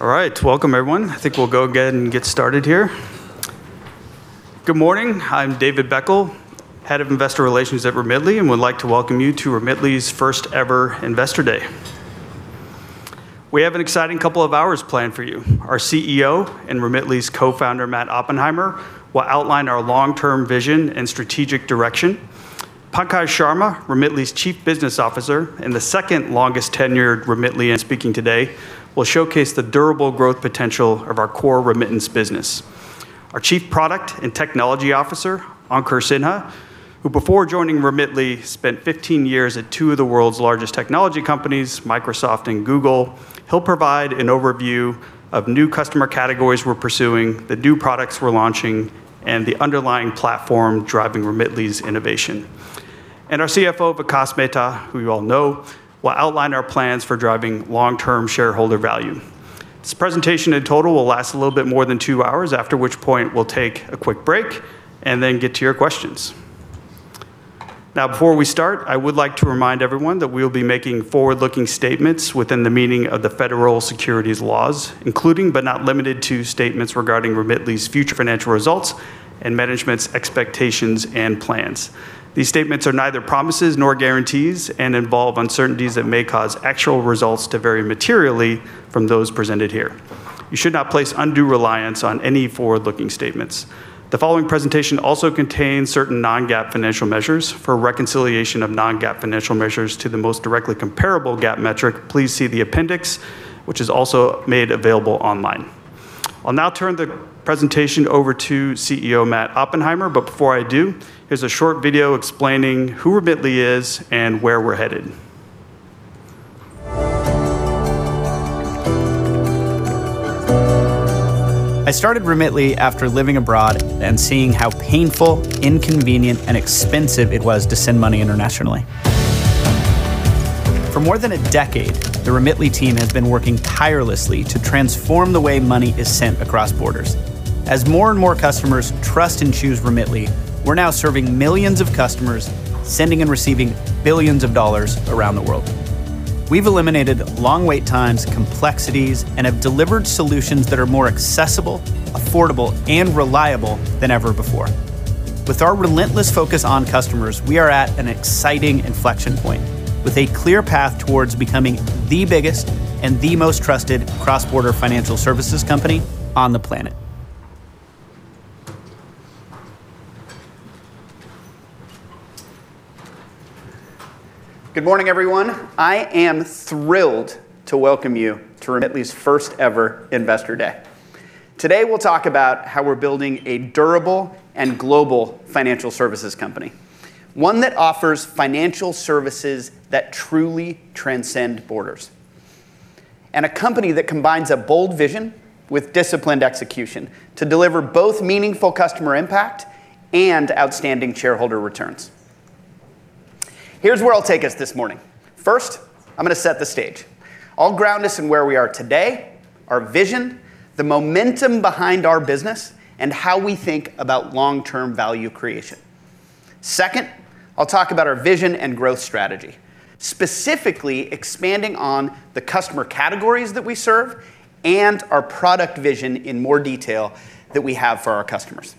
All right, welcome everyone. I think we'll go ahead and get started here. Good morning, I'm David Beckel, Head of Investor Relations at Remitly, and would like to welcome you to Remitly's first-ever Investor Day. We have an exciting couple of hours planned for you. Our CEO and Remitly's co-founder, Matt Oppenheimer, will outline our long-term vision and strategic direction. Pankaj Sharma, Remitly's Chief Business Officer and the second-longest tenured Remitly member speaking today, will showcase the durable growth potential of our core remittance business. Our Chief Product and Technology Officer, Ankur Sinha, who before joining Remitly spent 15 years at two of the world's largest technology companies, Microsoft and Google, he'll provide an overview of new customer categories we're pursuing, the new products we're launching, and the underlying platform driving Remitly's innovation. Our CFO, Vikas Mehta, who you all know, will outline our plans for driving long-term shareholder value. This presentation in total will last a little bit more than two hours, after which point we'll take a quick break and then get to your questions. Now, before we start, I would like to remind everyone that we will be making forward-looking statements within the meaning of the Federal Securities Laws, including but not limited to statements regarding Remitly's future financial results and management's expectations and plans. These statements are neither promises nor guarantees and involve uncertainties that may cause actual results to vary materially from those presented here. You should not place undue reliance on any forward-looking statements. The following presentation also contains certain non-GAAP financial measures. For reconciliation of non-GAAP financial measures to the most directly comparable GAAP metric, please see the appendix, which is also made available online. I'll now turn the presentation over to CEO Matt Oppenheimer, but before I do, here's a short video explaining who Remitly is and where we're headed. I started Remitly after living abroad and seeing how painful, inconvenient, and expensive it was to send money internationally. For more than a decade, the Remitly team has been working tirelessly to transform the way money is sent across borders. As more and more customers trust and choose Remitly, we're now serving millions of customers, sending and receiving billions of dollars around the world. We've eliminated long wait times, complexities, and have delivered solutions that are more accessible, affordable, and reliable than ever before. With our relentless focus on customers, we are at an exciting inflection point with a clear path towards becoming the biggest and the most trusted cross-border financial services company on the planet. Good morning, everyone. I am thrilled to welcome you to Remitly's first-ever Investor Day. Today, we'll talk about how we're building a durable and global financial services company, one that offers financial services that truly transcend borders, and a company that combines a bold vision with disciplined execution to deliver both meaningful customer impact and outstanding shareholder returns. Here's where I'll take us this morning. First, I'm going to set the stage. I'll ground us in where we are today, our vision, the momentum behind our business, and how we think about long-term value creation. Second, I'll talk about our vision and growth strategy, specifically expanding on the customer categories that we serve and our product vision in more detail that we have for our customers.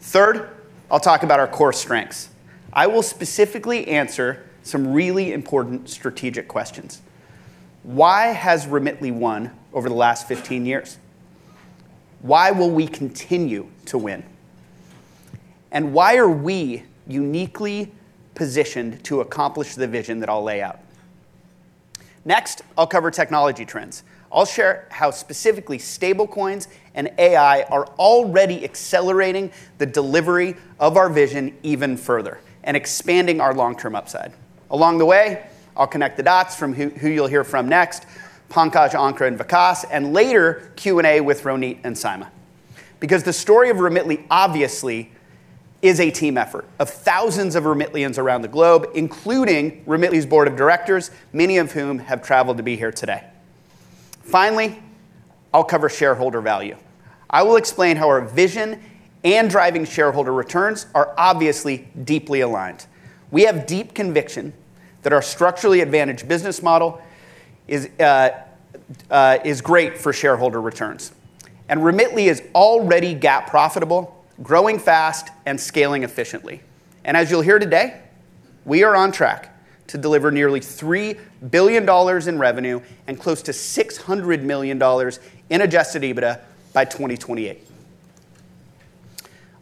Third, I'll talk about our core strengths. I will specifically answer some really important strategic questions. Why has Remitly won over the last 15 years? Why will we continue to win? And why are we uniquely positioned to accomplish the vision that I'll lay out? Next, I'll cover technology trends. I'll share how specifically stablecoins and AI are already accelerating the delivery of our vision even further and expanding our long-term upside. Along the way, I'll connect the dots from who you'll hear from next, Pankaj, Ankur, and Vikas, and later Q&A with Ronit and Saema, because the story of Remitly obviously is a team effort of thousands of Remitlyans around the globe, including Remitly's board of directors, many of whom have traveled to be here today. Finally, I'll cover shareholder value. I will explain how our vision and driving shareholder returns are obviously deeply aligned. We have deep conviction that our structurally advantaged business model is great for shareholder returns, and Remitly is already GAAP profitable, growing fast, and scaling efficiently. And as you'll hear today, we are on track to deliver nearly $3 billion in revenue and close to $600 million in Adjusted EBITDA by 2028.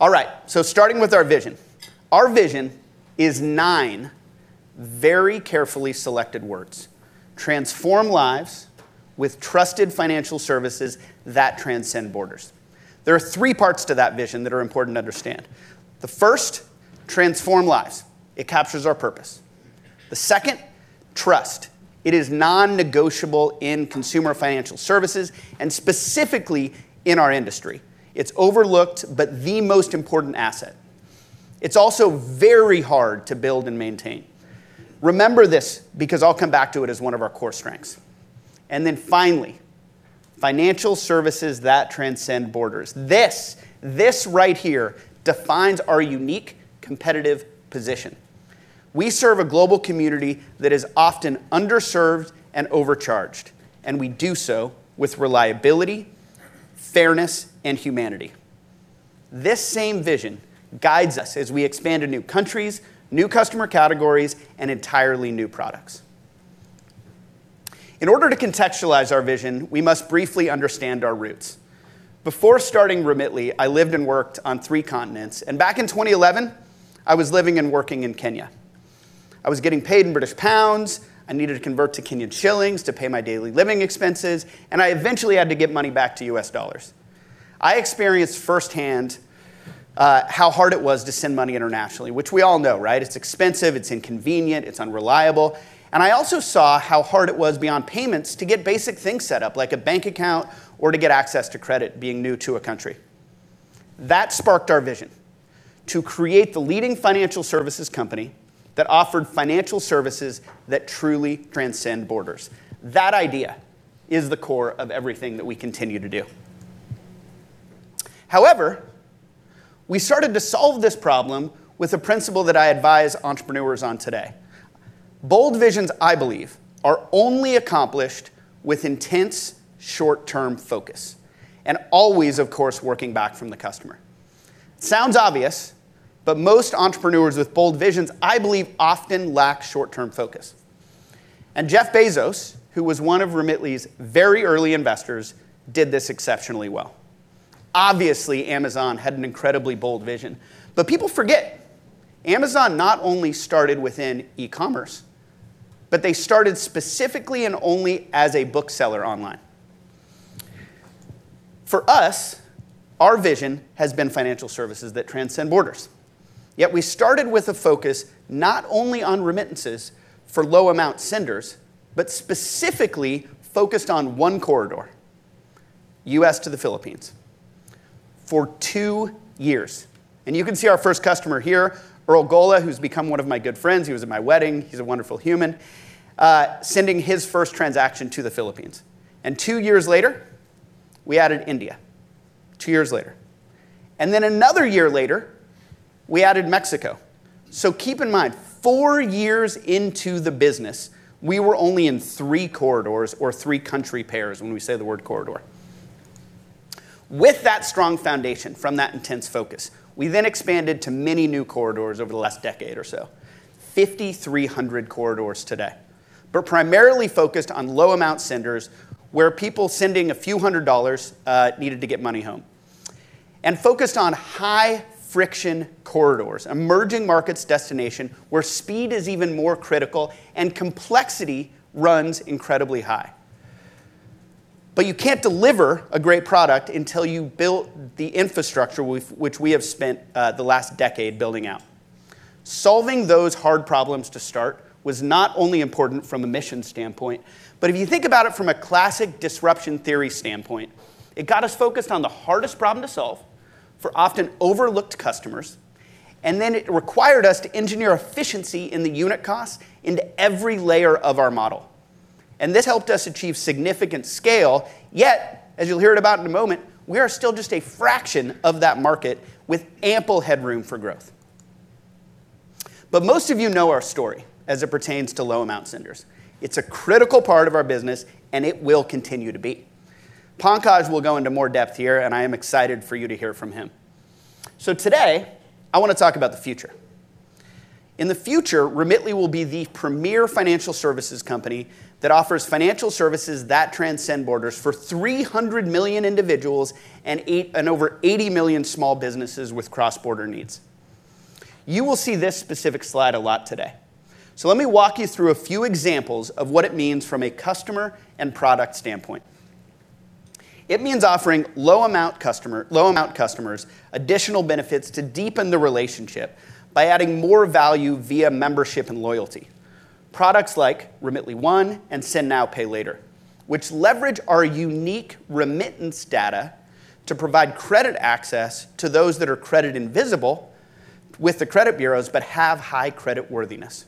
All right, so starting with our vision. Our vision is nine very carefully selected words: transform lives with trusted financial services that transcend borders. There are three parts to that vision that are important to understand. The first, transform lives. It captures our purpose. The second, trust. It is non-negotiable in consumer financial services and specifically in our industry. It's overlooked, but the most important asset. It's also very hard to build and maintain. Remember this because I'll come back to it as one of our core strengths. And then finally, financial services that transcend borders. This, this right here defines our unique competitive position. We serve a global community that is often underserved and overcharged, and we do so with reliability, fairness, and humanity. This same vision guides us as we expand to new countries, new customer categories, and entirely new products. In order to contextualize our vision, we must briefly understand our roots. Before starting Remitly, I lived and worked on three continents, and back in 2011, I was living and working in Kenya. I was getting paid in British pounds. I needed to convert to Kenyan shillings to pay my daily living expenses, and I eventually had to get money back to U.S. dollars. I experienced firsthand how hard it was to send money internationally, which we all know, right? It's expensive, it's inconvenient, it's unreliable. I also saw how hard it was beyond payments to get basic things set up, like a bank account or to get access to credit being new to a country. That sparked our vision to create the leading financial services company that offered financial services that truly transcend borders. That idea is the core of everything that we continue to do. However, we started to solve this problem with a principle that I advise entrepreneurs on today. Bold visions, I believe, are only accomplished with intense short-term focus and always, of course, working back from the customer. Sounds obvious, but most entrepreneurs with bold visions, I believe, often lack short-term focus. Jeff Bezos, who was one of Remitly's very early investors, did this exceptionally well. Obviously, Amazon had an incredibly bold vision, but people forget. Amazon not only started within e-commerce, but they started specifically and only as a bookseller online. For us, our vision has been financial services that transcend borders. Yet we started with a focus not only on remittances for low-amount senders, but specifically focused on one corridor, U.S. to the Philippines for two years, and you can see our first customer here, Earl Golla, who's become one of my good friends. He was at my wedding. He's a wonderful human, sending his first transaction to the Philippines, and two years later, we added India. Two years later, and then another year later, we added Mexico. Keep in mind, four years into the business, we were only in three corridors or three country pairs when we say the word corridor. With that strong foundation from that intense focus, we then expanded to many new corridors over the last decade or so, 5,300 corridors today, but primarily focused on low-amount senders where people sending a few hundred dollars needed to get money home and focused on high-friction corridors, emerging markets destination where speed is even more critical and complexity runs incredibly high. But you can't deliver a great product until you build the infrastructure which we have spent the last decade building out. Solving those hard problems to start was not only important from a mission standpoint, but if you think about it from a classic disruption theory standpoint, it got us focused on the hardest problem to solve for often overlooked customers, and then it required us to engineer efficiency in the unit costs into every layer of our model, and this helped us achieve significant scale. Yet, as you'll hear about in a moment, we are still just a fraction of that market with ample headroom for growth. But most of you know our story as it pertains to low-amount senders. It's a critical part of our business, and it will continue to be. Pankaj will go into more depth here, and I am excited for you to hear from him. So today, I want to talk about the future. In the future, Remitly will be the premier financial services company that offers financial services that transcend borders for 300 million individuals and over 80 million small businesses with cross-border needs. You will see this specific slide a lot today. So let me walk you through a few examples of what it means from a customer and product standpoint. It means offering low-amount customers additional benefits to deepen the relationship by adding more value via membership and loyalty. Products like Remitly One and Send Now, Pay Later, which leverage our unique remittance data to provide credit access to those that are credit-invisible with the credit bureaus but have high credit worthiness.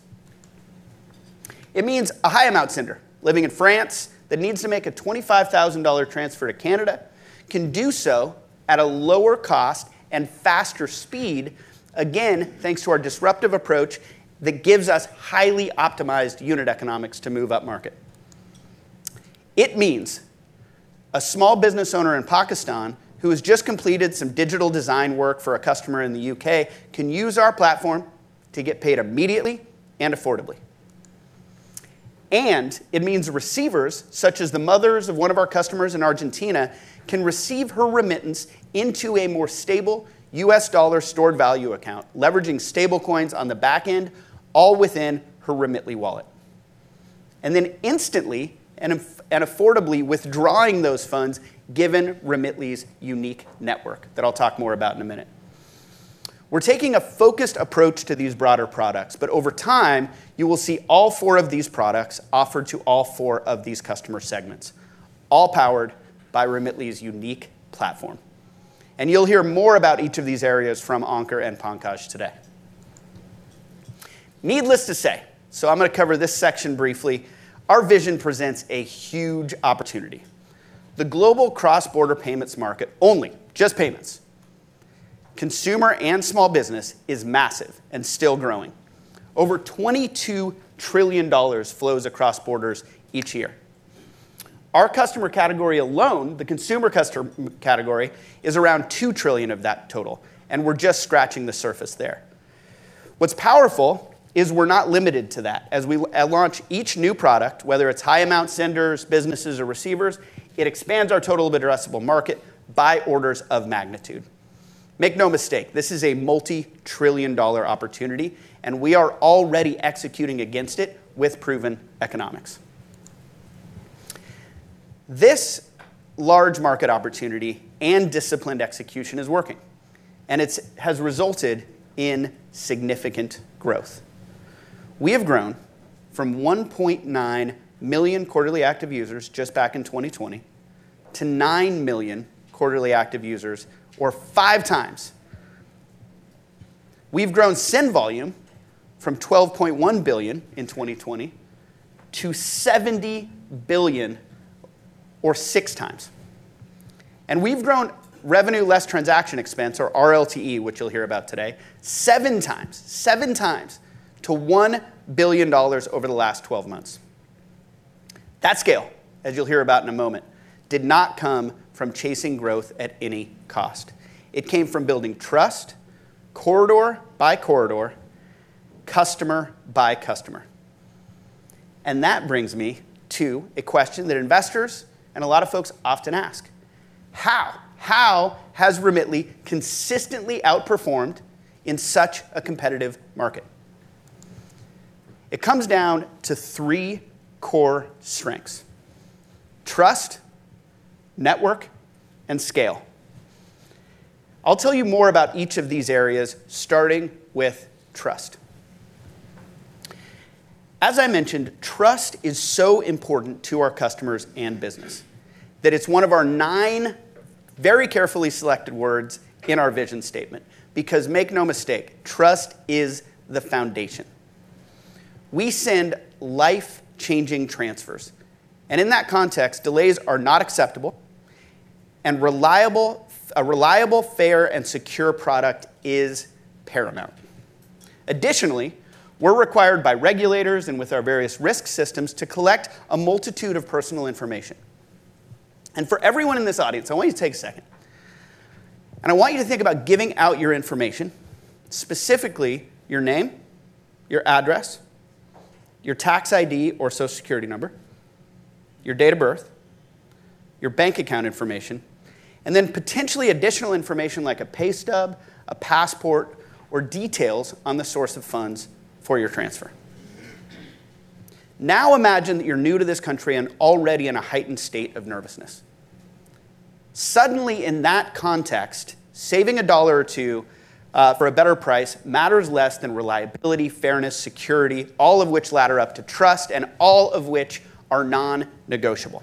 It means a high-amount sender living in France that needs to make a $25,000 transfer to Canada can do so at a lower cost and faster speed, again, thanks to our disruptive approach that gives us highly optimized unit economics to move up market. It means a small business owner in Pakistan who has just completed some digital design work for a customer in the UK can use our platform to get paid immediately and affordably. It means receivers, such as the mothers of one of our customers in Argentina, can receive her remittance into a more stable U.S. dollar stored value account, leveraging stablecoins on the back end, all within her Remitly wallet, and then instantly and affordably withdrawing those funds given Remitly's unique network that I'll talk more about in a minute. We're taking a focused approach to these broader products, but over time, you will see all four of these products offered to all four of these customer segments, all powered by Remitly's unique platform. You'll hear more about each of these areas from Ankur and Pankaj today. Needless to say, so I'm going to cover this section briefly. Our vision presents a huge opportunity. The global cross-border payments market, only just payments, consumer and small business, is massive and still growing. Over $22 trillion flows across borders each year. Our customer category alone, the consumer customer category, is around $2 trillion of that total, and we're just scratching the surface there. What's powerful is we're not limited to that. As we launch each new product, whether it's high-amount senders, businesses, or receivers, it expands our total addressable market by orders of magnitude. Make no mistake, this is a multi-trillion dollar opportunity, and we are already executing against it with proven economics. This large market opportunity and disciplined execution is working, and it has resulted in significant growth. We have grown from 1.9 million quarterly active users just back in 2020 to 9 million quarterly active users, or five times. We've grown send volume from $12.1 billion in 2020 to $70 billion, or six times. We've grown Revenue Less Transaction Expense, or RLTE, which you'll hear about today, seven times, seven times to $1 billion over the last 12 months. That scale, as you'll hear about in a moment, did not come from chasing growth at any cost. It came from building trust, corridor by corridor, customer by customer. That brings me to a question that investors and a lot of folks often ask. How has Remitly consistently outperformed in such a competitive market? It comes down to three core strengths: trust, network, and scale. I'll tell you more about each of these areas, starting with trust. As I mentioned, trust is so important to our customers and business that it's one of our nine very carefully selected words in our vision statement because, make no mistake, trust is the foundation. We send life-changing transfers, and in that context, delays are not acceptable, and a reliable, fair, and secure product is paramount. Additionally, we're required by regulators and with our various risk systems to collect a multitude of personal information. For everyone in this audience, I want you to take a second, and I want you to think about giving out your information, specifically your name, your address, your tax ID or Social Security number, your date of birth, your bank account information, and then potentially additional information like a pay stub, a passport, or details on the source of funds for your transfer. Now imagine that you're new to this country and already in a heightened state of nervousness. Suddenly, in that context, saving a dollar or two for a better price matters less than reliability, fairness, security, all of which ladder up to trust and all of which are non-negotiable.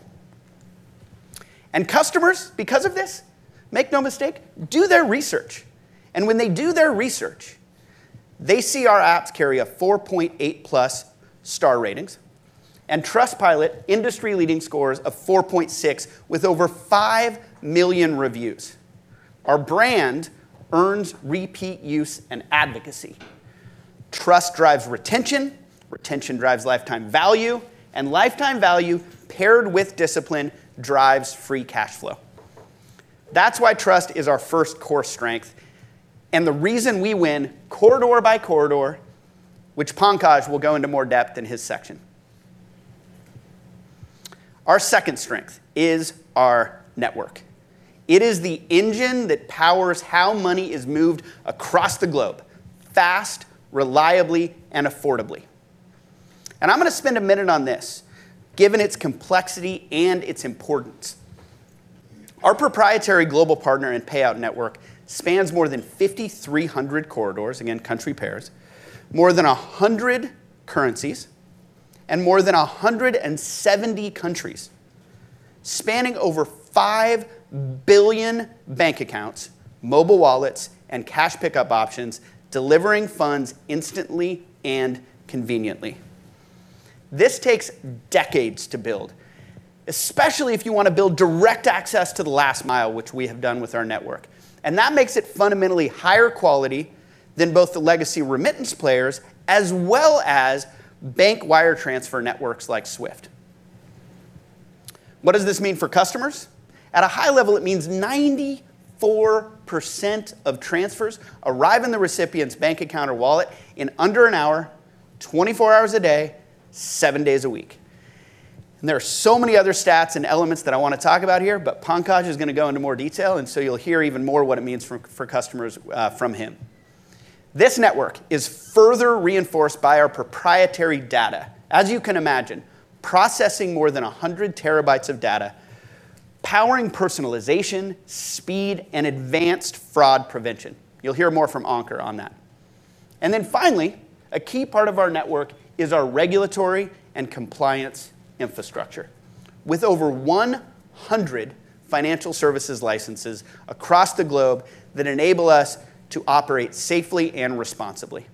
And customers, because of this, make no mistake, do their research. And when they do their research, they see our apps carry a 4.8-plus star ratings and Trustpilot industry-leading scores of 4.6 with over 5 million reviews. Our brand earns repeat use and advocacy. Trust drives retention. Retention drives lifetime value, and lifetime value paired with discipline drives free cash flow. That's why trust is our first core strength and the reason we win corridor by corridor, which Pankaj will go into more depth in his section. Our second strength is our network. It is the engine that powers how money is moved across the globe fast, reliably, and affordably. And I'm going to spend a minute on this, given its complexity and its importance. Our proprietary global partner and payout network spans more than 5,300 corridors, again, country pairs, more than 100 currencies, and more than 170 countries, spanning over 5 billion bank accounts, mobile wallets, and cash pickup options, delivering funds instantly and conveniently. This takes decades to build, especially if you want to build direct access to the last mile, which we have done with our network. And that makes it fundamentally higher quality than both the legacy remittance players as well as bank wire transfer networks like SWIFT. What does this mean for customers? At a high level, it means 94% of transfers arrive in the recipient's bank account or wallet in under an hour, 24 hours a day, seven days a week. There are so many other stats and elements that I want to talk about here, but Pankaj is going to go into more detail, and so you'll hear even more what it means for customers from him. This network is further reinforced by our proprietary data, as you can imagine, processing more than 100 terabytes of data, powering personalization, speed, and advanced fraud prevention. You'll hear more from Ankur on that. Then finally, a key part of our network is our regulatory and compliance infrastructure with over 100 financial services licenses across the globe that enable us to operate safely and responsibly.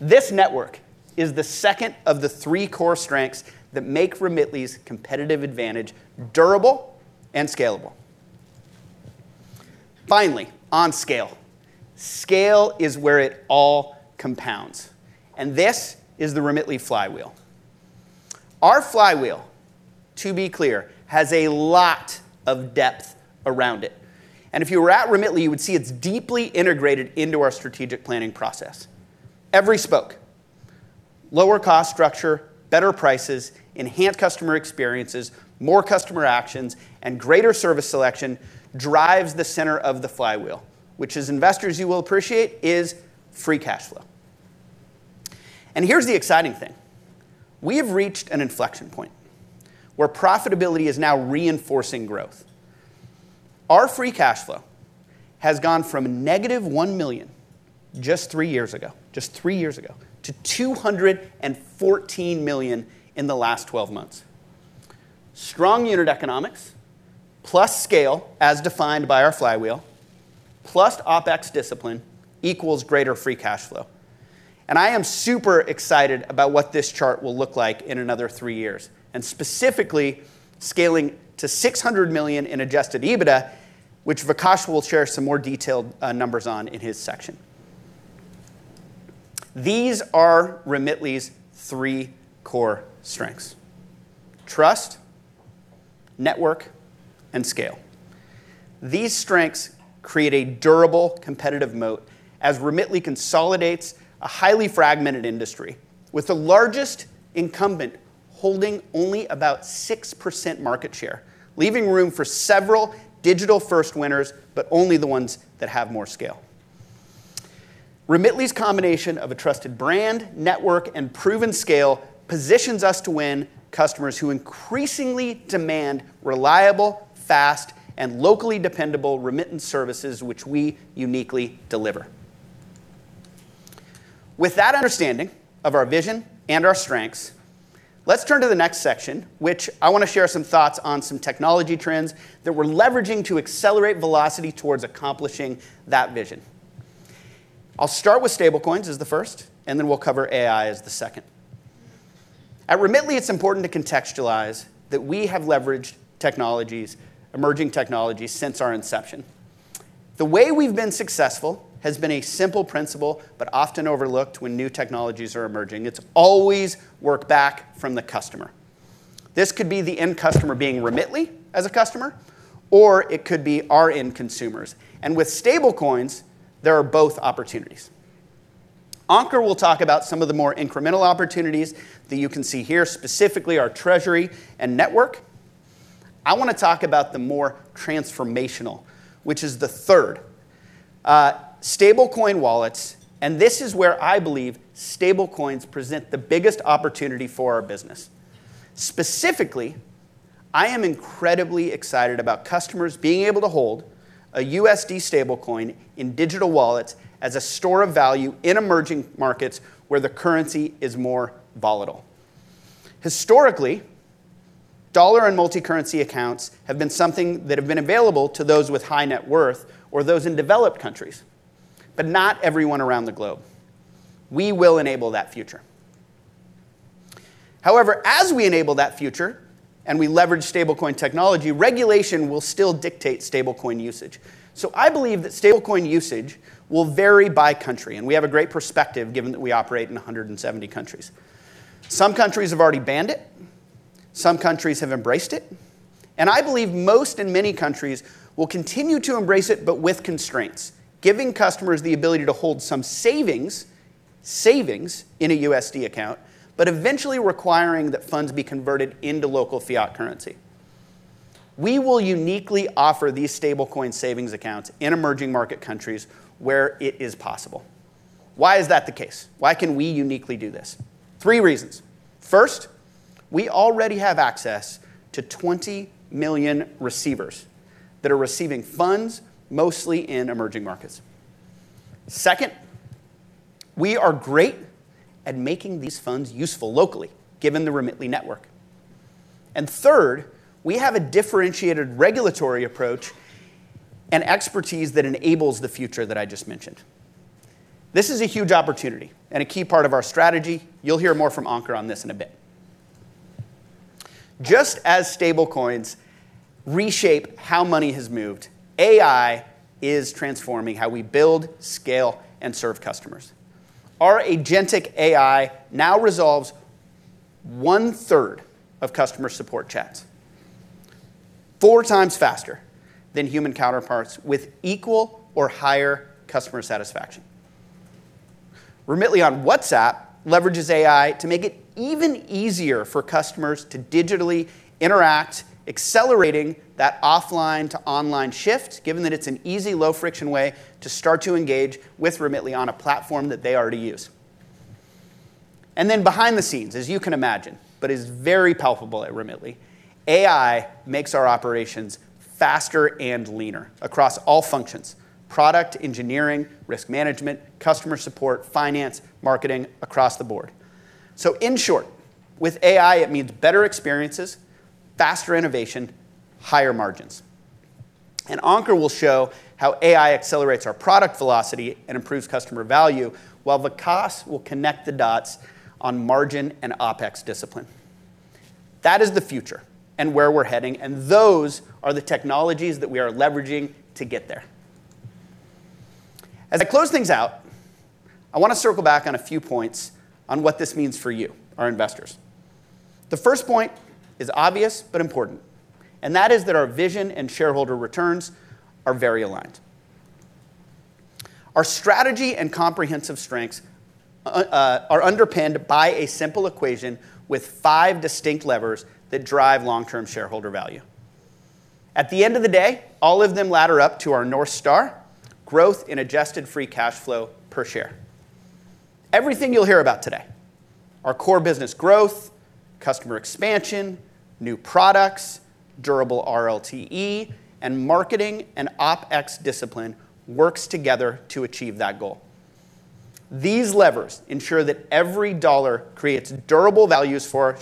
This network is the second of the three core strengths that make Remitly's competitive advantage durable and scalable. Finally, on scale. Scale is where it all compounds, and this is the Remitly flywheel. Our flywheel, to be clear, has a lot of depth around it. If you were at Remitly, you would see it's deeply integrated into our strategic planning process. Every spoke, lower cost structure, better prices, enhanced customer experiences, more customer actions, and greater service selection drives the center of the flywheel, which, as investors you will appreciate, is free cash flow. Here's the exciting thing. We have reached an inflection point where profitability is now reinforcing growth. Our free cash flow has gone from negative $1 million just three years ago, just three years ago, to $214 million in the last 12 months. Strong unit economics plus scale, as defined by our flywheel, plus OpEx discipline equals greater free cash flow. I am super excited about what this chart will look like in another three years and specifically scaling to $600 million in Adjusted EBITDA, which Vikas will share some more detailed numbers on in his section. These are Remitly's three core strengths: trust, network, and scale. These strengths create a durable competitive moat as Remitly consolidates a highly fragmented industry with the largest incumbent holding only about 6% market share, leaving room for several digital first winners, but only the ones that have more scale. Remitly's combination of a trusted brand, network, and proven scale positions us to win customers who increasingly demand reliable, fast, and locally dependable remittance services, which we uniquely deliver. With that understanding of our vision and our strengths, let's turn to the next section, which I want to share some thoughts on some technology trends that we're leveraging to accelerate velocity towards accomplishing that vision. I'll start with stablecoins as the first, and then we'll cover AI as the second. At Remitly, it's important to contextualize that we have leveraged emerging technologies since our inception. The way we've been successful has been a simple principle, but often overlooked when new technologies are emerging. It's always work back from the customer. This could be the end customer being Remitly as a customer, or it could be our end consumers. And with stablecoins, there are both opportunities. Ankur will talk about some of the more incremental opportunities that you can see here, specifically our treasury and network. I want to talk about the more transformational, which is the third: stablecoin wallets. And this is where I believe stablecoins present the biggest opportunity for our business. Specifically, I am incredibly excited about customers being able to hold a USD stablecoin in digital wallets as a store of value in emerging markets where the currency is more volatile. Historically, dollar and multi-currency accounts have been something that have been available to those with high net worth or those in developed countries, but not everyone around the globe. We will enable that future. However, as we enable that future and we leverage stablecoin technology, regulation will still dictate stablecoin usage. So I believe that stablecoin usage will vary by country, and we have a great perspective given that we operate in 170 countries. Some countries have already banned it. Some countries have embraced it. And I believe most and many countries will continue to embrace it, but with constraints, giving customers the ability to hold some savings in a USD account, but eventually requiring that funds be converted into local fiat currency. We will uniquely offer these stablecoin savings accounts in emerging market countries where it is possible. Why is that the case? Why can we uniquely do this? Three reasons. First, we already have access to 20 million receivers that are receiving funds, mostly in emerging markets. Second, we are great at making these funds useful locally, given the Remitly network. And third, we have a differentiated regulatory approach and expertise that enables the future that I just mentioned. This is a huge opportunity and a key part of our strategy. You'll hear more from Ankur on this in a bit. Just as stablecoins reshape how money has moved, AI is transforming how we build, scale, and serve customers. Our Agentic AI now resolves one-third of customer support chats four times faster than human counterparts with equal or higher customer satisfaction. Remitly on WhatsApp leverages AI to make it even easier for customers to digitally interact, accelerating that offline to online shift, given that it's an easy, low-friction way to start to engage with Remitly on a platform that they already use. And then behind the scenes, as you can imagine, but is very palpable at Remitly, AI makes our operations faster and leaner across all functions: product, engineering, risk management, customer support, finance, marketing across the board. So in short, with AI, it means better experiences, faster innovation, higher margins. And Ankur will show how AI accelerates our product velocity and improves customer value while Vikas will connect the dots on margin and OpEx discipline. That is the future and where we're heading, and those are the technologies that we are leveraging to get there. As I close things out, I want to circle back on a few points on what this means for you, our investors. The first point is obvious but important, and that is that our vision and shareholder returns are very aligned. Our strategy and comprehensive strengths are underpinned by a simple equation with five distinct levers that drive long-term shareholder value. At the end of the day, all of them ladder up to our North Star: growth in Adjusted Free Cash Flow per share. Everything you'll hear about today, our core business growth, customer expansion, new products, durable RLTE, and marketing and OpEx discipline works together to achieve that goal. These levers ensure that every dollar creates durable value for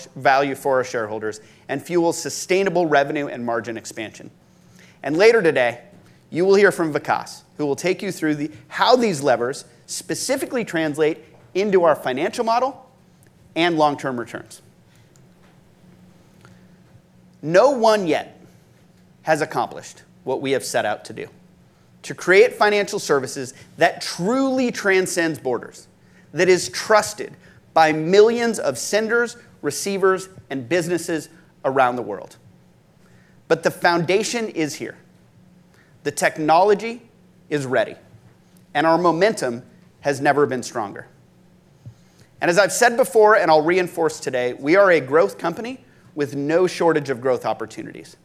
our shareholders and fuels sustainable revenue and margin expansion. Later today, you will hear from Vikas, who will take you through how these levers specifically translate into our financial model and long-term returns. No one yet has accomplished what we have set out to do: to create financial services that truly transcend borders, that are trusted by millions of senders, receivers, and businesses around the world. The foundation is here. The technology is ready, and our momentum has never been stronger. As I've said before, and I'll reinforce today, we are a growth company with no shortage of growth opportunities.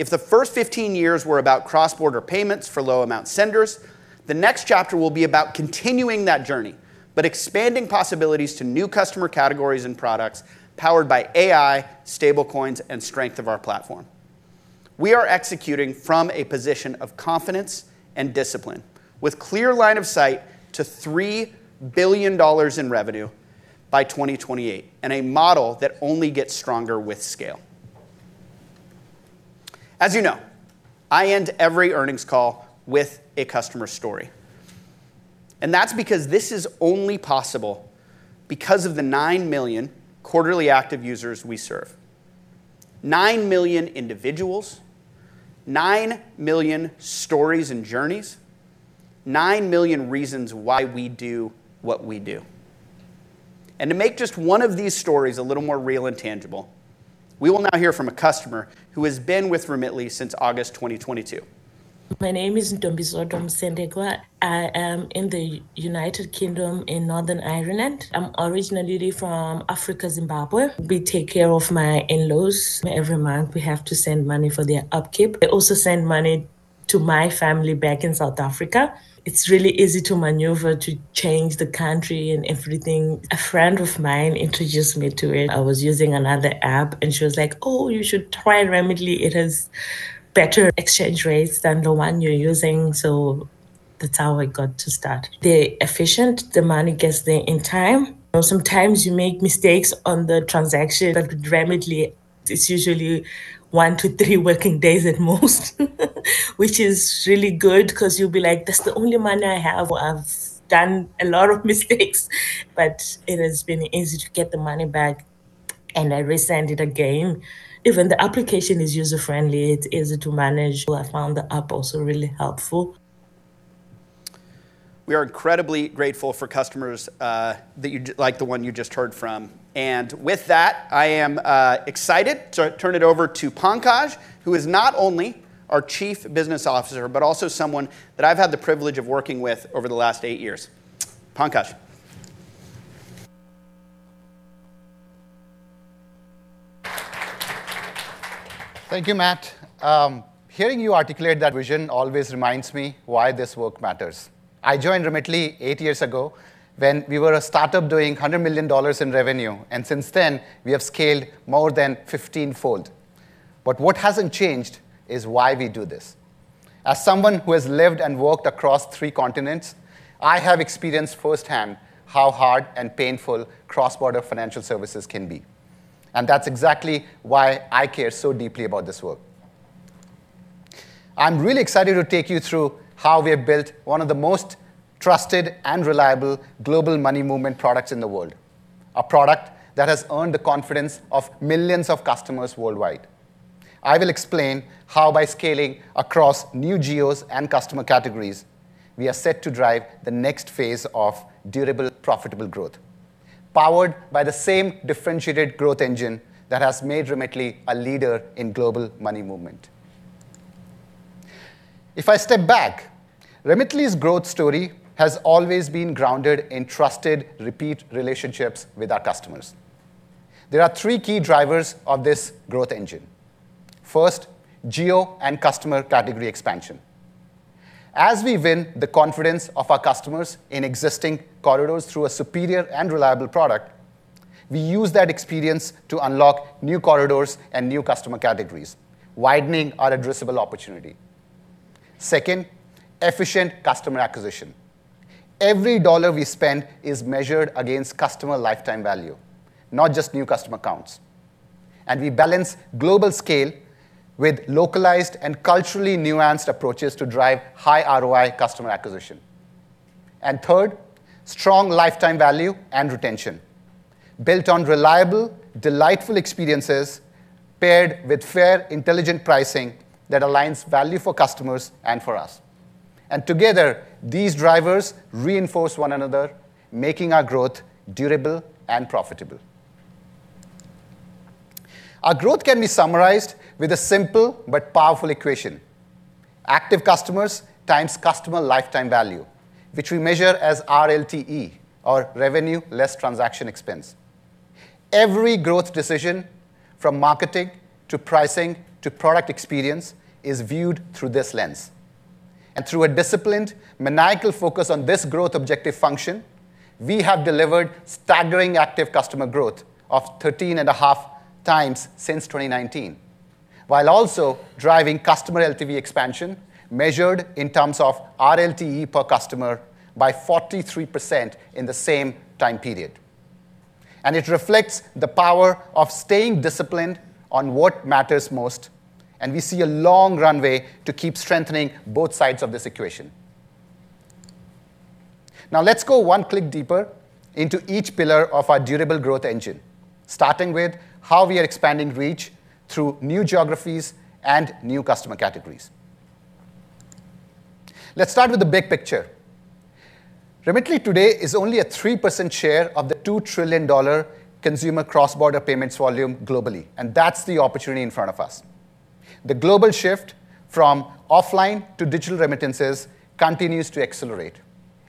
If the first 15 years were about cross-border payments for low-amount senders, the next chapter will be about continuing that journey, but expanding possibilities to new customer categories and products powered by AI, stablecoins, and strength of our platform. We are executing from a position of confidence and discipline, with a clear line of sight to $3 billion in revenue by 2028 and a model that only gets stronger with scale. As you know, I end every earnings call with a customer story. And that's because this is only possible because of the 9 million quarterly active users we serve: 9 million individuals, 9 million stories and journeys, 9 million reasons why we do what we do. And to make just one of these stories a little more real and tangible, we will now hear from a customer who has been with Remitly since August 2022. My name is Ntombi Sodhom Sendegwa. I am in the United Kingdom, in Northern Ireland. I'm originally from Africa, Zimbabwe. We take care of my in-laws. Every month, we have to send money for their upkeep. They also send money to my family back in South Africa. It's really easy to maneuver, to change the country and everything. A friend of mine introduced me to it. I was using another app, and she was like, "Oh, you should try Remitly. It has better exchange rates than the one you're using." So that's how I got to start. They're efficient. The money gets there in time. Sometimes you make mistakes on the transaction, but with Remitly, it's usually one to three working days at most, which is really good because you'll be like, "That's the only money I have. I've done a lot of mistakes, but it has been easy to get the money back, and I resend it again." Even the application is user-friendly. It's easy to manage. I found the app also really helpful. We are incredibly grateful for customers like the one you just heard from. And with that, I am excited to turn it over to Pankaj, who is not only our Chief Business Officer, but also someone that I've had the privilege of working with over the last eight years. Pankaj. Thank you, Matt. Hearing you articulate that vision always reminds me why this work matters. I joined Remitly eight years ago when we were a startup doing $100 million in revenue, and since then, we have scaled more than 15-fold. But what hasn't changed is why we do this. As someone who has lived and worked across three continents, I have experienced firsthand how hard and painful cross-border financial services can be. And that's exactly why I care so deeply about this work. I'm really excited to take you through how we have built one of the most trusted and reliable global money movement products in the world, a product that has earned the confidence of millions of customers worldwide. I will explain how, by scaling across new geos and customer categories, we are set to drive the next phase of durable, profitable growth, powered by the same differentiated growth engine that has made Remitly a leader in global money movement. If I step back, Remitly's growth story has always been grounded in trusted, repeat relationships with our customers. There are three key drivers of this growth engine. First, geo and customer category expansion. As we win the confidence of our customers in existing corridors through a superior and reliable product, we use that experience to unlock new corridors and new customer categories, widening our addressable opportunity. Second, efficient customer acquisition. Every dollar we spend is measured against customer lifetime value, not just new customer counts, and we balance global scale with localized and culturally nuanced approaches to drive high ROI customer acquisition, and third, strong lifetime value and retention, built on reliable, delightful experiences paired with fair, intelligent pricing that aligns value for customers and for us, and together, these drivers reinforce one another, making our growth durable and profitable. Our growth can be summarized with a simple but powerful equation: active customers times customer lifetime value, which we measure as RLTE, or Revenue Less Transaction Expense. Every growth decision, from marketing to pricing to product experience, is viewed through this lens. Through a disciplined, maniacal focus on this growth objective function, we have delivered staggering active customer growth of 13 and a half times since 2019, while also driving customer LTV expansion measured in terms of RLTE per customer by 43% in the same time period. It reflects the power of staying disciplined on what matters most, and we see a long runway to keep strengthening both sides of this equation. Now let's go one click deeper into each pillar of our durable growth engine, starting with how we are expanding reach through new geographies and new customer categories. Let's start with the big picture. Remitly today is only a 3% share of the $2 trillion consumer cross-border payments volume globally, and that's the opportunity in front of us. The global shift from offline to digital remittances continues to accelerate,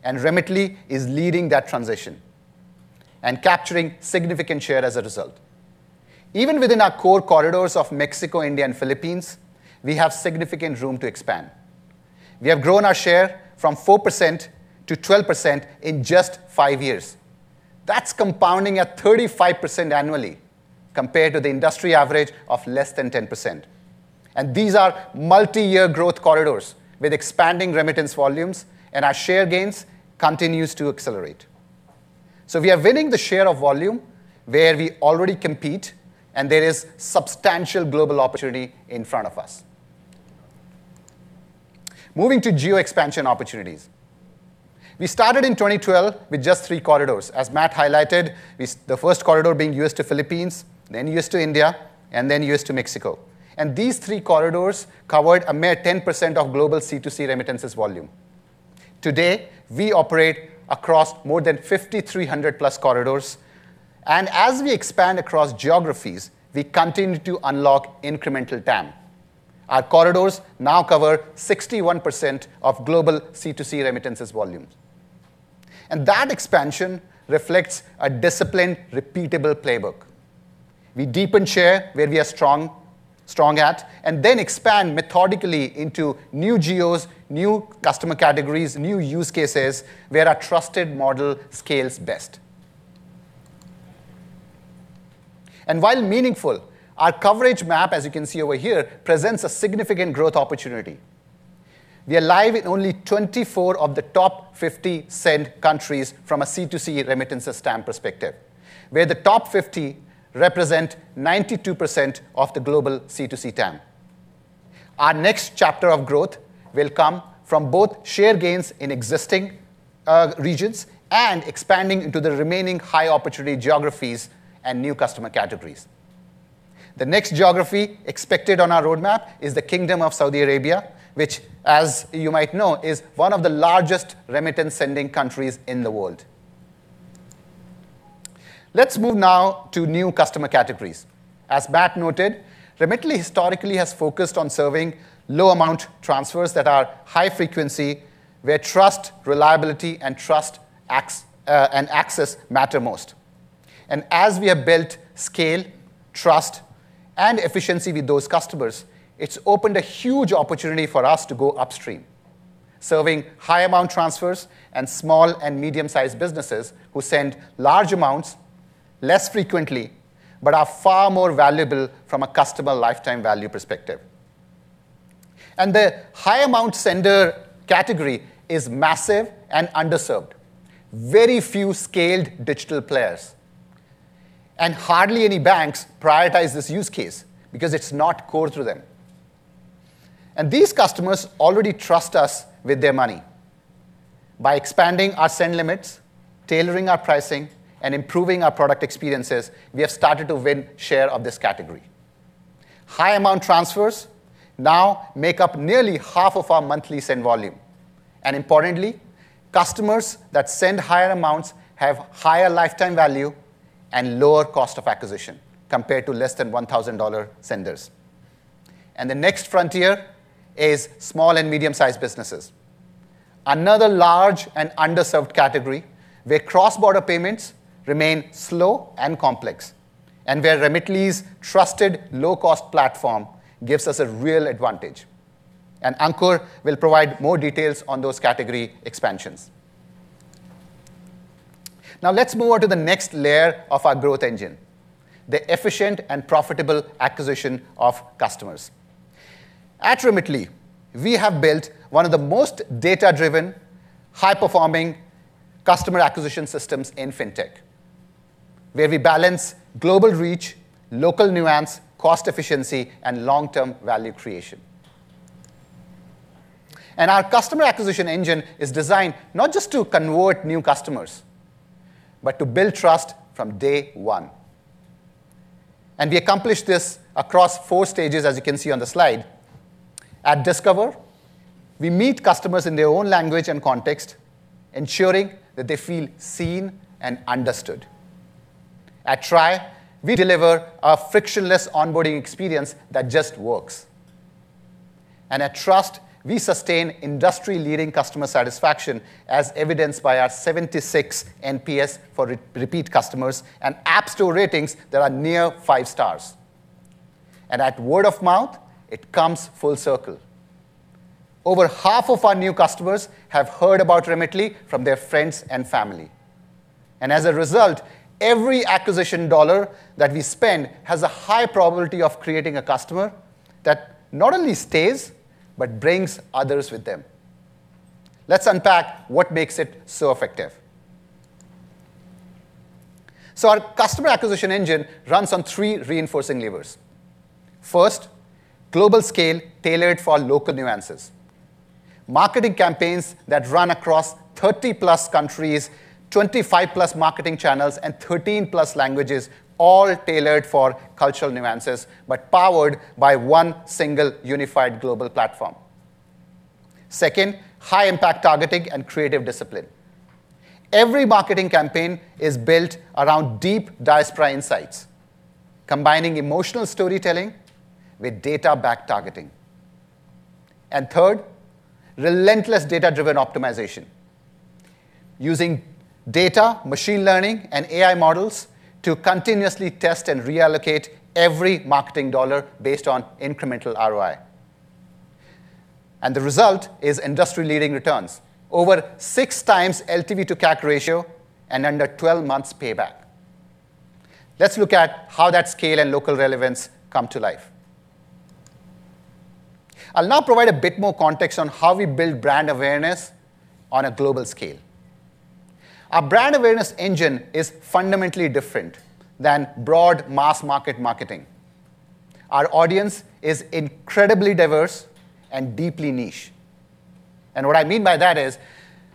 and Remitly is leading that transition and capturing significant share as a result. Even within our core corridors of Mexico, India, and Philippines, we have significant room to expand. We have grown our share from 4% to 12% in just five years. That's compounding at 35% annually compared to the industry average of less than 10%, and these are multi-year growth corridors with expanding remittance volumes, and our share gains continue to accelerate, so we are winning the share of volume where we already compete, and there is substantial global opportunity in front of us. Moving to geo expansion opportunities. We started in 2012 with just three corridors. As Matt highlighted, the first corridor being U.S. to Philippines, then U.S. to India, and then U.S. to Mexico. These three corridors covered a mere 10% of global C2C remittances volume. Today, we operate across more than 5,300 plus corridors. As we expand across geographies, we continue to unlock incremental TAM. Our corridors now cover 61% of global C2C remittances volume. That expansion reflects a disciplined, repeatable playbook. We deepen share where we are strong at and then expand methodically into new geos, new customer categories, new use cases where our trusted model scales best. While meaningful, our coverage map, as you can see over here, presents a significant growth opportunity. We are live in only 24 of the top 50 sent countries from a C2C remittances TAM perspective, where the top 50 represent 92% of the global C2C TAM. Our next chapter of growth will come from both share gains in existing regions and expanding into the remaining high opportunity geographies and new customer categories. The next geography expected on our roadmap is the Kingdom of Saudi Arabia, which, as you might know, is one of the largest remittance sending countries in the world. Let's move now to new customer categories. As Matt noted, Remitly historically has focused on serving low-amount transfers that are high frequency, where trust, reliability, and access matter most. And as we have built scale, trust, and efficiency with those customers, it's opened a huge opportunity for us to go upstream, serving high-amount transfers and small and medium-sized businesses who send large amounts less frequently but are far more valuable from a customer lifetime value perspective. And the high-amount sender category is massive and underserved. Very few scaled digital players and hardly any banks prioritize this use case because it's not core to them. And these customers already trust us with their money. By expanding our send limits, tailoring our pricing, and improving our product experiences, we have started to win share of this category. High-amount transfers now make up nearly half of our monthly send volume. And importantly, customers that send higher amounts have higher lifetime value and lower cost of acquisition compared to less than $1,000 senders. And the next frontier is small and medium-sized businesses, another large and underserved category where cross-border payments remain slow and complex, and where Remitly's trusted low-cost platform gives us a real advantage. And Ankur will provide more details on those category expansions. Now let's move on to the next layer of our growth engine, the efficient and profitable acquisition of customers. At Remitly, we have built one of the most data-driven, high-performing customer acquisition systems in fintech, where we balance global reach, local nuance, cost efficiency, and long-term value creation. And our customer acquisition engine is designed not just to convert new customers, but to build trust from day one. And we accomplish this across four stages, as you can see on the slide. At Discover, we meet customers in their own language and context, ensuring that they feel seen and understood. At Try, we deliver a frictionless onboarding experience that just works. And at Trust, we sustain industry-leading customer satisfaction, as evidenced by our 76 NPS for repeat customers and App Store ratings that are near five stars. And at Word of Mouth, it comes full circle. Over half of our new customers have heard about Remitly from their friends and family. As a result, every acquisition dollar that we spend has a high probability of creating a customer that not only stays but brings others with them. Let's unpack what makes it so effective. Our customer acquisition engine runs on three reinforcing levers. First, global scale tailored for local nuances. Marketing campaigns that run across 30-plus countries, 25-plus marketing channels, and 13-plus languages, all tailored for cultural nuances, but powered by one single unified global platform. Second, high-impact targeting and creative discipline. Every marketing campaign is built around deep diaspora insights, combining emotional storytelling with data-backed targeting. Third, relentless data-driven optimization, using data, machine learning, and AI models to continuously test and reallocate every marketing dollar based on incremental ROI. The result is industry-leading returns, over six times LTV to CAC ratio and under 12 months payback. Let's look at how that scale and local relevance come to life. I'll now provide a bit more context on how we build brand awareness on a global scale. Our brand awareness engine is fundamentally different than broad mass-market marketing. Our audience is incredibly diverse and deeply niche. And what I mean by that is,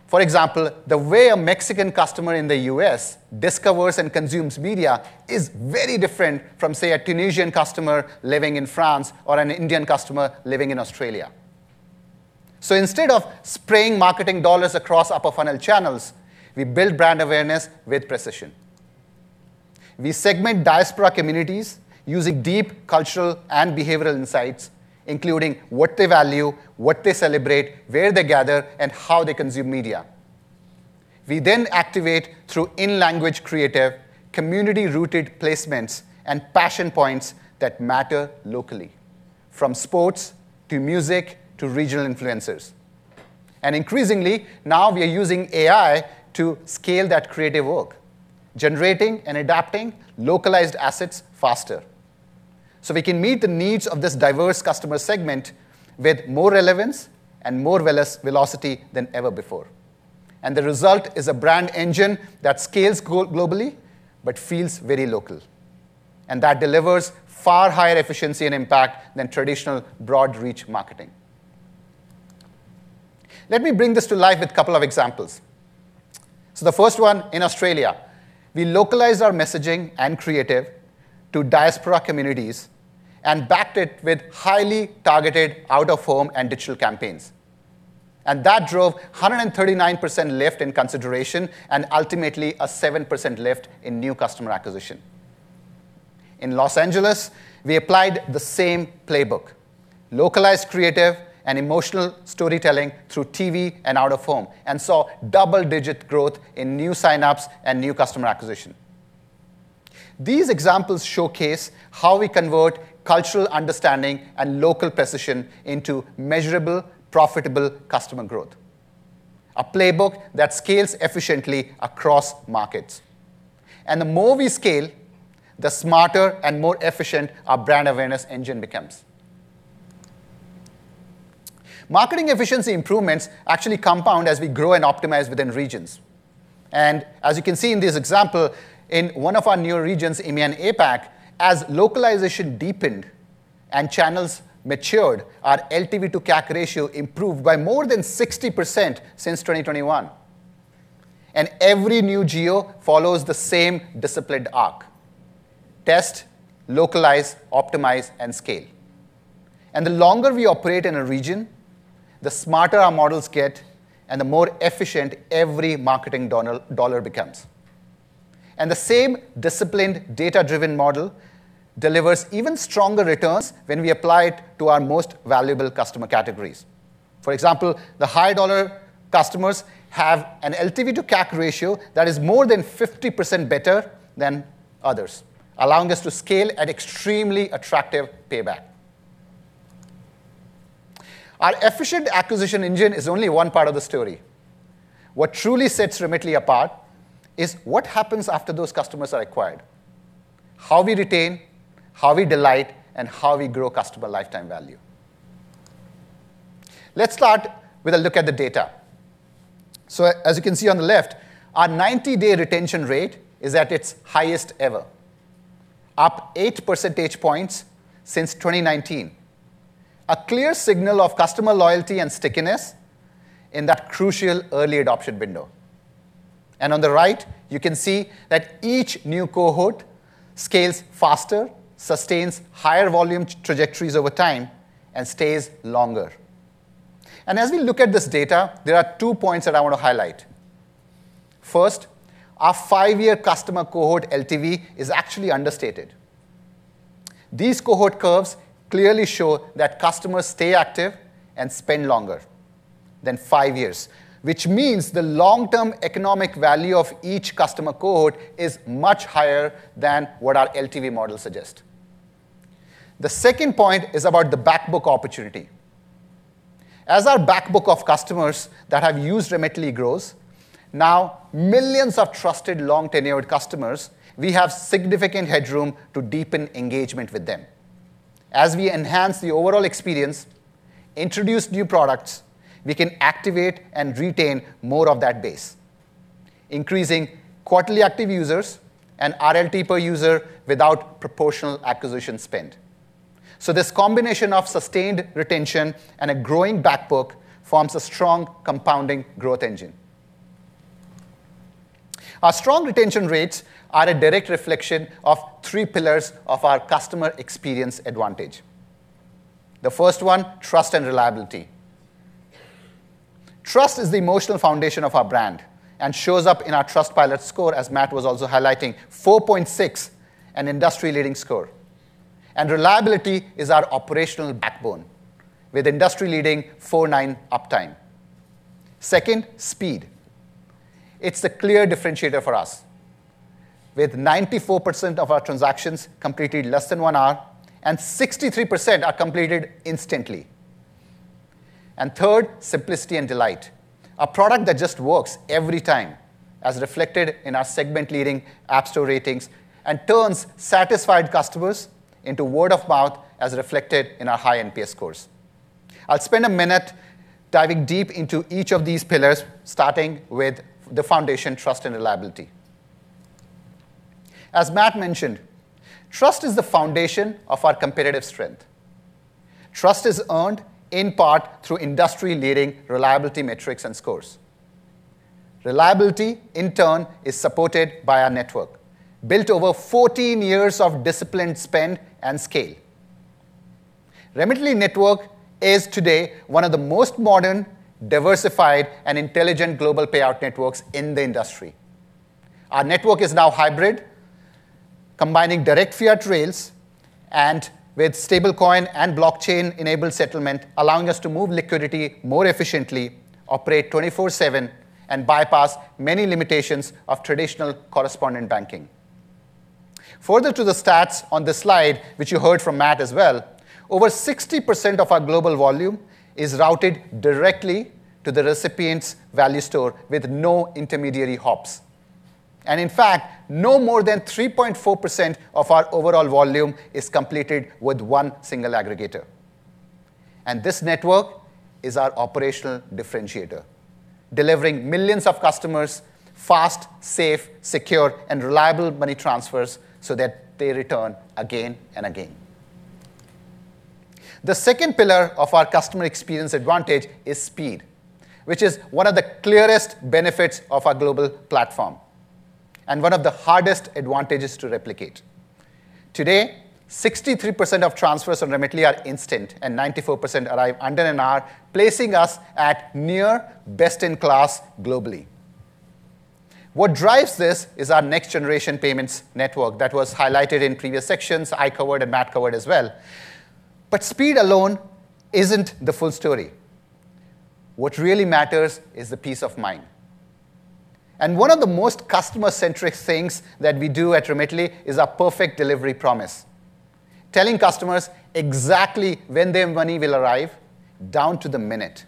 for example, the way a Mexican customer in the U.S. discovers and consumes media is very different from, say, a Tunisian customer living in France or an Indian customer living in Australia. So instead of spraying marketing dollars across upper-funnel channels, we build brand awareness with precision. We segment diaspora communities using deep cultural and behavioral insights, including what they value, what they celebrate, where they gather, and how they consume media. We then activate through in-language creative, community-rooted placements, and passion points that matter locally, from sports to music to regional influencers. Increasingly, now we are using AI to scale that creative work, generating and adapting localized assets faster. We can meet the needs of this diverse customer segment with more relevance and more velocity than ever before. The result is a brand engine that scales globally but feels very local. That delivers far higher efficiency and impact than traditional broad-reach marketing. Let me bring this to life with a couple of examples. The first one in Australia, we localized our messaging and creative to diaspora communities and backed it with highly targeted out-of-home and digital campaigns. That drove 139% lift in consideration and ultimately a 7% lift in new customer acquisition. In Los Angeles, we applied the same playbook, localized creative and emotional storytelling through TV and out-of-home, and saw double-digit growth in new sign-ups and new customer acquisition. These examples showcase how we convert cultural understanding and local precision into measurable, profitable customer growth, a playbook that scales efficiently across markets, and the more we scale, the smarter and more efficient our brand awareness engine becomes. Marketing efficiency improvements actually compound as we grow and optimize within regions, and as you can see in this example, in one of our newer regions, EMEA, APAC, as localization deepened and channels matured, our LTV to CAC ratio improved by more than 60% since 2021, and every new geo follows the same disciplined arc: test, localize, optimize, and scale, and the longer we operate in a region, the smarter our models get, and the more efficient every marketing dollar becomes, and the same disciplined, data-driven model delivers even stronger returns when we apply it to our most valuable customer categories. For example, the high-dollar customers have an LTV to CAC ratio that is more than 50% better than others, allowing us to scale at extremely attractive payback. Our efficient acquisition engine is only one part of the story. What truly sets Remitly apart is what happens after those customers are acquired, how we retain, how we delight, and how we grow customer lifetime value. Let's start with a look at the data. So as you can see on the left, our 90-day retention rate is at its highest ever, up 8 percentage points since 2019, a clear signal of customer loyalty and stickiness in that crucial early adoption window. And on the right, you can see that each new cohort scales faster, sustains higher volume trajectories over time, and stays longer. And as we look at this data, there are two points that I want to highlight. First, our five-year customer cohort LTV is actually understated. These cohort curves clearly show that customers stay active and spend longer than five years, which means the long-term economic value of each customer cohort is much higher than what our LTV models suggest. The second point is about the backbook opportunity. As our backbook of customers that have used Remitly grows, now millions of trusted long-tenured customers, we have significant headroom to deepen engagement with them. As we enhance the overall experience, introduce new products, we can activate and retain more of that base, increasing quarterly active users and RLTE per user without proportional acquisition spend. So this combination of sustained retention and a growing backbook forms a strong compounding growth engine. Our strong retention rates are a direct reflection of three pillars of our customer experience advantage. The first one, trust and reliability. Trust is the emotional foundation of our brand and shows up in our Trustpilot score, as Matt was also highlighting, 4.6, an industry-leading score. Reliability is our operational backbone with industry-leading 4.9 uptime. Second, speed. It's a clear differentiator for us, with 94% of our transactions completed in less than one hour, and 63% are completed instantly. Third, simplicity and delight, a product that just works every time, as reflected in our segment-leading App Store ratings and turns satisfied customers into word-of-mouth, as reflected in our high NPS scores. I'll spend a minute diving deep into each of these pillars, starting with the foundation, trust and reliability. As Matt mentioned, trust is the foundation of our competitive strength. Trust is earned in part through industry-leading reliability metrics and scores. Reliability, in turn, is supported by our network, built over 14 years of disciplined spend and scale. Remitly Network is today one of the most modern, diversified, and intelligent global payout networks in the industry. Our network is now hybrid, combining direct fiat rails and with stablecoin and blockchain-enabled settlement, allowing us to move liquidity more efficiently, operate 24/7, and bypass many limitations of traditional correspondent banking. Further to the stats on the slide, which you heard from Matt as well, over 60% of our global volume is routed directly to the recipient's value store with no intermediary hops, and in fact, no more than 3.4% of our overall volume is completed with one single aggregator, and this network is our operational differentiator, delivering millions of customers fast, safe, secure, and reliable money transfers so that they return again and again. The second pillar of our customer experience advantage is speed, which is one of the clearest benefits of our global platform and one of the hardest advantages to replicate. Today, 63% of transfers on Remitly are instant, and 94% arrive under an hour, placing us at near best-in-class globally. What drives this is our next-generation payments network that was highlighted in previous sections I covered and Matt covered as well. But speed alone isn't the full story. What really matters is the peace of mind. And one of the most customer-centric things that we do at Remitly is our perfect delivery promise, telling customers exactly when their money will arrive, down to the minute,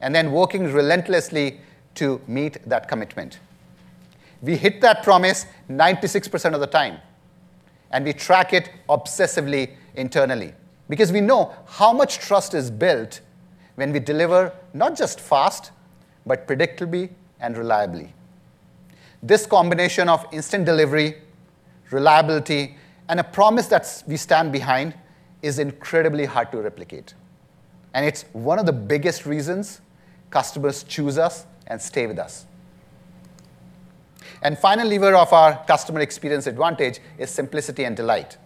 and then working relentlessly to meet that commitment. We hit that promise 96% of the time, and we track it obsessively internally because we know how much trust is built when we deliver not just fast, but predictably and reliably. This combination of instant delivery, reliability, and a promise that we stand behind is incredibly hard to replicate, and it's one of the biggest reasons customers choose us and stay with us, and final lever of our customer experience advantage is simplicity and delight.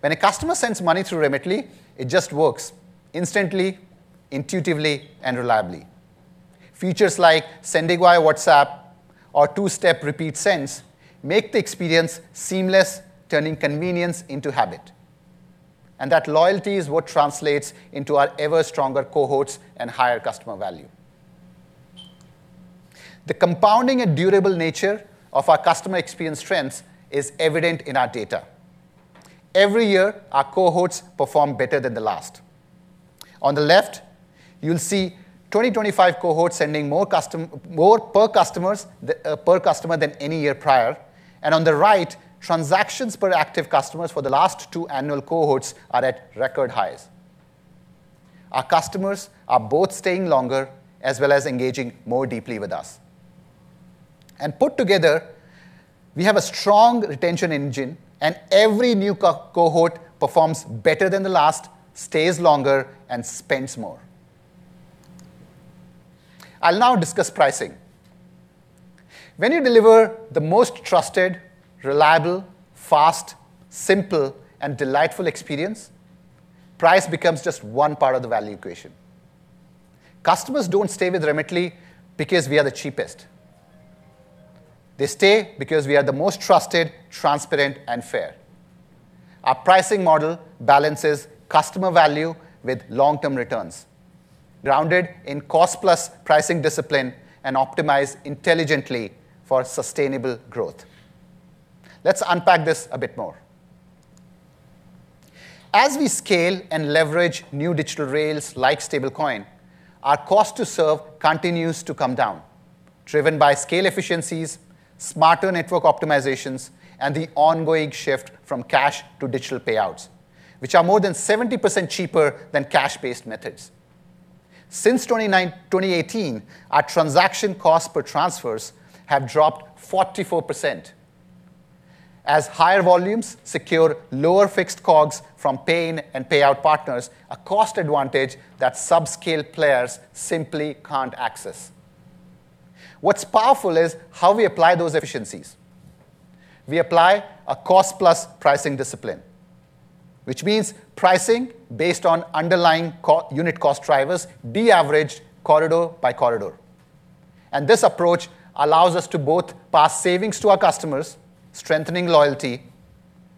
When a customer sends money through Remitly, it just works instantly, intuitively, and reliably. Features like sending via WhatsApp or two-step repeat sends make the experience seamless, turning convenience into habit, and that loyalty is what translates into our ever-stronger cohorts and higher customer value. The compounding and durable nature of our customer experience trends is evident in our data. Every year, our cohorts perform better than the last. On the left, you'll see 2025 cohorts sending more per customer than any year prior, and on the right, transactions per active customers for the last two annual cohorts are at record highs. Our customers are both staying longer as well as engaging more deeply with us, and put together, we have a strong retention engine, and every new cohort performs better than the last, stays longer, and spends more. I'll now discuss pricing. When you deliver the most trusted, reliable, fast, simple, and delightful experience, price becomes just one part of the value equation. Customers don't stay with Remitly because we are the cheapest. They stay because we are the most trusted, transparent, and fair. Our pricing model balances customer value with long-term returns, grounded in cost-plus pricing discipline and optimized intelligently for sustainable growth. Let's unpack this a bit more. As we scale and leverage new digital rails like stablecoin, our cost-to-serve continues to come down, driven by scale efficiencies, smarter network optimizations, and the ongoing shift from cash to digital payouts, which are more than 70% cheaper than cash-based methods. Since 2018, our transaction costs per transfers have dropped 44%. As higher volumes secure lower fixed COGS from paying and payout partners, a cost advantage that subscale players simply can't access. What's powerful is how we apply those efficiencies. We apply a cost-plus pricing discipline, which means pricing based on underlying unit cost drivers, de-averaged corridor by corridor. And this approach allows us to both pass savings to our customers, strengthening loyalty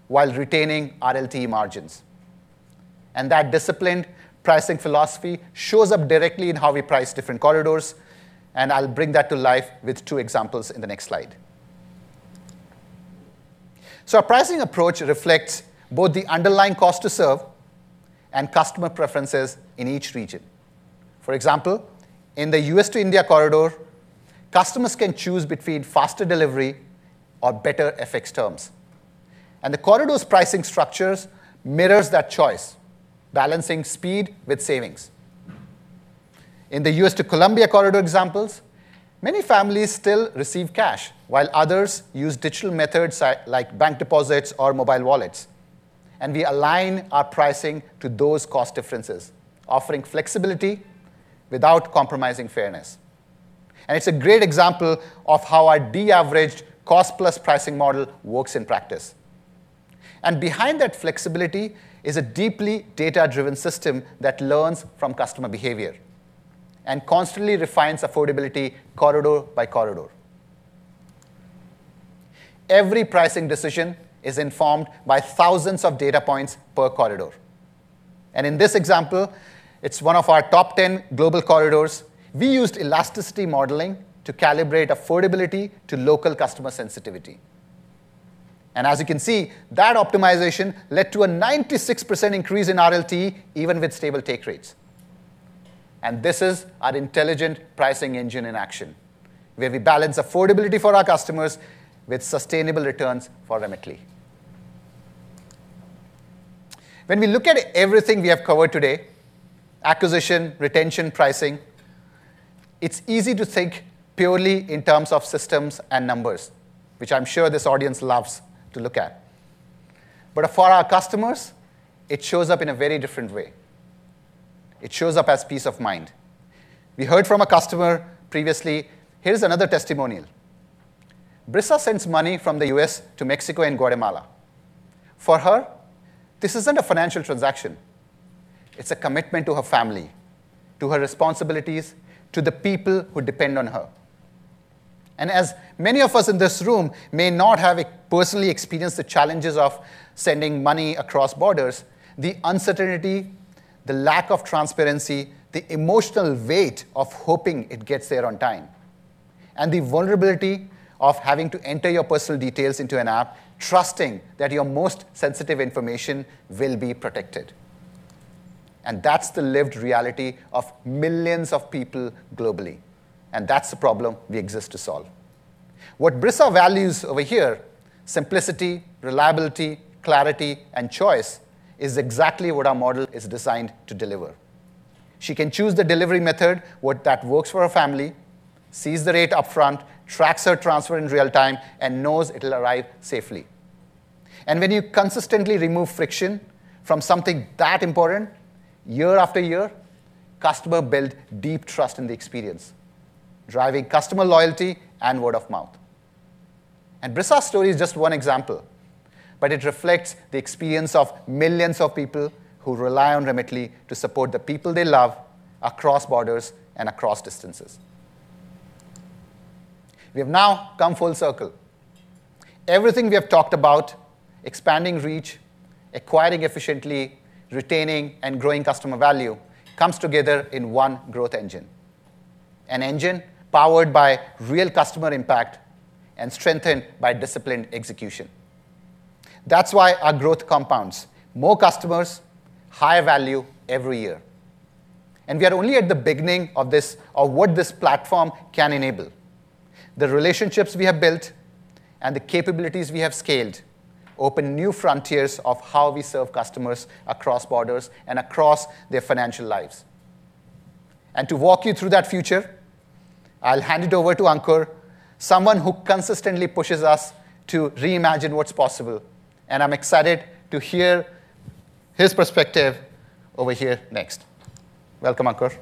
while retaining RLTE margins. And that disciplined pricing philosophy shows up directly in how we price different corridors. And I'll bring that to life with two examples in the next slide. Our pricing approach reflects both the underlying cost-to-serve and customer preferences in each region. For example, in the U.S. to India corridor, customers can choose between faster delivery or better FX terms. The corridor's pricing structures mirror that choice, balancing speed with savings. In the U.S. to Colombia corridor examples, many families still receive cash, while others use digital methods like bank deposits or mobile wallets. We align our pricing to those cost differences, offering flexibility without compromising fairness. It's a great example of how our de-averaged cost-plus pricing model works in practice. Behind that flexibility is a deeply data-driven system that learns from customer behavior and constantly refines affordability corridor by corridor. Every pricing decision is informed by thousands of data points per corridor. In this example, it's one of our top 10 global corridors. We used elasticity modeling to calibrate affordability to local customer sensitivity, and as you can see, that optimization led to a 96% increase in RLTE, even with stable take rates, and this is our intelligent pricing engine in action, where we balance affordability for our customers with sustainable returns for Remitly. When we look at everything we have covered today, acquisition, retention, pricing, it's easy to think purely in terms of systems and numbers, which I'm sure this audience loves to look at, but for our customers, it shows up in a very different way. It shows up as peace of mind. We heard from a customer previously. Here's another testimonial. Brissa sends money from the U.S. to Mexico and Guatemala. For her, this isn't a financial transaction. It's a commitment to her family, to her responsibilities, to the people who depend on her. As many of us in this room may not have personally experienced the challenges of sending money across borders, the uncertainty, the lack of transparency, the emotional weight of hoping it gets there on time, and the vulnerability of having to enter your personal details into an app, trusting that your most sensitive information will be protected. That's the lived reality of millions of people globally. That's the problem we exist to solve. What Brissa values over here, simplicity, reliability, clarity, and choice, is exactly what our model is designed to deliver. She can choose the delivery method, what works for her family, sees the rate upfront, tracks her transfer in real time, and knows it'll arrive safely. When you consistently remove friction from something that important, year after year, customers build deep trust in the experience, driving customer loyalty and word-of-mouth. Brissa's story is just one example, but it reflects the experience of millions of people who rely on Remitly to support the people they love across borders and across distances. We have now come full circle. Everything we have talked about, expanding reach, acquiring efficiently, retaining, and growing customer value comes together in one growth engine, an engine powered by real customer impact and strengthened by disciplined execution. That's why our growth compounds: more customers, higher value every year. And we are only at the beginning of what this platform can enable. The relationships we have built and the capabilities we have scaled open new frontiers of how we serve customers across borders and across their financial lives. And to walk you through that future, I'll hand it over to Ankur, someone who consistently pushes us to reimagine what's possible. And I'm excited to hear his perspective over here next. Welcome, Ankur.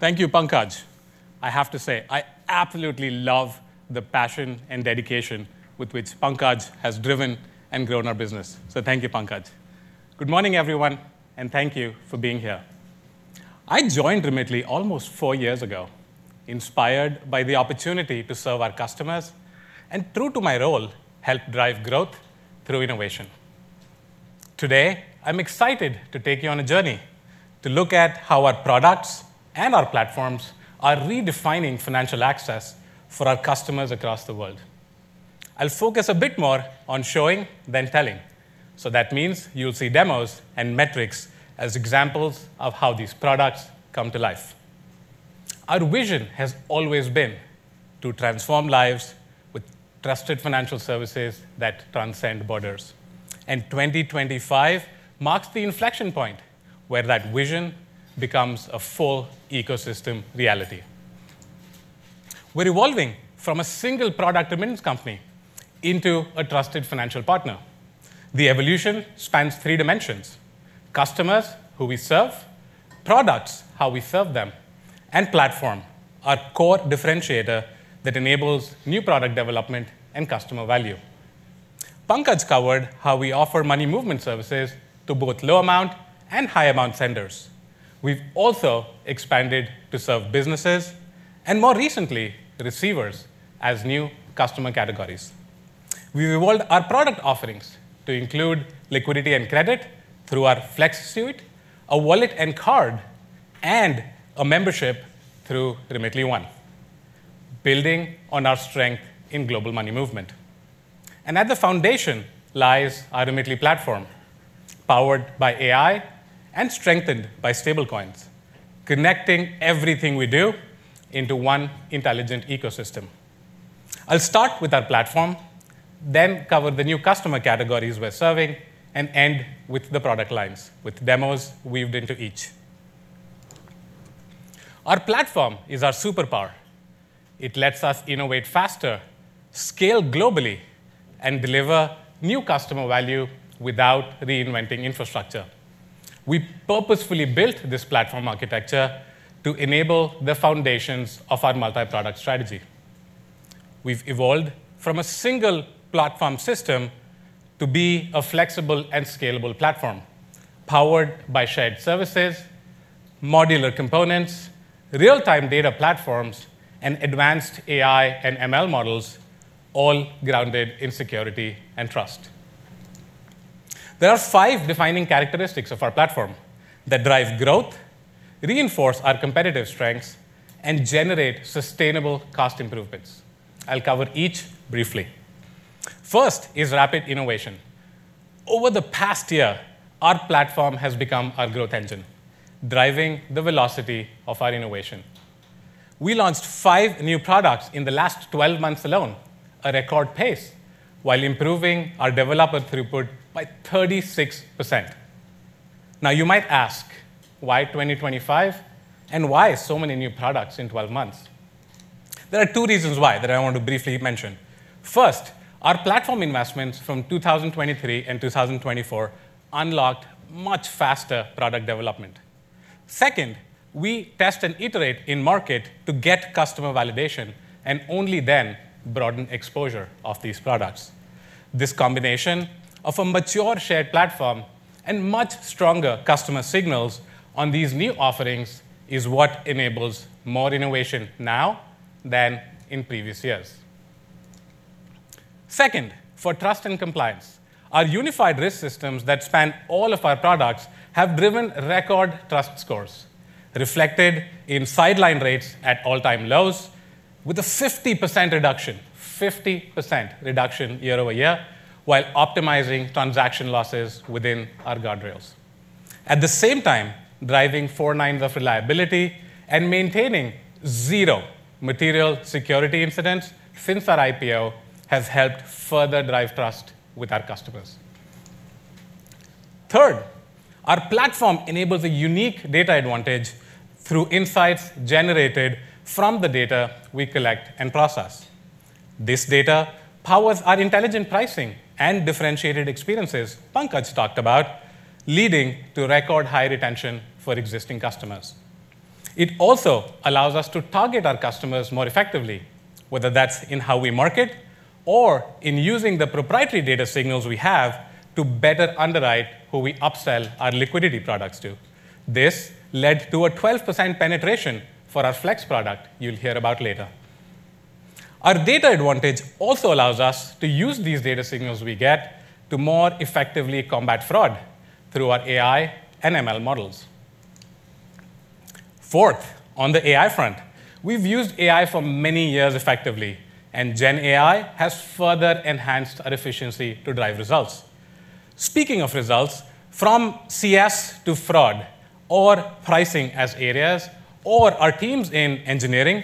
Thank you, Pankaj. I have to say, I absolutely love the passion and dedication with which Pankaj has driven and grown our business, so thank you, Pankaj. Good morning, everyone, and thank you for being here. I joined Remitly almost four years ago, inspired by the opportunity to serve our customers and, true to my role, help drive growth through innovation. Today, I'm excited to take you on a journey to look at how our products and our platforms are redefining financial access for our customers across the world. I'll focus a bit more on showing than telling, so that means you'll see demos and metrics as examples of how these products come to life. Our vision has always been to transform lives with trusted financial services that transcend borders, and 2025 marks the inflection point where that vision becomes a full ecosystem reality. We're evolving from a single product remittance company into a trusted financial partner. The evolution spans three dimensions: customers who we serve, products, how we serve them, and platform, our core differentiator that enables new product development and customer value. Pankaj covered how we offer money movement services to both low-amount and high-amount senders. We've also expanded to serve businesses and, more recently, receivers as new customer categories. We've evolved our product offerings to include liquidity and credit through our Flex Suite, a wallet and card, and a membership through Remitly One, building on our strength in global money movement. At the foundation lies our Remitly platform, powered by AI and strengthened by stablecoins, connecting everything we do into one intelligent ecosystem. I'll start with our platform, then cover the new customer categories we're serving, and end with the product lines with demos weaved into each. Our platform is our superpower. It lets us innovate faster, scale globally, and deliver new customer value without reinventing infrastructure. We purposefully built this platform architecture to enable the foundations of our multi-product strategy. We've evolved from a single platform system to be a flexible and scalable platform powered by shared services, modular components, real-time data platforms, and advanced AI and ML models, all grounded in security and trust. There are five defining characteristics of our platform that drive growth, reinforce our competitive strengths, and generate sustainable cost improvements. I'll cover each briefly. First is rapid innovation. Over the past year, our platform has become our growth engine, driving the velocity of our innovation. We launched five new products in the last 12 months alone, a record pace, while improving our developer throughput by 36%. Now, you might ask, why 2025 and why so many new products in 12 months? There are two reasons why that I want to briefly mention. First, our platform investments from 2023 and 2024 unlocked much faster product development. Second, we test and iterate in market to get customer validation and only then broaden exposure of these products. This combination of a mature shared platform and much stronger customer signals on these new offerings is what enables more innovation now than in previous years. Second, for trust and compliance, our unified risk systems that span all of our products have driven record trust scores, reflected in decline rates at all-time lows with a 50% reduction year over year, while optimizing transaction losses within our guardrails. At the same time, driving four nines of reliability and maintaining zero material security incidents since our IPO has helped further drive trust with our customers. Third, our platform enables a unique data advantage through insights generated from the data we collect and process. This data powers our intelligent pricing and differentiated experiences Pankaj talked about, leading to record high retention for existing customers. It also allows us to target our customers more effectively, whether that's in how we market or in using the proprietary data signals we have to better underwrite who we upsell our liquidity products to. This led to a 12% penetration for our Flex product you'll hear about later. Our data advantage also allows us to use these data signals we get to more effectively combat fraud through our AI and ML models. Fourth, on the AI front, we've used AI for many years effectively, and GenAI has further enhanced our efficiency to drive results. Speaking of results, from CS to fraud or pricing as areas or our teams in engineering,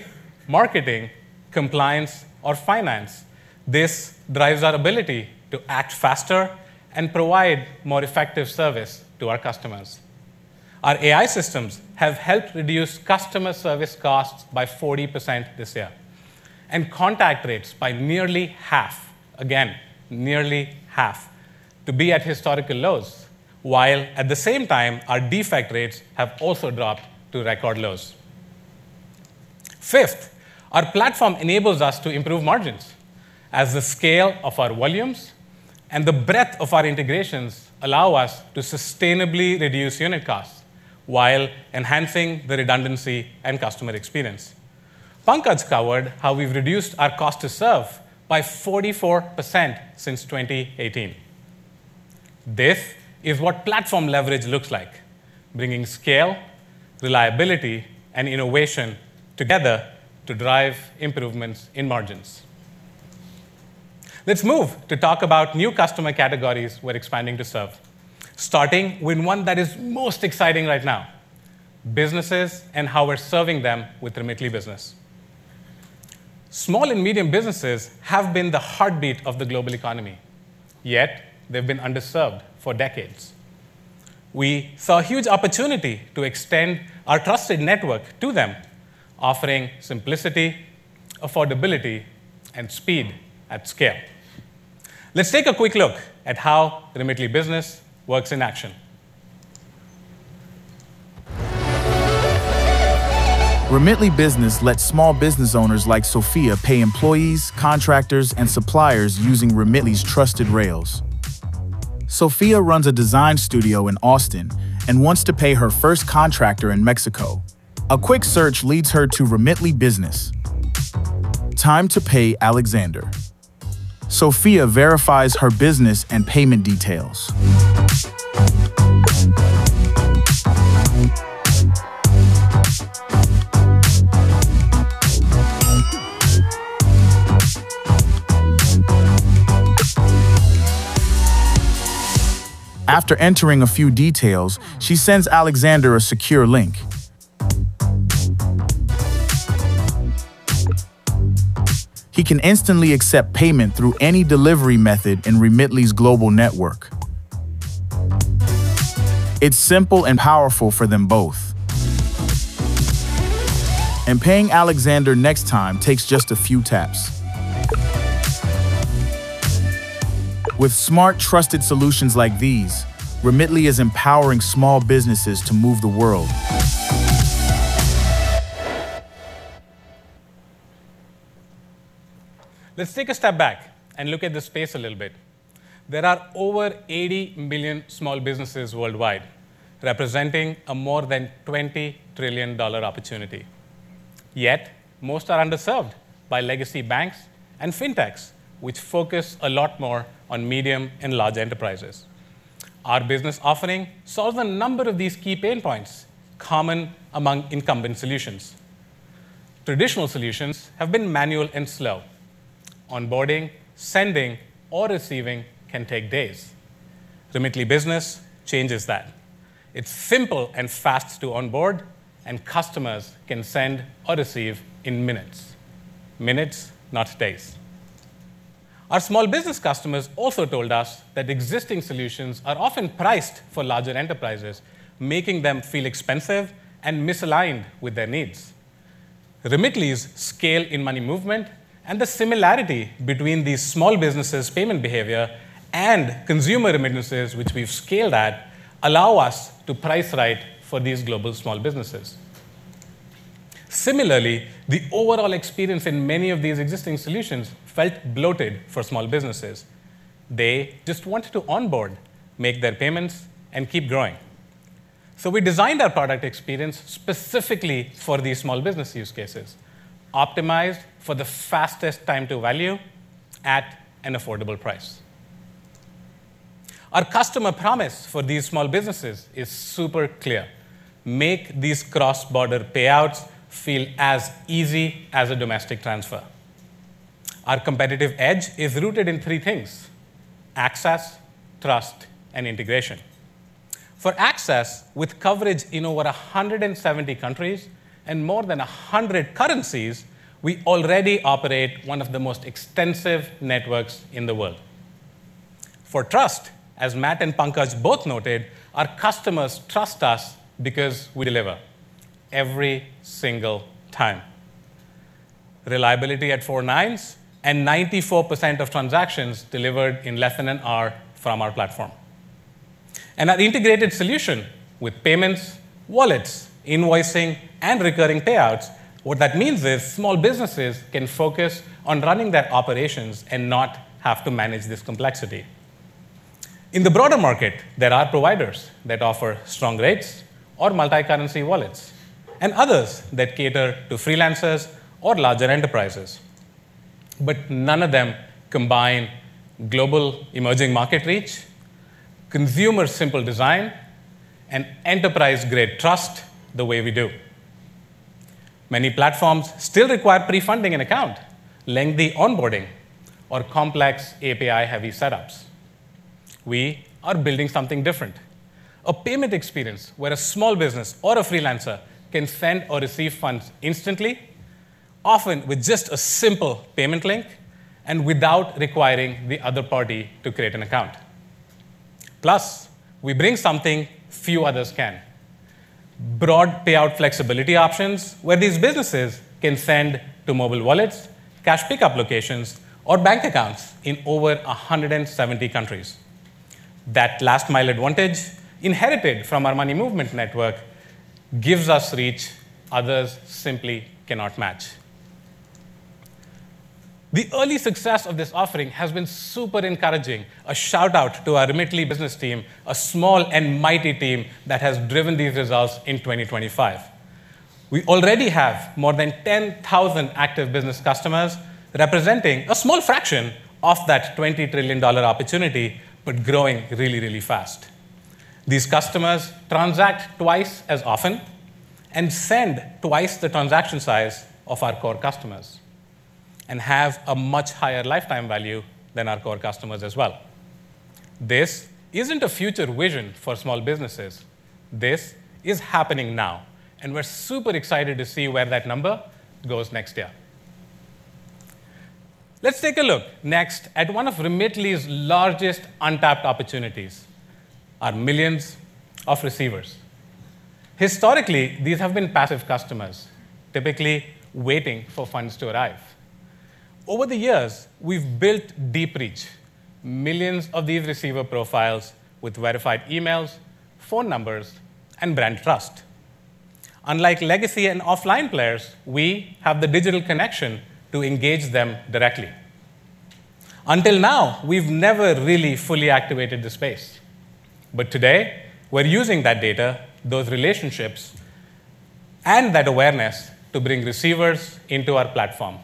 marketing, compliance, or finance, this drives our ability to act faster and provide more effective service to our customers. Our AI systems have helped reduce customer service costs by 40% this year and contact rates by nearly half, again, nearly half, to be at historical lows, while at the same time, our defect rates have also dropped to record lows. Fifth, our platform enables us to improve margins as the scale of our volumes and the breadth of our integrations allow us to sustainably reduce unit costs while enhancing the redundancy and customer experience. Pankaj covered how we've reduced our cost to serve by 44% since 2018. This is what platform leverage looks like, bringing scale, reliability, and innovation together to drive improvements in margins. Let's move to talk about new customer categories we're expanding to serve, starting with one that is most exciting right now: businesses and how we're serving them with Remitly Business. Small and medium businesses have been the heartbeat of the global economy, yet they've been underserved for decades. We saw a huge opportunity to extend our trusted network to them, offering simplicity, affordability, and speed at scale. Let's take a quick look at how Remitly Business works in action. Remitly Business lets small business owners like Sofia pay employees, contractors, and suppliers using Remitly's trusted rails. Sofia runs a design studio in Austin and wants to pay her first contractor in Mexico. A quick search leads her to Remitly Business. Time to pay Alexander. Sofia verifies her business and payment details. After entering a few details, she sends Alexander a secure link. He can instantly accept payment through any delivery method in Remitly's global network. It's simple and powerful for them both. And paying Alexander next time takes just a few taps. With smart, trusted solutions like these, Remitly is empowering small businesses to move the world. Let's take a step back and look at the space a little bit. There are over 80 million small businesses worldwide, representing a more than $20 trillion opportunity. Yet, most are underserved by legacy banks and fintechs, which focus a lot more on medium and large enterprises. Our business offering solves a number of these key pain points common among incumbent solutions. Traditional solutions have been manual and slow. Onboarding, sending, or receiving can take days. Remitly Business changes that. It's simple and fast to onboard, and customers can send or receive in minutes, not days. Our small business customers also told us that existing solutions are often priced for larger enterprises, making them feel expensive and misaligned with their needs. Remitly's scale in money movement and the similarity between these small businesses' payment behavior and consumer remittances, which we've scaled at, allow us to price right for these global small businesses. Similarly, the overall experience in many of these existing solutions felt bloated for small businesses. They just wanted to onboard, make their payments, and keep growing. So we designed our product experience specifically for these small business use cases, optimized for the fastest time to value at an affordable price. Our customer promise for these small businesses is super clear: make these cross-border payouts feel as easy as a domestic transfer. Our competitive edge is rooted in three things: access, trust, and integration. For access, with coverage in over 170 countries and more than 100 currencies, we already operate one of the most extensive networks in the world. For trust, as Matt and Pankaj both noted, our customers trust us because we deliver every single time. Reliability at four nines and 94% of transactions delivered in less than an hour from our platform. And our integrated solution with payments, wallets, invoicing, and recurring payouts, what that means is small businesses can focus on running their operations and not have to manage this complexity. In the broader market, there are providers that offer strong rates or multi-currency wallets and others that cater to freelancers or larger enterprises. But none of them combine global emerging market reach, consumer simple design, and enterprise-grade trust the way we do. Many platforms still require pre-funding an account, lengthy onboarding, or complex API-heavy setups. We are building something different: a payment experience where a small business or a freelancer can send or receive funds instantly, often with just a simple payment link and without requiring the other party to create an account. Plus, we bring something few others can: broad payout flexibility options where these businesses can send to mobile wallets, cash pickup locations, or bank accounts in over 170 countries. That last-mile advantage inherited from our money movement network gives us reach others simply cannot match. The early success of this offering has been super encouraging. A shout-out to our Remitly Business team, a small and mighty team that has driven these results in 2025. We already have more than 10,000 active business customers representing a small fraction of that $20 trillion opportunity, but growing really, really fast. These customers transact twice as often and send twice the transaction size of our core customers and have a much higher lifetime value than our core customers as well. This isn't a future vision for small businesses. This is happening now, and we're super excited to see where that number goes next year. Let's take a look next at one of Remitly's largest untapped opportunities: our millions of receivers. Historically, these have been passive customers, typically waiting for funds to arrive. Over the years, we've built deep reach, millions of these receiver profiles with verified emails, phone numbers, and brand trust. Unlike legacy and offline players, we have the digital connection to engage them directly. Until now, we've never really fully activated the space. But today, we're using that data, those relationships, and that awareness to bring receivers into our platform,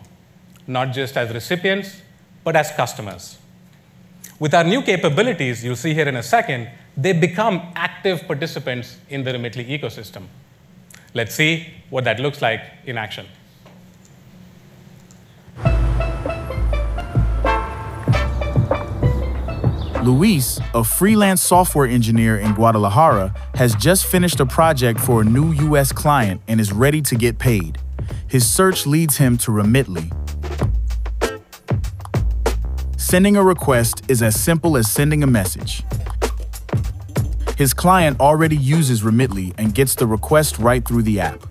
not just as recipients, but as customers. With our new capabilities, you'll see here in a second, they become active participants in the Remitly ecosystem. Let's see what that looks like in action. Luis, a freelance software engineer in Guadalajara, has just finished a project for a new U.S. client and is ready to get paid. His search leads him to Remitly. Sending a request is as simple as sending a message. His client already uses Remitly and gets the request right through the app.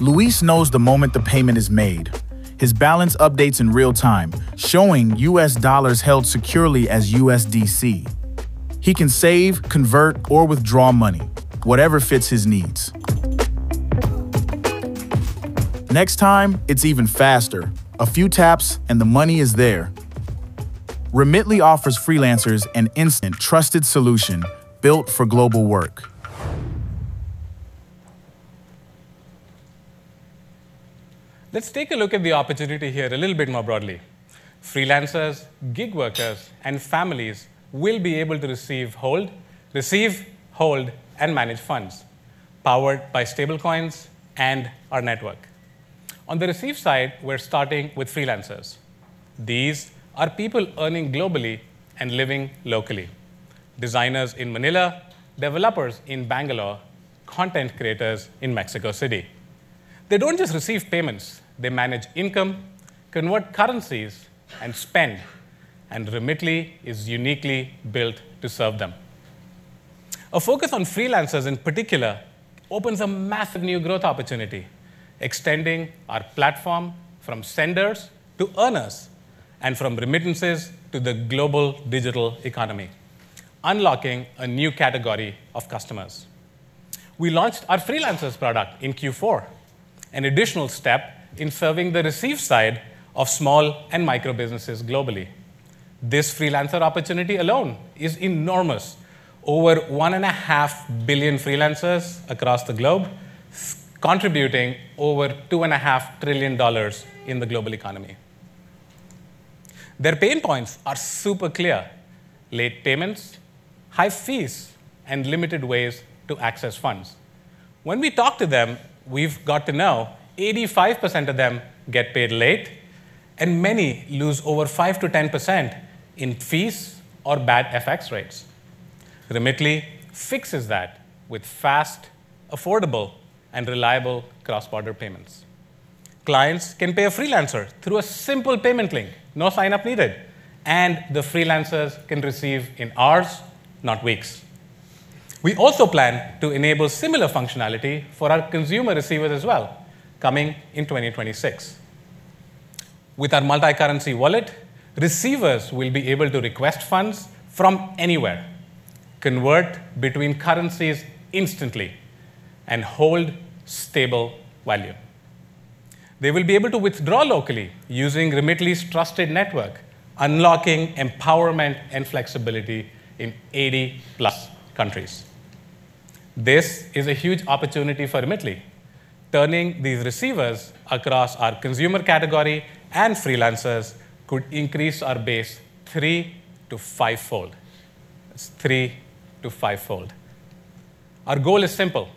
Luis knows the moment the payment is made. His balance updates in real time, showing U.S. dollars held securely as USDC. He can save, convert, or withdraw money, whatever fits his needs. Next time, it's even faster. A few taps and the money is there. Remitly offers freelancers an instant, trusted solution built for global work. Let's take a look at the opportunity here a little bit more broadly. Freelancers, gig workers, and families will be able to receive, hold, and manage funds powered by stablecoins and our network. On the receive side, we're starting with freelancers. These are people earning globally and living locally: designers in Manila, developers in Bangalore, content creators in Mexico City. They don't just receive payments. They manage income, convert currencies, and spend, and Remitly is uniquely built to serve them. A focus on freelancers in particular opens a massive new growth opportunity, extending our platform from senders to earners and from remittances to the global digital economy, unlocking a new category of customers. We launched our freelancers product in Q4, an additional step in serving the receive side of small and micro businesses globally. This freelancer opportunity alone is enormous. Over 1.5 billion freelancers across the globe contributing over $2.5 trillion in the global economy. Their pain points are super clear: late payments, high fees, and limited ways to access funds. When we talk to them, we've got to know 85% of them get paid late, and many lose over 5%-10% in fees or bad FX rates. Remitly fixes that with fast, affordable, and reliable cross-border payments. Clients can pay a freelancer through a simple payment link, no sign-up needed, and the freelancers can receive in hours, not weeks. We also plan to enable similar functionality for our consumer receivers as well, coming in 2026. With our multi-currency wallet, receivers will be able to request funds from anywhere, convert between currencies instantly, and hold stable value. They will be able to withdraw locally using Remitly's trusted network, unlocking empowerment and flexibility in 80-plus countries. This is a huge opportunity for Remitly. Turning these receivers across our consumer category and freelancers could increase our base three to fivefold. That's three to fivefold. Our goal is simple: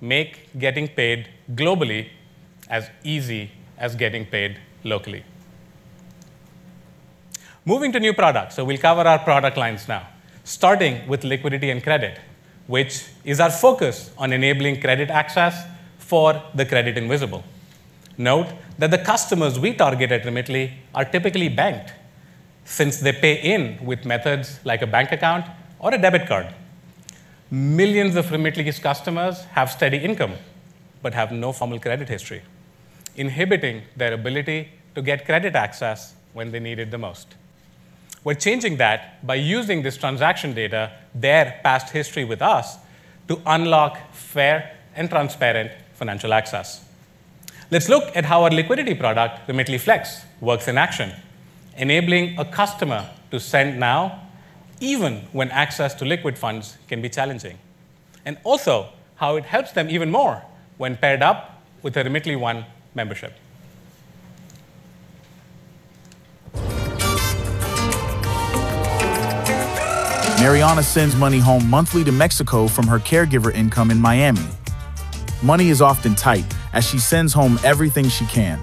make getting paid globally as easy as getting paid locally. Moving to new products. So we'll cover our product lines now, starting with liquidity and credit, which is our focus on enabling credit access for the credit invisible. Note that the customers we target at Remitly are typically banked since they pay in with methods like a bank account or a debit card. Millions of Remitly's customers have steady income but have no formal credit history, inhibiting their ability to get credit access when they need it the most. We're changing that by using this transaction data, their past history with us, to unlock fair and transparent financial access. Let's look at how our liquidity product, Remitly Flex, works in action, enabling a customer to send now, even when access to liquid funds can be challenging, and also how it helps them even more when paired up with a Remitly One membership. Mariana sends money home monthly to Mexico from her caregiver income in Miami. Money is often tight as she sends home everything she can.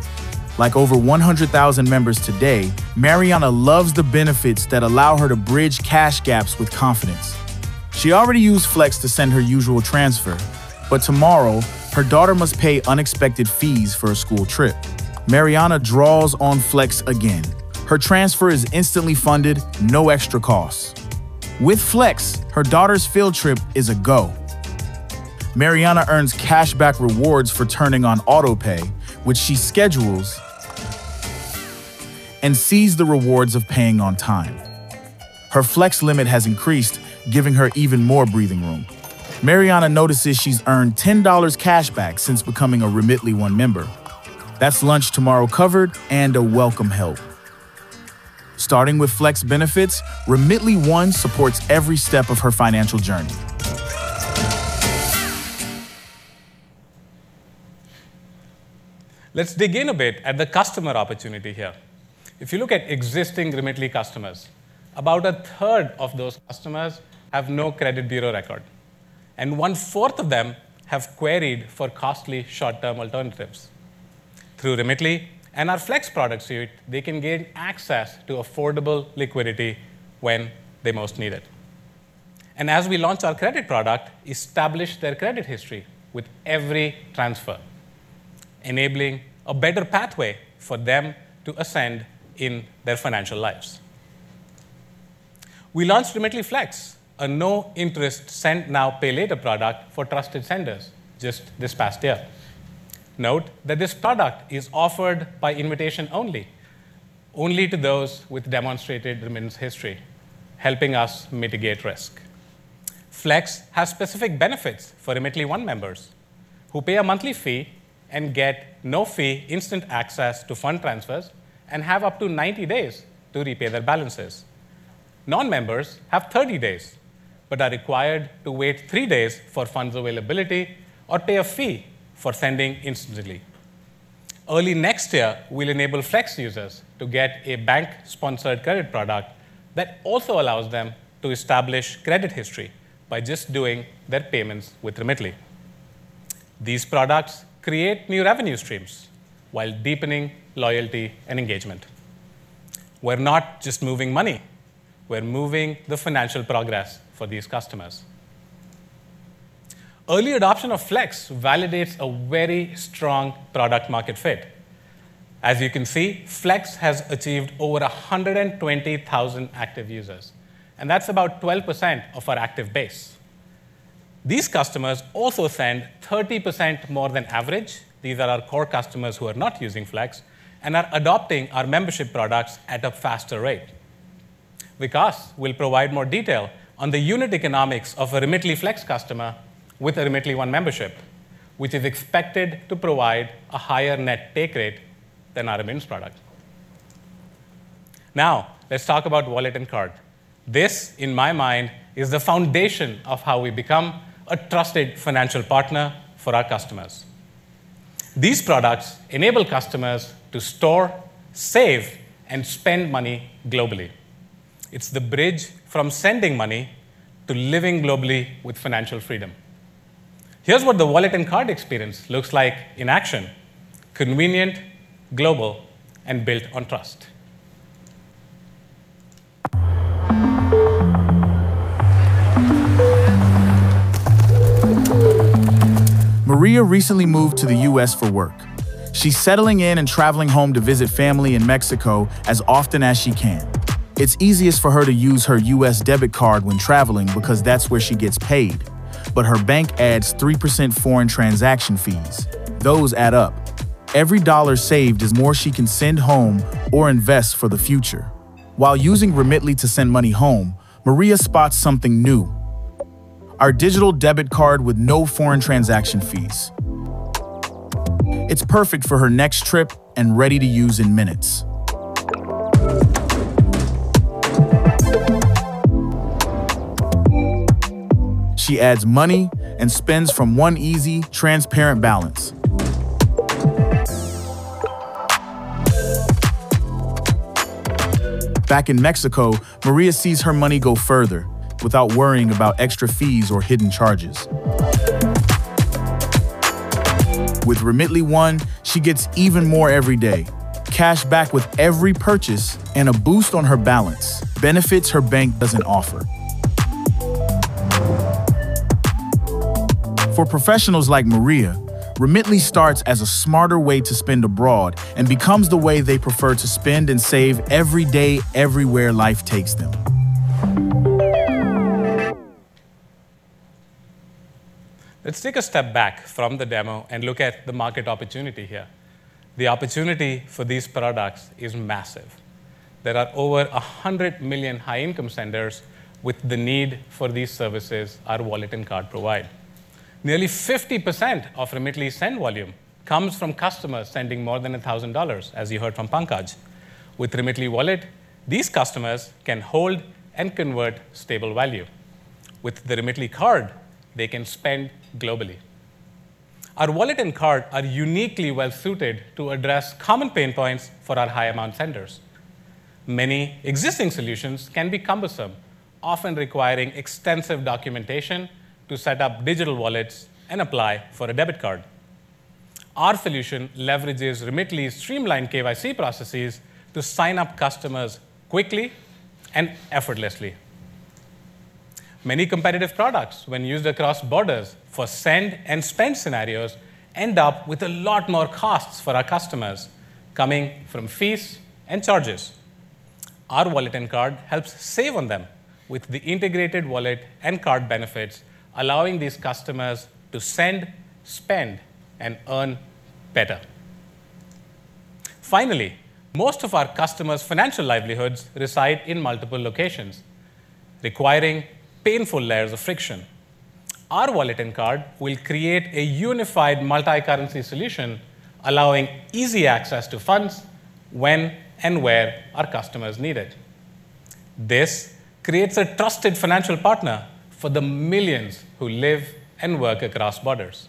Like over 100,000 members today, Mariana loves the benefits that allow her to bridge cash gaps with confidence. She already used Flex to send her usual transfer, but tomorrow, her daughter must pay unexpected fees for a school trip. Mariana draws on Flex again. Her transfer is instantly funded, no extra costs. With Flex, her daughter's field trip is a go. Mariana earns cashback rewards for turning on autopay, which she schedules and sees the rewards of paying on time. Her Flex limit has increased, giving her even more breathing room. Mariana notices she's earned $10 cashback since becoming a Remitly One member. That's lunch tomorrow covered and a welcome help. Starting with Flex benefits, Remitly One supports every step of her financial journey. Let's dig in a bit at the customer opportunity here. If you look at existing Remitly customers, about a third of those customers have no credit bureau record, and one-fourth of them have queried for costly short-term alternatives. Through Remitly and our Flex product suite, they can gain access to affordable liquidity when they most need it, and as we launch our credit product, establish their credit history with every transfer, enabling a better pathway for them to ascend in their financial lives. We launched Remitly Flex, a no-interest Send Now, Pay Later product for trusted senders just this past year. Note that this product is offered by invitation only, only to those with demonstrated remittance history, helping us mitigate risk. Flex has specific benefits for Remitly One members who pay a monthly fee and get no-fee instant access to fund transfers and have up to 90 days to repay their balances. Non-members have 30 days but are required to wait three days for funds availability or pay a fee for sending instantly. Early next year, we'll enable Flex users to get a bank-sponsored credit product that also allows them to establish credit history by just doing their payments with Remitly. These products create new revenue streams while deepening loyalty and engagement. We're not just moving money. We're moving the financial progress for these customers. Early adoption of Flex validates a very strong product-market fit. As you can see, Flex has achieved over 120,000 active users, and that's about 12% of our active base. These customers also send 30% more than average. These are our core customers who are not using Flex and are adopting our membership products at a faster rate. Vikas will provide more detail on the unit economics of a Remitly Flex customer with a Remitly One membership, which is expected to provide a higher net take rate than our remittance product. Now, let's talk about wallet and card. This, in my mind, is the foundation of how we become a trusted financial partner for our customers. These products enable customers to store, save, and spend money globally. It's the bridge from sending money to living globally with financial freedom. Here's what the wallet and card experience looks like in action: convenient, global, and built on trust. Maria recently moved to the U.S. for work. She's settling in and traveling home to visit family in Mexico as often as she can. It's easiest for her to use her U.S. debit card when traveling because that's where she gets paid. But her bank adds 3% foreign transaction fees. Those add up. Every dollar saved is more she can send home or invest for the future. While using Remitly to send money home, Maria spots something new: our digital debit card with no foreign transaction fees. It's perfect for her next trip and ready to use in minutes. She adds money and spends from one easy, transparent balance. Back in Mexico, Maria sees her money go further without worrying about extra fees or hidden charges. With Remitly One, she gets even more every day: cash back with every purchase and a boost on her balance, benefits her bank doesn't offer. For professionals like Maria, Remitly starts as a smarter way to spend abroad and becomes the way they prefer to spend and save every day, everywhere life takes them. Let's take a step back from the demo and look at the market opportunity here. The opportunity for these products is massive. There are over 100 million high-income senders with the need for these services our wallet and card provide. Nearly 50% of Remitly's send volume comes from customers sending more than $1,000, as you heard from Pankaj. With Remitly Wallet, these customers can hold and convert stable value. With the Remitly Card, they can spend globally. Our wallet and card are uniquely well-suited to address common pain points for our high-amount senders. Many existing solutions can be cumbersome, often requiring extensive documentation to set up digital wallets and apply for a debit card. Our solution leverages Remitly's streamlined KYC processes to sign up customers quickly and effortlessly. Many competitive products, when used across borders for send and spend scenarios, end up with a lot more costs for our customers coming from fees and charges. Our wallet and card helps save on them with the integrated wallet and card benefits, allowing these customers to send, spend, and earn better. Finally, most of our customers' financial livelihoods reside in multiple locations, requiring painful layers of friction. Our wallet and card will create a unified multi-currency solution, allowing easy access to funds when and where our customers need it. This creates a trusted financial partner for the millions who live and work across borders.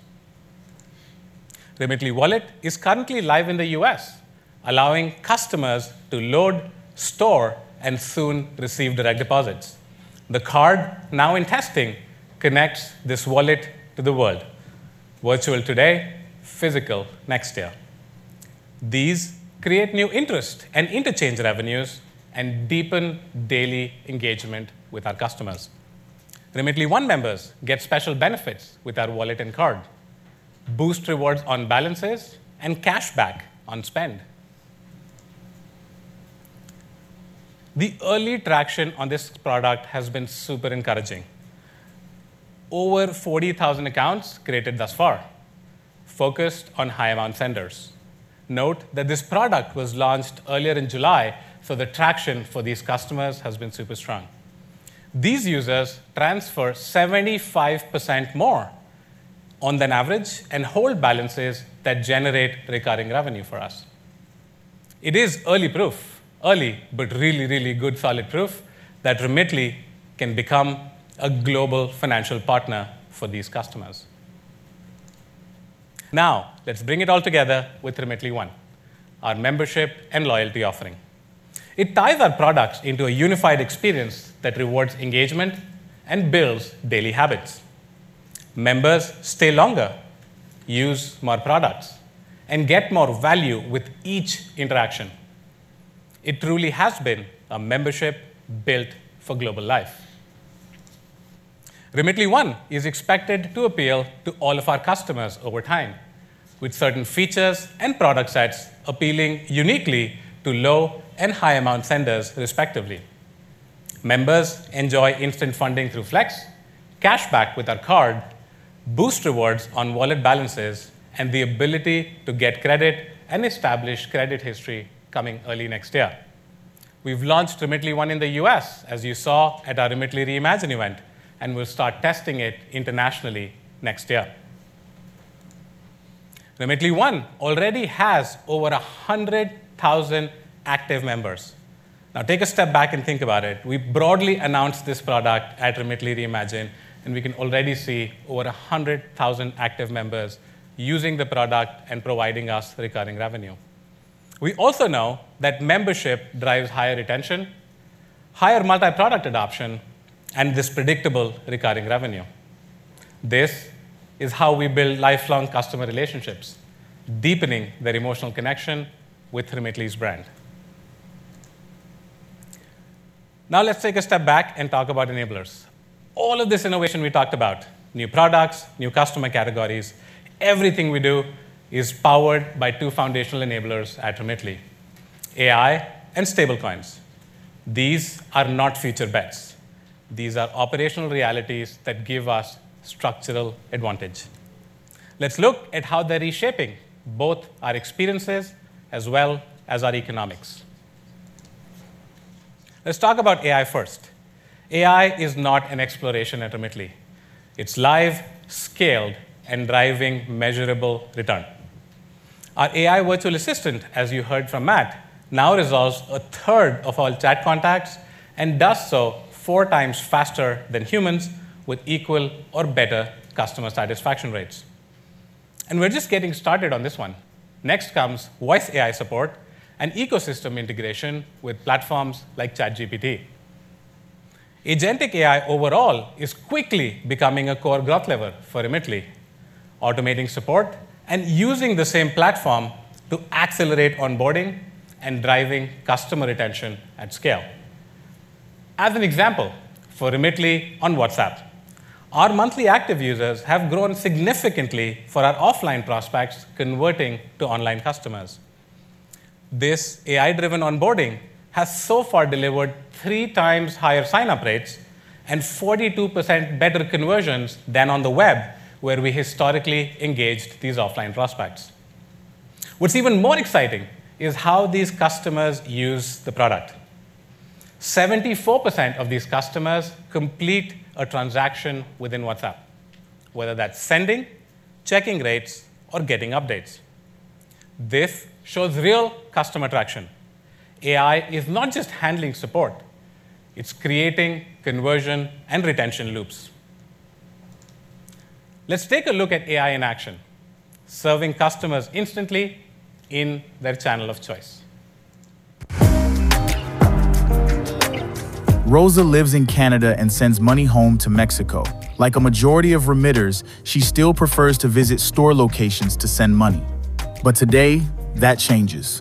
Remitly Wallet is currently live in the US, allowing customers to load, store, and soon receive direct deposits. The card, now in testing, connects this wallet to the world: virtual today, physical next year. These create new interest and interchange revenues and deepen daily engagement with our customers. Remitly One members get special benefits with our wallet and card, boost rewards on balances, and cash back on spend. The early traction on this product has been super encouraging: over 40,000 accounts created thus far, focused on high-amount senders. Note that this product was launched earlier in July, so the traction for these customers has been super strong. These users transfer 75% more than average and hold balances that generate recurring revenue for us. It is early proof, early but really, really good solid proof that Remitly can become a global financial partner for these customers. Now, let's bring it all together with Remitly One, our membership and loyalty offering. It ties our products into a unified experience that rewards engagement and builds daily habits. Members stay longer, use more products, and get more value with each interaction. It truly has been a membership built for global life. Remitly One is expected to appeal to all of our customers over time, with certain features and product sets appealing uniquely to low and high-amount senders, respectively. Members enjoy instant funding through Flex, cashback with our card, boost rewards on wallet balances, and the ability to get credit and establish credit history coming early next year. We've launched Remitly One in the U.S., as you saw at our Remitly Reimagine event, and we'll start testing it internationally next year. Remitly One already has over 100,000 active members. Now, take a step back and think about it. We broadly announced this product at Remitly Reimagine, and we can already see over 100,000 active members using the product and providing us recurring revenue. We also know that membership drives higher retention, higher multi-product adoption, and this predictable recurring revenue. This is how we build lifelong customer relationships, deepening their emotional connection with Remitly's brand. Now, let's take a step back and talk about enablers. All of this innovation we talked about: new products, new customer categories, everything we do is powered by two foundational enablers at Remitly: AI and stablecoins. These are not future bets. These are operational realities that give us structural advantage. Let's look at how they're reshaping both our experiences as well as our economics. Let's talk about AI first. AI is not an exploration at Remitly. It's live, scaled, and driving measurable return. Our AI virtual assistant, as you heard from Matt, now resolves a third of all chat contacts and does so four times faster than humans with equal or better customer satisfaction rates. We're just getting started on this one. Next comes voice AI support and ecosystem integration with platforms like ChatGPT. Agentic AI overall is quickly becoming a core growth lever for Remitly, automating support and using the same platform to accelerate onboarding and driving customer retention at scale. As an example, for Remitly on WhatsApp, our monthly active users have grown significantly for our offline prospects converting to online customers. This AI-driven onboarding has so far delivered three times higher sign-up rates and 42% better conversions than on the web, where we historically engaged these offline prospects. What's even more exciting is how these customers use the product. 74% of these customers complete a transaction within WhatsApp, whether that's sending, checking rates, or getting updates. This shows real customer traction. AI is not just handling support. It's creating conversion and retention loops. Let's take a look at AI in action, serving customers instantly in their channel of choice. Rosa lives in Canada and sends money home to Mexico. Like a majority of Remitters, she still prefers to visit store locations to send money. But today, that changes.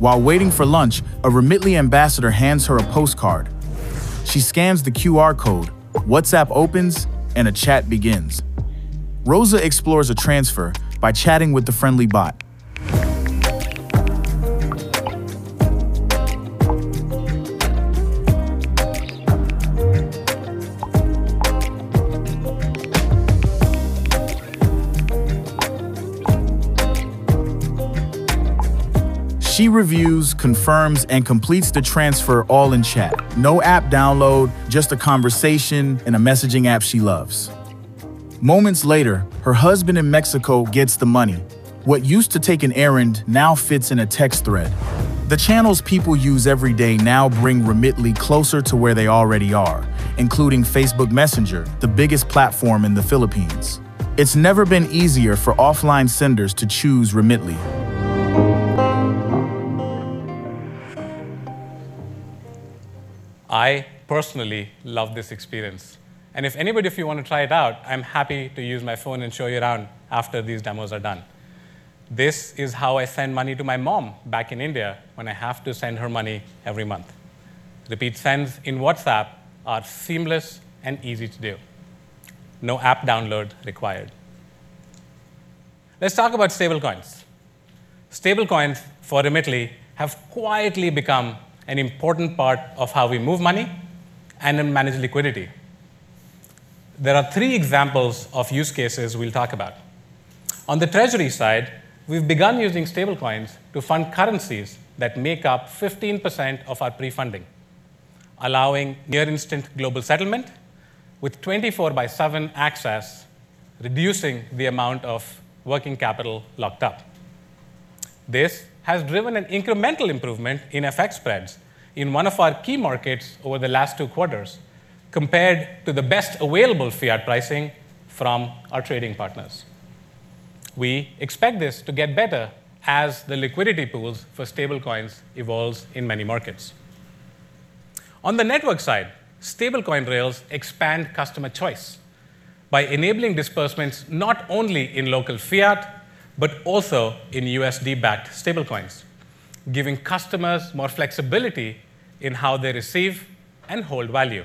While waiting for lunch, a Remitly ambassador hands her a postcard. She scans the QR code, WhatsApp opens, and a chat begins. Rosa explores a transfer by chatting with the friendly bot. She reviews, confirms, and completes the transfer all in chat. No app download, just a conversation in a messaging app she loves. Moments later, her husband in Mexico gets the money. What used to take an errand now fits in a text thread. The channels people use every day now bring Remitly closer to where they already are, including Facebook Messenger, the biggest platform in the Philippines. It's never been easier for offline senders to choose Remitly. I personally love this experience. And if anybody of you want to try it out, I'm happy to use my phone and show you around after these demos are done. This is how I send money to my mom back in India when I have to send her money every month. Repeat sends in WhatsApp are seamless and easy to do. No app download required. Let's talk about stablecoins. Stablecoins for Remitly have quietly become an important part of how we move money and manage liquidity. There are three examples of use cases we'll talk about. On the treasury side, we've begun using stablecoins to fund currencies that make up 15% of our pre-funding, allowing near-instant global settlement with 24/7 access, reducing the amount of working capital locked up. This has driven an incremental improvement in FX spreads in one of our key markets over the last two quarters, compared to the best available fiat pricing from our trading partners. We expect this to get better as the liquidity pools for stablecoins evolve in many markets. On the network side, stablecoin rails expand customer choice by enabling disbursements not only in local fiat but also in USD-backed stablecoins, giving customers more flexibility in how they receive and hold value.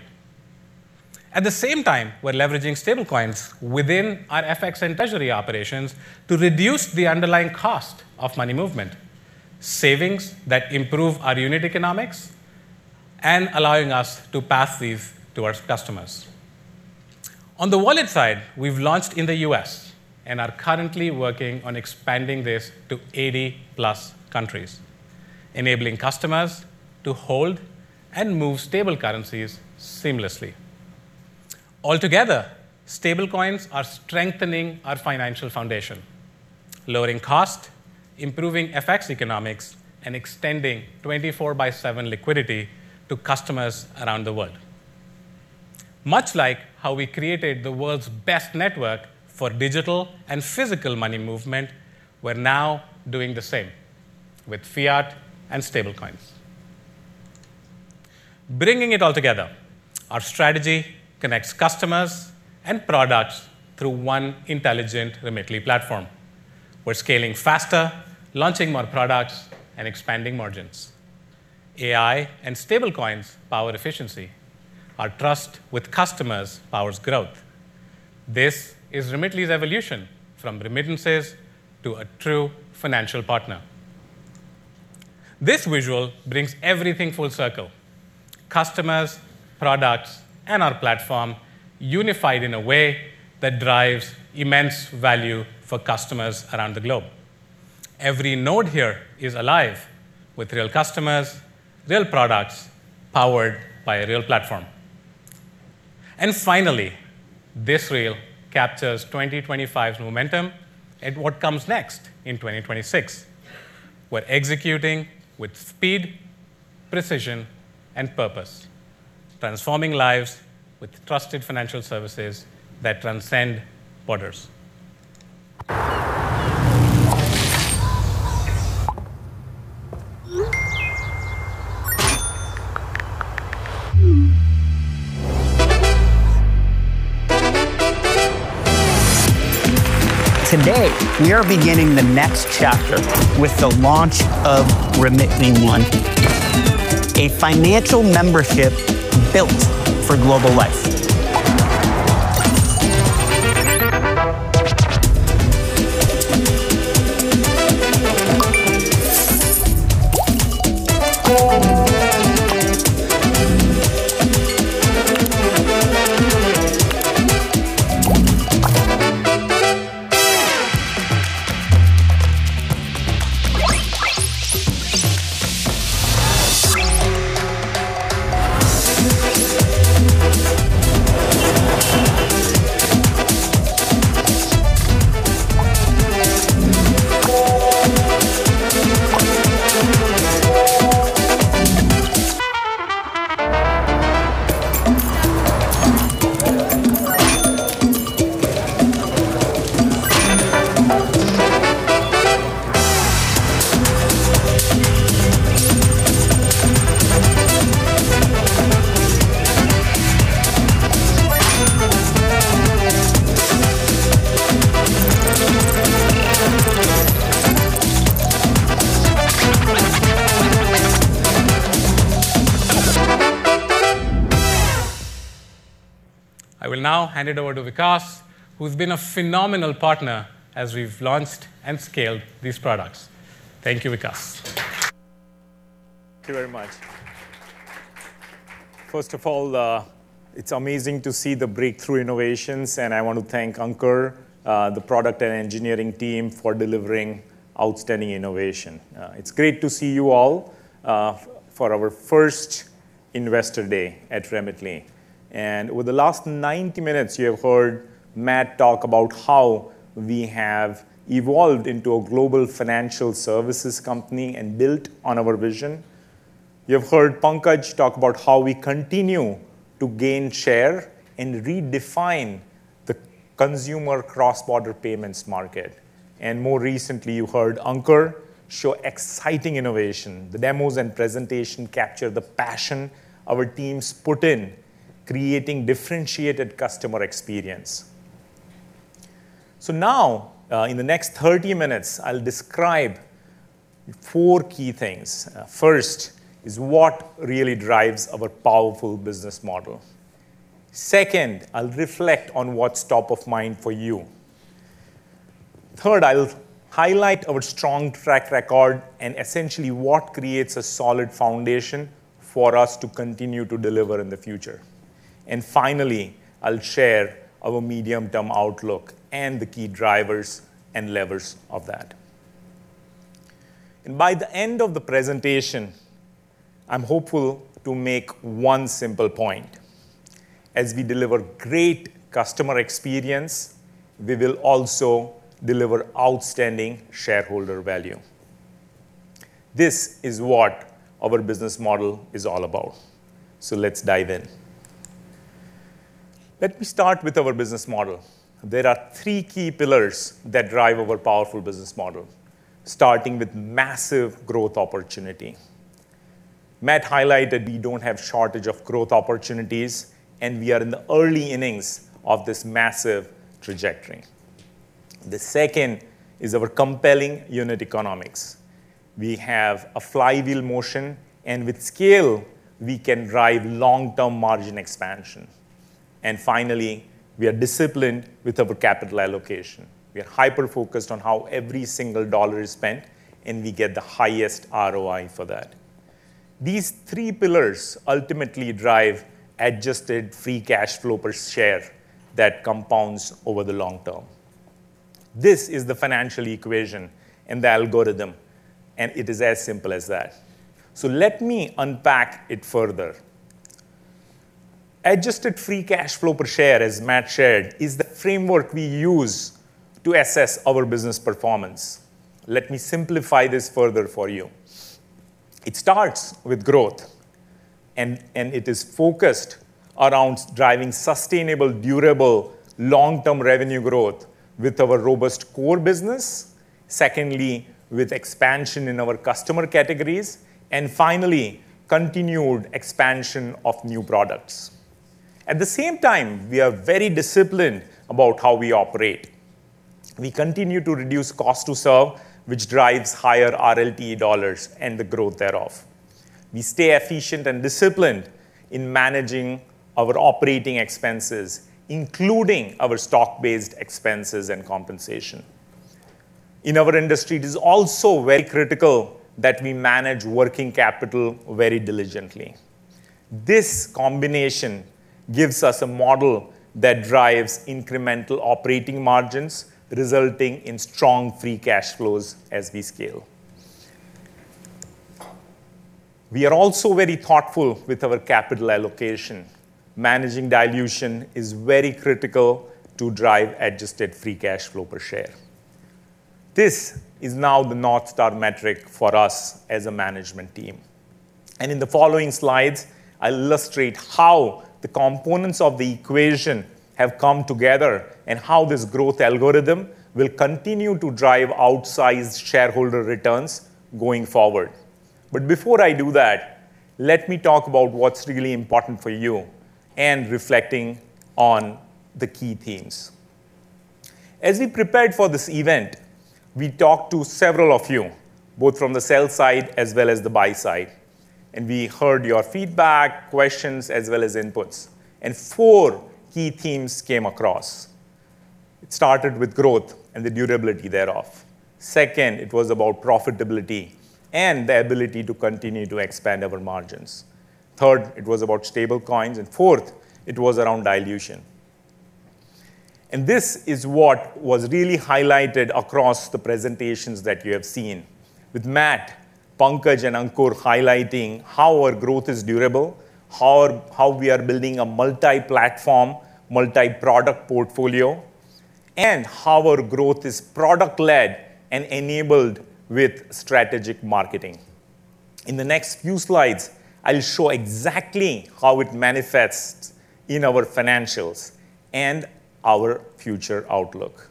At the same time, we're leveraging stablecoins within our FX and treasury operations to reduce the underlying cost of money movement, savings that improve our unit economics, and allowing us to pass these to our customers. On the wallet side, we've launched in the U.S. and are currently working on expanding this to 80-plus countries, enabling customers to hold and move stable currencies seamlessly. Altogether, stablecoins are strengthening our financial foundation, lowering cost, improving FX economics, and extending 24x7 liquidity to customers around the world. Much like how we created the world's best network for digital and physical money movement, we're now doing the same with fiat and stablecoins. Bringing it all together, our strategy connects customers and products through one intelligent Remitly platform. We're scaling faster, launching more products, and expanding margins. AI and stablecoins power efficiency. Our trust with customers powers growth. This is Remitly's evolution from remittances to a true financial partner. This visual brings everything full circle: customers, products, and our platform unified in a way that drives immense value for customers around the globe. Every node here is alive with real customers, real products powered by a real platform. And finally, this reel captures 2025's momentum and what comes next in 2026. We're executing with speed, precision, and purpose, transforming lives with trusted financial services that transcend borders. Today, we are beginning the next chapter with the launch of Remitly One, a financial membership built for global life. I will now hand it over to Vikas, who's been a phenomenal partner as we've launched and scaled these products. Thank you, Vikas. Thank you very much. First of all, it's amazing to see the breakthrough innovations, and I want to thank Ankur, the product and engineering team, for delivering outstanding innovation. It's great to see you all for our first Investor Day at Remitly, and over the last 90 minutes, you have heard Matt talk about how we have evolved into a global financial services company and built on our vision. You have heard Pankaj talk about how we continue to gain share and redefine the consumer cross-border payments market, and more recently, you heard Ankur show exciting innovation. The demos and presentation capture the passion our teams put in, creating differentiated customer experience, so now, in the next 30 minutes, I'll describe four key things. First is what really drives our powerful business model. Second, I'll reflect on what's top of mind for you. Third, I'll highlight our strong track record and essentially what creates a solid foundation for us to continue to deliver in the future. And finally, I'll share our medium-term outlook and the key drivers and levers of that. And by the end of the presentation, I'm hopeful to make one simple point. As we deliver great customer experience, we will also deliver outstanding shareholder value. This is what our business model is all about. So let's dive in. Let me start with our business model. There are three key pillars that drive our powerful business model, starting with massive growth opportunity. Matt highlighted we don't have a shortage of growth opportunities, and we are in the early innings of this massive trajectory. The second is our compelling unit economics. We have a flywheel motion, and with scale, we can drive long-term margin expansion. Finally, we are disciplined with our capital allocation. We are hyper-focused on how every single dollar is spent, and we get the highest ROI for that. These three pillars ultimately drive Adjusted Free Cash Flow per Share that compounds over the long term. This is the financial equation and the algorithm, and it is as simple as that. Let me unpack it further. Adjusted Free Cash Flow per Share, as Matt shared, is the framework we use to assess our business performance. Let me simplify this further for you. It starts with growth, and it is focused around driving sustainable, durable, long-term revenue growth with our robust core business, secondly, with expansion in our customer categories, and finally, continued expansion of new products. At the same time, we are very disciplined about how we operate. We continue to reduce cost to serve, which drives higher RLT dollars and the growth thereof. We stay efficient and disciplined in managing our operating expenses, including our stock-based expenses and compensation. In our industry, it is also very critical that we manage working capital very diligently. This combination gives us a model that drives incremental operating margins, resulting in strong free cash flows as we scale. We are also very thoughtful with our capital allocation. Managing dilution is very critical to drive Adjusted Free Cash Flow per Share. This is now the North Star metric for us as a management team, and in the following slides, I'll illustrate how the components of the equation have come together and how this growth algorithm will continue to drive outsized shareholder returns going forward. But before I do that, let me talk about what's really important for you and reflecting on the key themes. As we prepared for this event, we talked to several of you, both from the sell side as well as the buy side. And we heard your feedback, questions, as well as inputs. And four key themes came across. It started with growth and the durability thereof. Second, it was about profitability and the ability to continue to expand our margins. Third, it was about stablecoins. And fourth, it was around dilution. And this is what was really highlighted across the presentations that you have seen, with Matt, Pankaj, and Ankur highlighting how our growth is durable, how we are building a multi-platform, multi-product portfolio, and how our growth is product-led and enabled with strategic marketing. In the next few slides, I'll show exactly how it manifests in our financials and our future outlook.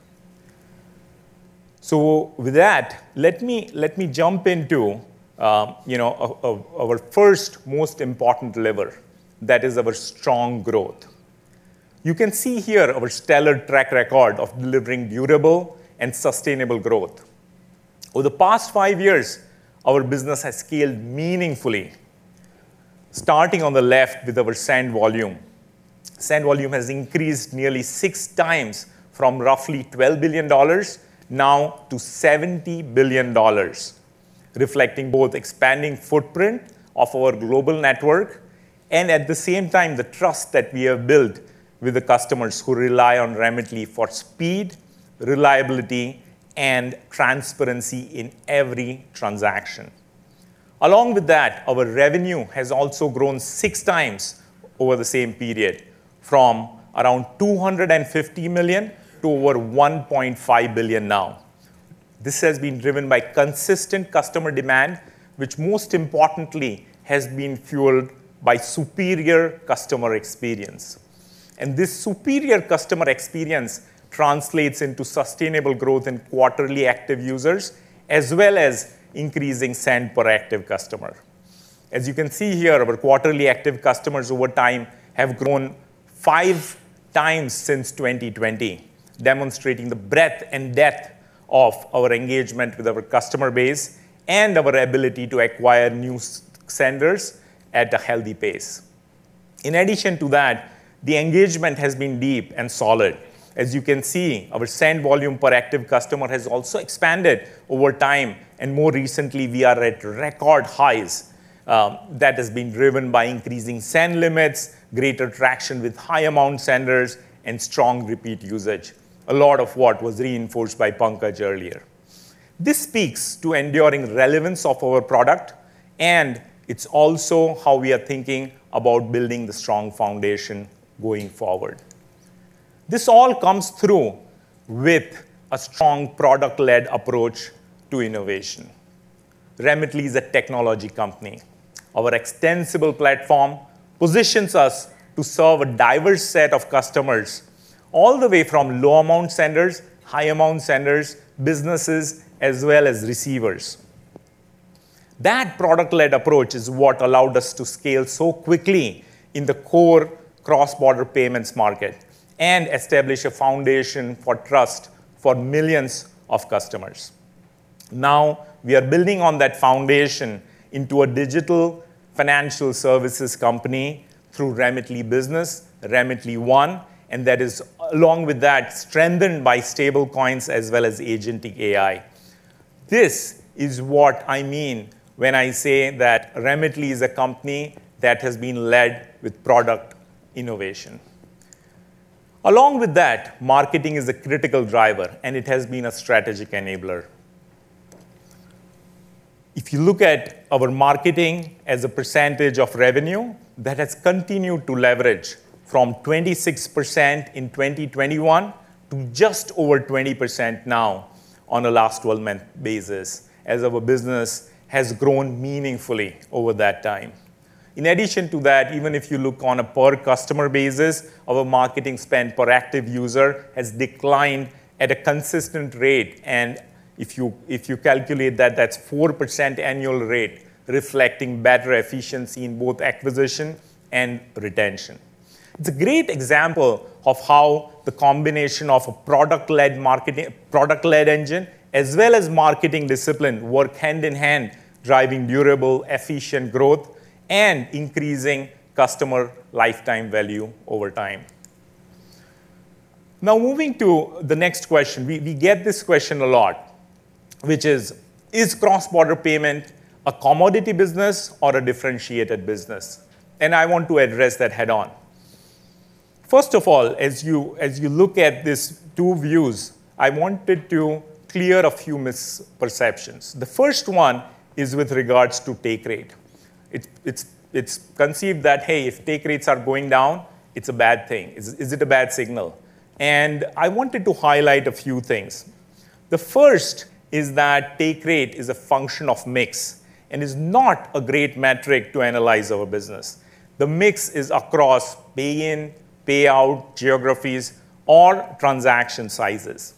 So with that, let me jump into our first most important lever, that is our strong growth. You can see here our stellar track record of delivering durable and sustainable growth. Over the past five years, our business has scaled meaningfully, starting on the left with our send volume. Send volume has increased nearly six times from roughly $12 billion now to $70 billion, reflecting both expanding footprint of our global network and at the same time, the trust that we have built with the customers who rely on Remitly for speed, reliability, and transparency in every transaction. Along with that, our revenue has also grown six times over the same period, from around $250 million to over $1.5 billion now. This has been driven by consistent customer demand, which most importantly has been fueled by superior customer experience. And this superior customer experience translates into sustainable growth in quarterly active users, as well as increasing send per active customer. As you can see here, our quarterly active customers over time have grown five times since 2020, demonstrating the breadth and depth of our engagement with our customer base and our ability to acquire new senders at a healthy pace. In addition to that, the engagement has been deep and solid. As you can see, our send volume per active customer has also expanded over time. And more recently, we are at record highs. That has been driven by increasing send limits, greater traction with high-amount senders, and strong repeat usage, a lot of what was reinforced by Pankaj earlier. This speaks to enduring relevance of our product, and it's also how we are thinking about building the strong foundation going forward. This all comes through with a strong product-led approach to innovation. Remitly is a technology company. Our extensible platform positions us to serve a diverse set of customers, all the way from low-amount senders, high-amount senders, businesses, as well as receivers. That product-led approach is what allowed us to scale so quickly in the core cross-border payments market and establish a foundation for trust for millions of customers. Now, we are building on that foundation into a digital financial services company through Remitly Business, Remitly One, and that is, along with that, strengthened by stablecoins as well as Agentic AI. This is what I mean when I say that Remitly is a company that has been led with product innovation. Along with that, marketing is a critical driver, and it has been a strategic enabler. If you look at our marketing as a percentage of revenue, that has continued to leverage from 26% in 2021 to just over 20% now on a last 12-month basis as our business has grown meaningfully over that time. In addition to that, even if you look on a per-customer basis, our marketing spend per active user has declined at a consistent rate. And if you calculate that, that's a 4% annual rate, reflecting better efficiency in both acquisition and retention. It's a great example of how the combination of a product-led marketing, product-led engine, as well as marketing discipline work hand in hand, driving durable, efficient growth and increasing customer lifetime value over time. Now, moving to the next question, we get this question a lot, which is, is cross-border payment a commodity business or a differentiated business? And I want to address that head-on. First of all, as you look at these two views, I wanted to clear a few misperceptions. The first one is with regards to take rate. It's conceived that, hey, if take rates are going down, it's a bad thing. Is it a bad signal? And I wanted to highlight a few things. The first is that take rate is a function of mix and is not a great metric to analyze our business. The mix is across pay-in, pay-out geographies or transaction sizes.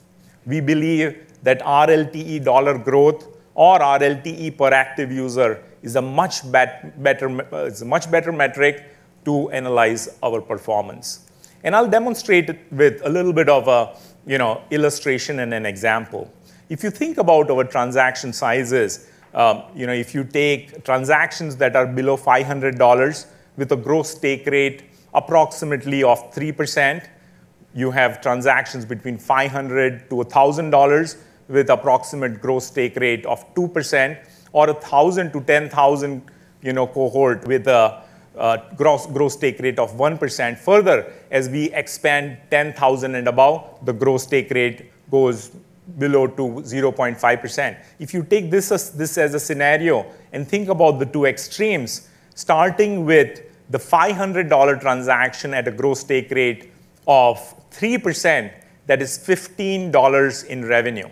We believe that RLTE dollar growth or RLTE per active user is a much better metric to analyze our performance. And I'll demonstrate it with a little bit of an illustration and an example. If you think about our transaction sizes, if you take transactions that are below $500 with a Gross Take Rate approximately of 3%, you have transactions between $500-$1,000 with an approximate Gross Take Rate of 2%, or a 1,000-10,000 cohort with a Gross Take Rate of 1%. Further, as we expand 10,000 and above, the Gross Take Rate goes below to 0.5%. If you take this as a scenario and think about the two extremes, starting with the $500 transaction at a Gross Take Rate of 3%, that is $15 in revenue.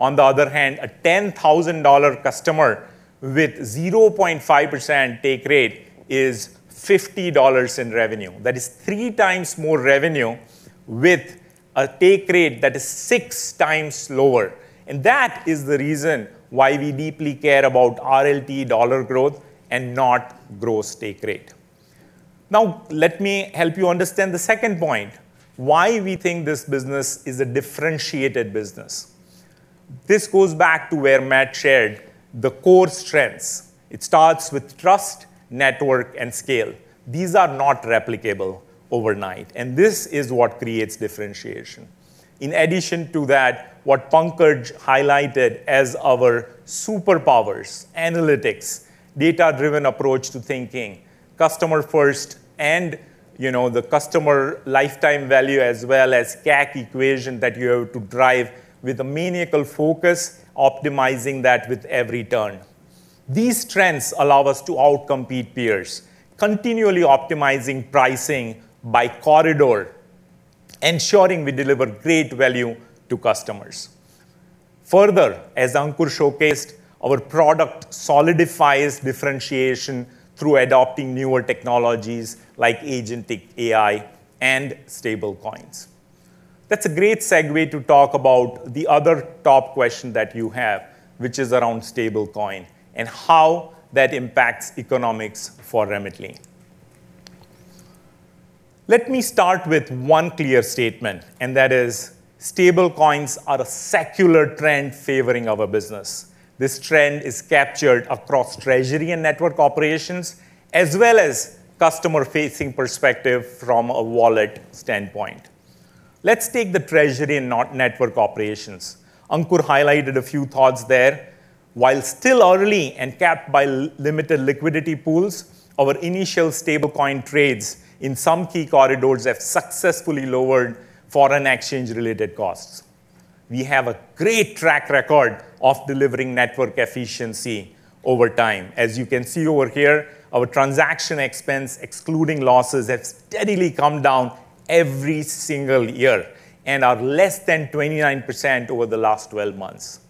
On the other hand, a $10,000 customer with a 0.5% take rate is $50 in revenue. That is three times more revenue with a take rate that is six times lower. And that is the reason why we deeply care about RLTE dollar growth and not Gross Take Rate. Now, let me help you understand the second point, why we think this business is a differentiated business. This goes back to where Matt shared the core strengths. It starts with trust, network, and scale. These are not replicable overnight. And this is what creates differentiation. In addition to that, what Pankaj highlighted as our superpowers, analytics, data-driven approach to thinking, customer-first, and the customer lifetime value, as well as CAC equation that you have to drive with a maniacal focus, optimizing that with every turn. These strengths allow us to outcompete peers, continually optimizing pricing by corridor, ensuring we deliver great value to customers. Further, as Ankur showcased, our product solidifies differentiation through adopting newer technologies like Agentic AI and stablecoins. That's a great segue to talk about the other top question that you have, which is around stablecoin and how that impacts economics for Remitly. Let me start with one clear statement, and that is, stablecoins are a secular trend favoring our business. This trend is captured across treasury and network operations, as well as customer-facing perspective from a wallet standpoint. Let's take the treasury and network operations. Ankur highlighted a few thoughts there. While still early and capped by limited liquidity pools, our initial stablecoin trades in some key corridors have successfully lowered foreign exchange-related costs. We have a great track record of delivering network efficiency over time. As you can see over here, our transaction expense, excluding losses, has steadily come down every single year and are less than 29% over the last 12 months.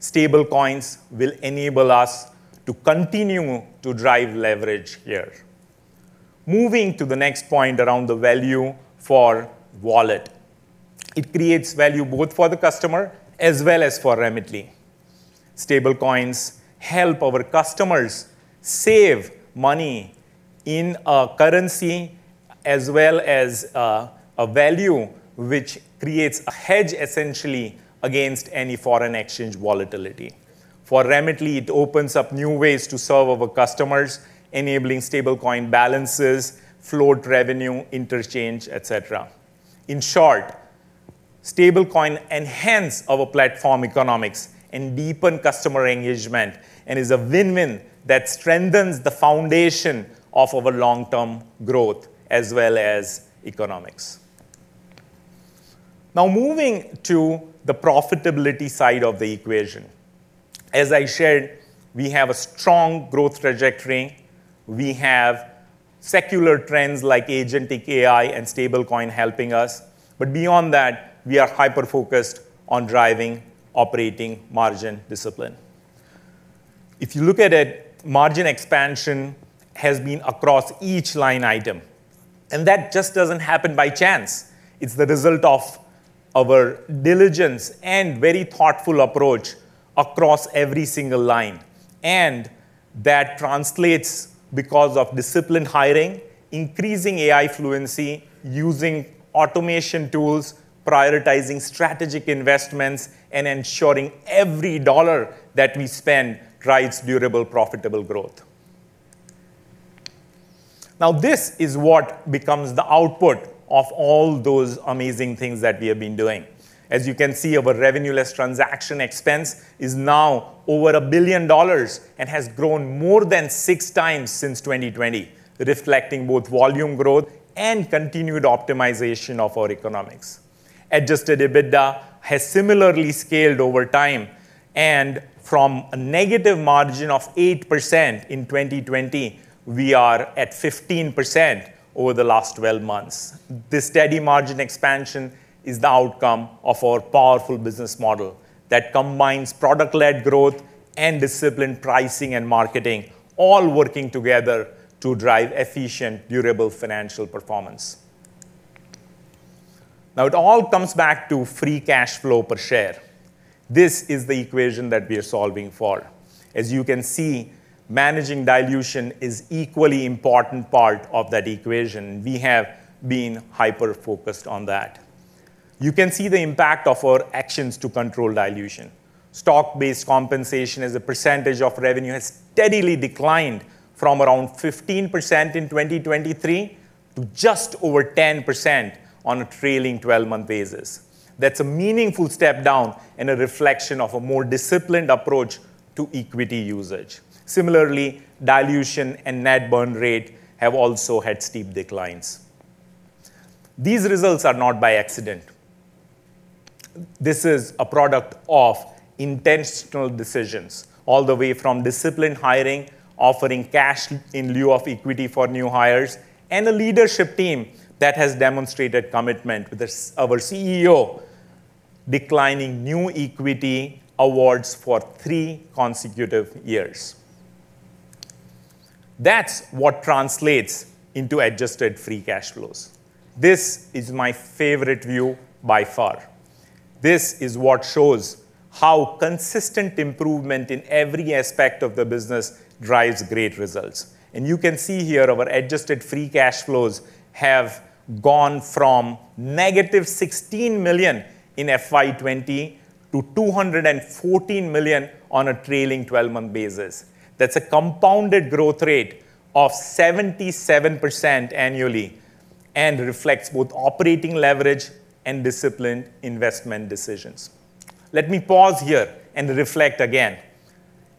Stablecoins will enable us to continue to drive leverage here. Moving to the next point around the value for wallet, it creates value both for the customer as well as for Remitly. Stablecoins help our customers save money in a currency as well as a value, which creates a hedge essentially against any foreign exchange volatility. For Remitly, it opens up new ways to serve our customers, enabling stablecoin balances, float revenue, interchange, et cetera. In short, stablecoin enhanced our platform economics and deepened customer engagement and is a win-win that strengthens the foundation of our long-term growth as well as economics. Now, moving to the profitability side of the equation. As I shared, we have a strong growth trajectory. We have secular trends like Agentic AI and stablecoin helping us, but beyond that, we are hyper-focused on driving operating margin discipline. If you look at it, margin expansion has been across each line item, and that just doesn't happen by chance. It's the result of our diligence and very thoughtful approach across every single line. That translates because of disciplined hiring, increasing AI fluency, using automation tools, prioritizing strategic investments, and ensuring every dollar that we spend drives durable, profitable growth. Now, this is what becomes the output of all those amazing things that we have been doing. As you can see, our Revenue Less Transaction Expense is now over $1 billion and has grown more than six times since 2020, reflecting both volume growth and continued optimization of our economics. Adjusted EBITDA has similarly scaled over time and from a negative margin of 8% in 2020, we are at 15% over the last 12 months. This steady margin expansion is the outcome of our powerful business model that combines product-led growth and disciplined pricing and marketing, all working together to drive efficient, durable financial performance. Now, it all comes back to free cash flow per share. This is the equation that we are solving for. As you can see, managing dilution is an equally important part of that equation. We have been hyper-focused on that. You can see the impact of our actions to control dilution. Stock-based compensation as a percentage of revenue has steadily declined from around 15% in 2023 to just over 10% on a trailing 12-month basis. That's a meaningful step down and a reflection of a more disciplined approach to equity usage. Similarly, dilution and net burn rate have also had steep declines. These results are not by accident. This is a product of intentional decisions all the way from disciplined hiring, offering cash in lieu of equity for new hires, and a leadership team that has demonstrated commitment with our CEO, declining new equity awards for three consecutive years. That's what translates into Adjusted Free Cash Flows. This is my favorite view by far. This is what shows how consistent improvement in every aspect of the business drives great results. And you can see here our Adjusted Free Cash Flows have gone from negative $16 million in FY20 to $214 million on a trailing 12-month basis. That's a compounded growth rate of 77% annually and reflects both operating leverage and disciplined investment decisions. Let me pause here and reflect again.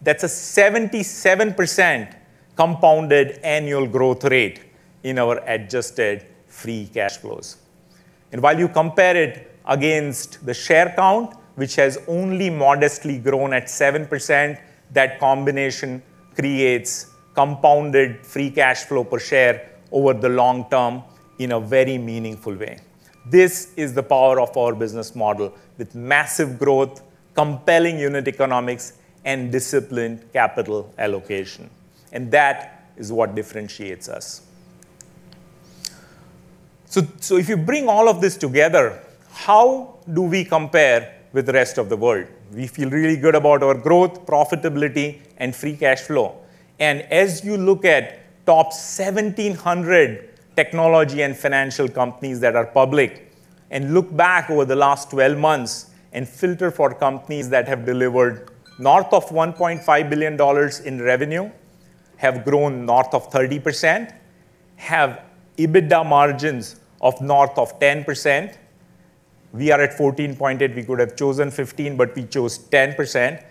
That's a 77% compounded annual growth rate in our Adjusted Free Cash Flows. And while you compare it against the share count, which has only modestly grown at 7%, that combination creates compounded free cash flow per share over the long term in a very meaningful way. This is the power of our business model with massive growth, compelling unit economics, and disciplined capital allocation. And that is what differentiates us. So if you bring all of this together, how do we compare with the rest of the world? We feel really good about our growth, profitability, and free cash flow. And as you look at top 1,700 technology and financial companies that are public and look back over the last 12 months and filter for companies that have delivered north of $1.5 billion in revenue, have grown north of 30%, have EBITDA margins of north of 10%, we are at 14.8%. We could have chosen 15%, but we chose 10%.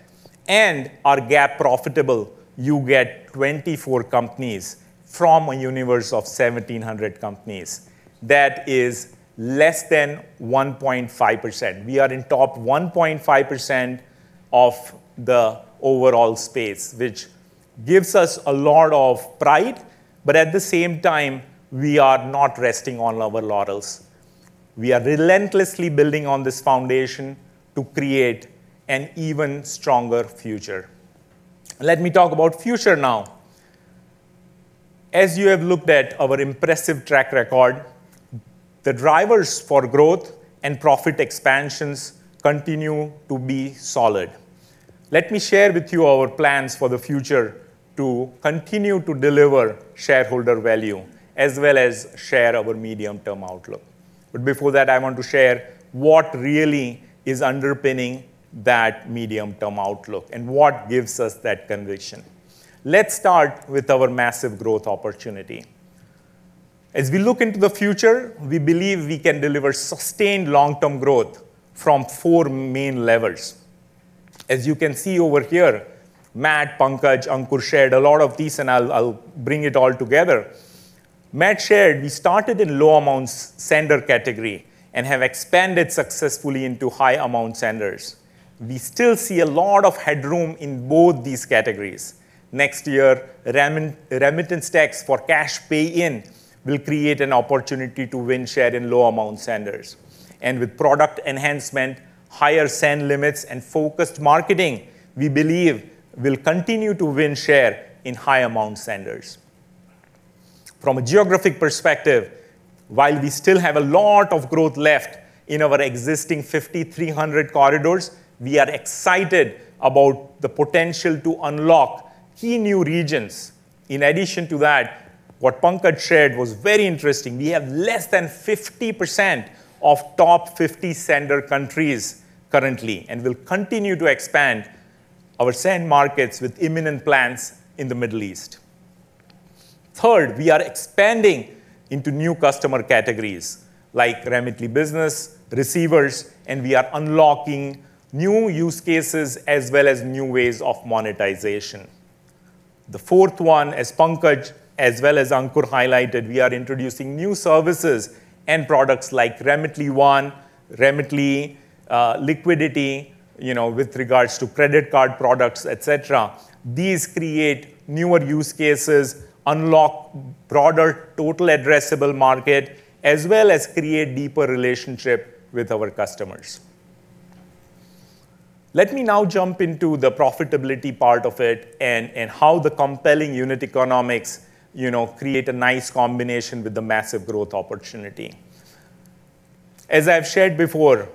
And are GAAP profitable, you get 24 companies from a universe of 1,700 companies. That is less than 1.5%. We are in top 1.5% of the overall space, which gives us a lot of pride. But at the same time, we are not resting on our laurels. We are relentlessly building on this foundation to create an even stronger future. Let me talk about the future now. As you have looked at our impressive track record, the drivers for growth and profit expansions continue to be solid. Let me share with you our plans for the future to continue to deliver shareholder value as well as share our medium-term outlook. But before that, I want to share what really is underpinning that medium-term outlook and what gives us that conviction. Let's start with our massive growth opportunity. As we look into the future, we believe we can deliver sustained long-term growth from four main levels. As you can see over here, Matt, Pankaj, Ankur shared a lot of these, and I'll bring it all together. Matt shared, we started in low-amount sender category and have expanded successfully into high-amount senders. We still see a lot of headroom in both these categories. Next year, remittance tax for cash pay-in will create an opportunity to win share in low-amount senders, and with product enhancement, higher send limits, and focused marketing, we believe we'll continue to win share in high-amount senders. From a geographic perspective, while we still have a lot of growth left in our existing 5,300 corridors, we are excited about the potential to unlock key new regions. In addition to that, what Pankaj shared was very interesting. We have less than 50% of top 50 sender countries currently and will continue to expand our send markets with imminent plans in the Middle East. Third, we are expanding into new customer categories like Remitly Business receivers, and we are unlocking new use cases as well as new ways of monetization. The fourth one, as Pankaj as well as Ankur highlighted, we are introducing new services and products like Remitly One, Remitly Liquidity with regards to credit card products, et cetera. These create newer use cases, unlock broader total addressable market, as well as create a deeper relationship with our customers. Let me now jump into the profitability part of it and how the compelling unit economics create a nice combination with the massive growth opportunity. As I've shared before,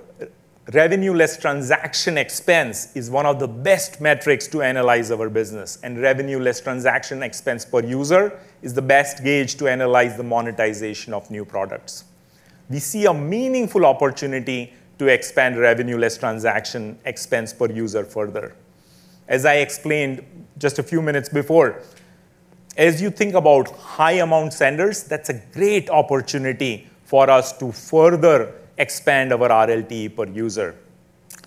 Revenue Less Transaction Expense is one of the best metrics to analyze our business, and Revenue Less Transaction Expense per user is the best gauge to analyze the monetization of new products. We see a meaningful opportunity to expand Revenue Less Transaction Expense per user further. As I explained just a few minutes before, as you think about high-amount senders, that's a great opportunity for us to further expand our RLT per user.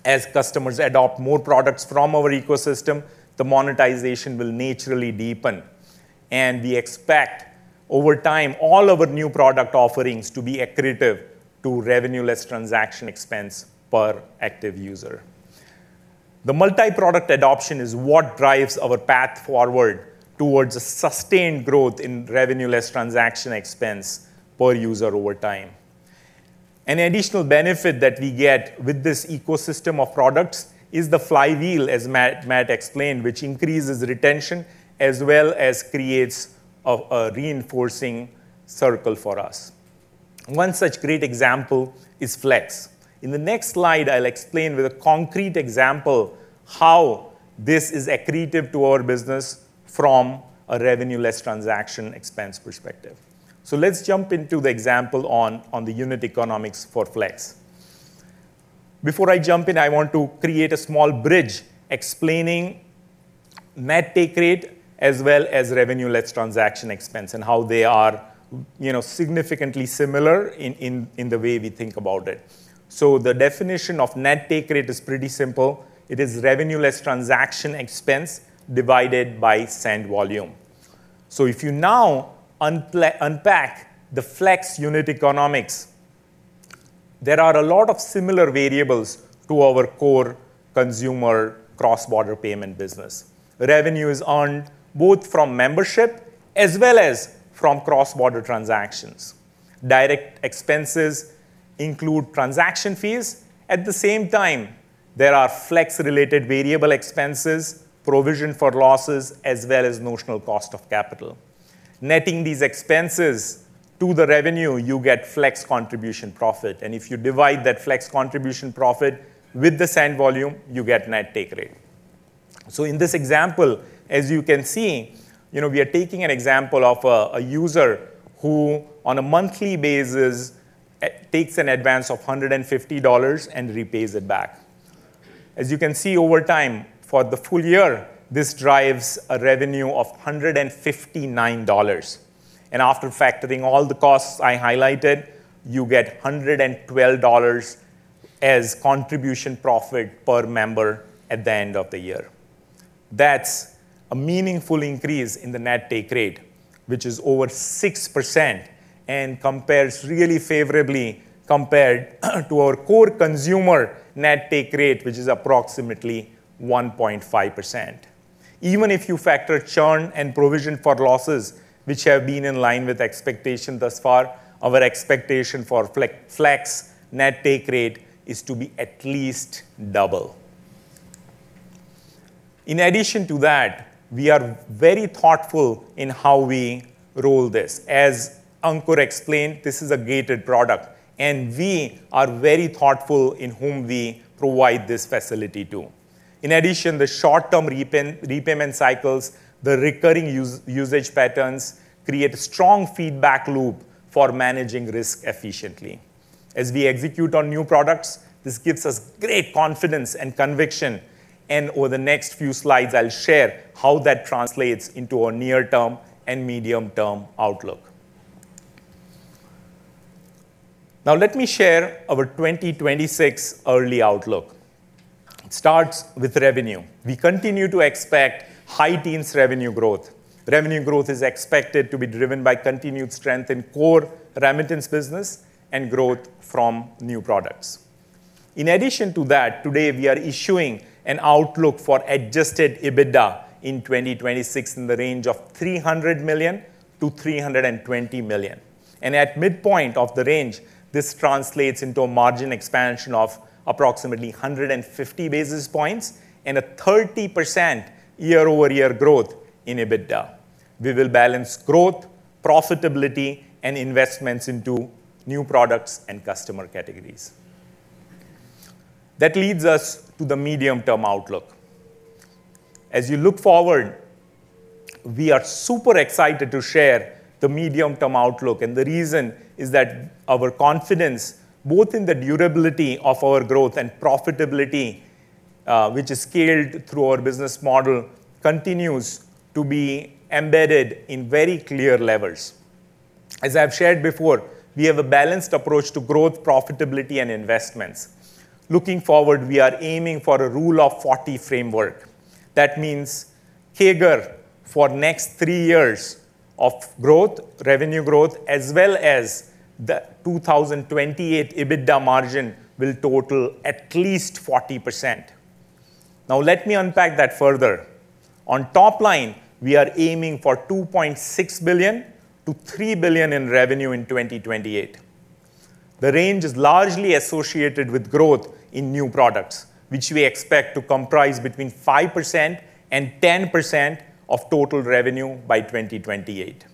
As customers adopt more products from our ecosystem, the monetization will naturally deepen, and we expect over time, all of our new product offerings to be accretive to Revenue Less Transaction Expense per active user. The multi-product adoption is what drives our path forward towards a sustained growth in Revenue Less Transaction Expense per user over time. An additional benefit that we get with this ecosystem of products is the flywheel, as Matt explained, which increases retention as well as creates a reinforcing circle for us. One such great example is Flex. In the next slide, I'll explain with a concrete example how this is accretive to our business from a Revenue Less Transaction Expense perspective, so let's jump into the example on the unit economics for Flex. Before I jump in, I want to create a small bridge explaining Net Take Rate as well as Revenue Less Transaction Expense and how they are significantly similar in the way we think about it. So the definition of Net Take Rate is pretty simple. It is Revenue Less Transaction Expense divided by send volume. So if you now unpack the Flex unit economics, there are a lot of similar variables to our core consumer cross-border payment business. Revenue is earned both from membership as well as from cross-border transactions. Direct expenses include transaction fees. At the same time, there are Flex-related variable expenses, provision for losses, as well as notional cost of capital. Netting these expenses to the revenue, you get Flex contribution profit. And if you divide that Flex contribution profit with the send volume, you get Net Take Rate. In this example, as you can see, we are taking an example of a user who on a monthly basis takes an advance of $150 and repays it back. As you can see over time, for the full year, this drives a revenue of $159. And after factoring all the costs I highlighted, you get $112 as contribution profit per member at the end of the year. That's a meaningful increase in the net take rate, which is over 6% and compares really favorably compared to our core consumer net take rate, which is approximately 1.5%. Even if you factor churn and provision for losses, which have been in line with expectation thus far, our expectation for Flex net take rate is to be at least double. In addition to that, we are very thoughtful in how we roll this. As Ankur explained, this is a gated product, and we are very thoughtful in whom we provide this facility to. In addition, the short-term repayment cycles, the recurring usage patterns create a strong feedback loop for managing risk efficiently. As we execute on new products, this gives us great confidence and conviction and over the next few slides, I'll share how that translates into our near-term and medium-term outlook. Now, let me share our 2026 early outlook. It starts with revenue. We continue to expect high teens revenue growth. Revenue growth is expected to be driven by continued strength in core remittance business and growth from new products. In addition to that, today we are issuing an outlook for Adjusted EBITDA in 2026 in the range of $300 million-$320 million. At midpoint of the range, this translates into a margin expansion of approximately 150 basis points and a 30% year-over-year growth in EBITDA. We will balance growth, profitability, and investments into new products and customer categories. That leads us to the medium-term outlook. As you look forward, we are super excited to share the medium-term outlook. The reason is that our confidence, both in the durability of our growth and profitability, which is scaled through our business model, continues to be embedded in very clear levels. As I've shared before, we have a balanced approach to growth, profitability, and investments. Looking forward, we are aiming for a Rule of 40 framework. That means CAGR for next three years of growth, revenue growth, as well as the 2028 EBITDA margin will total at least 40%. Now, let me unpack that further. On top line, we are aiming for $2.6 billion-$3 billion in revenue in 2028. The range is largely associated with growth in new products, which we expect to comprise between 5% and 10% of total revenue by 2028.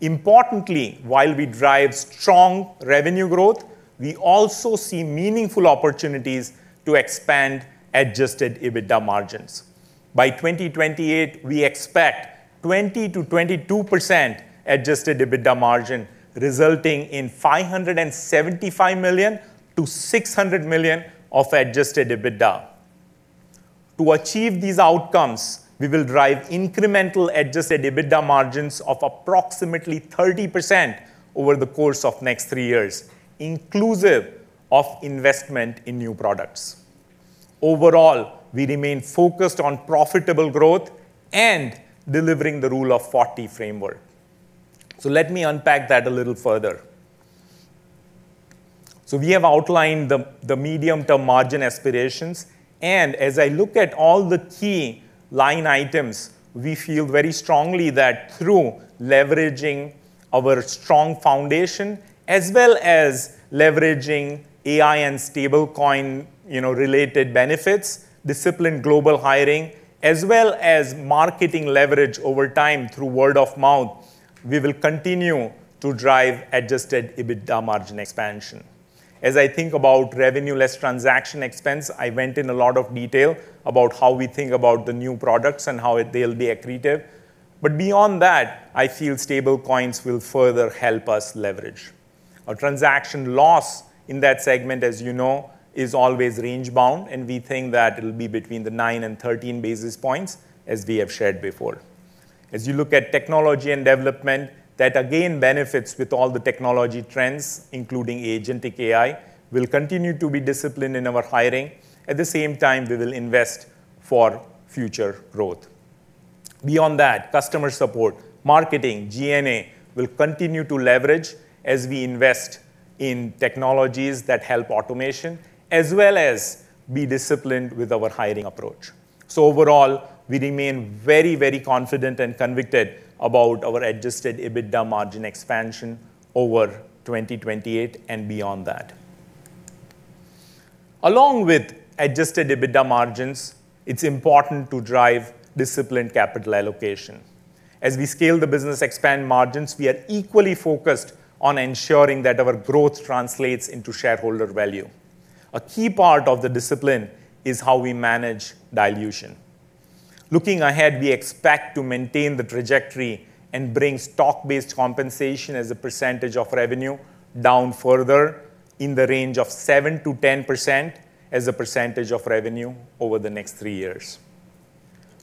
Importantly, while we drive strong revenue growth, we also see meaningful opportunities to expand Adjusted EBITDA margins. By 2028, we expect 20%-22% Adjusted EBITDA margin resulting in $575 million-$600 million of Adjusted EBITDA. To achieve these outcomes, we will drive incremental Adjusted EBITDA margins of approximately 30% over the course of next three years, inclusive of investment in new products. Overall, we remain focused on profitable growth and delivering the Rule of 40 framework. So let me unpack that a little further. So we have outlined the medium-term margin aspirations. As I look at all the key line items, we feel very strongly that through leveraging our strong foundation as well as leveraging AI and stablecoin-related benefits, disciplined global hiring, as well as marketing leverage over time through word of mouth, we will continue to drive Adjusted EBITDA margin expansion. As I think about Revenue Less Transaction Expense, I went in a lot of detail about how we think about the new products and how they'll be accretive. Beyond that, I feel stablecoins will further help us leverage. Our transaction loss in that segment, as you know, is always range-bound, and we think that it'll be between the 9 and 13 basis points as we have shared before. As you look at technology and development, that again benefits with all the technology trends, including Agentic AI, will continue to be disciplined in our hiring. At the same time, we will invest for future growth. Beyond that, customer support, marketing, G&A will continue to leverage as we invest in technologies that help automation as well as be disciplined with our hiring approach. So overall, we remain very, very confident and convicted about our Adjusted EBITDA margin expansion over 2028 and beyond that. Along with Adjusted EBITDA margins, it's important to drive disciplined capital allocation. As we scale the business, expand margins, we are equally focused on ensuring that our growth translates into shareholder value. A key part of the discipline is how we manage dilution. Looking ahead, we expect to maintain the trajectory and bring stock-based compensation as a percentage of revenue down further in the range of 7%-10% as a percentage of revenue over the next three years.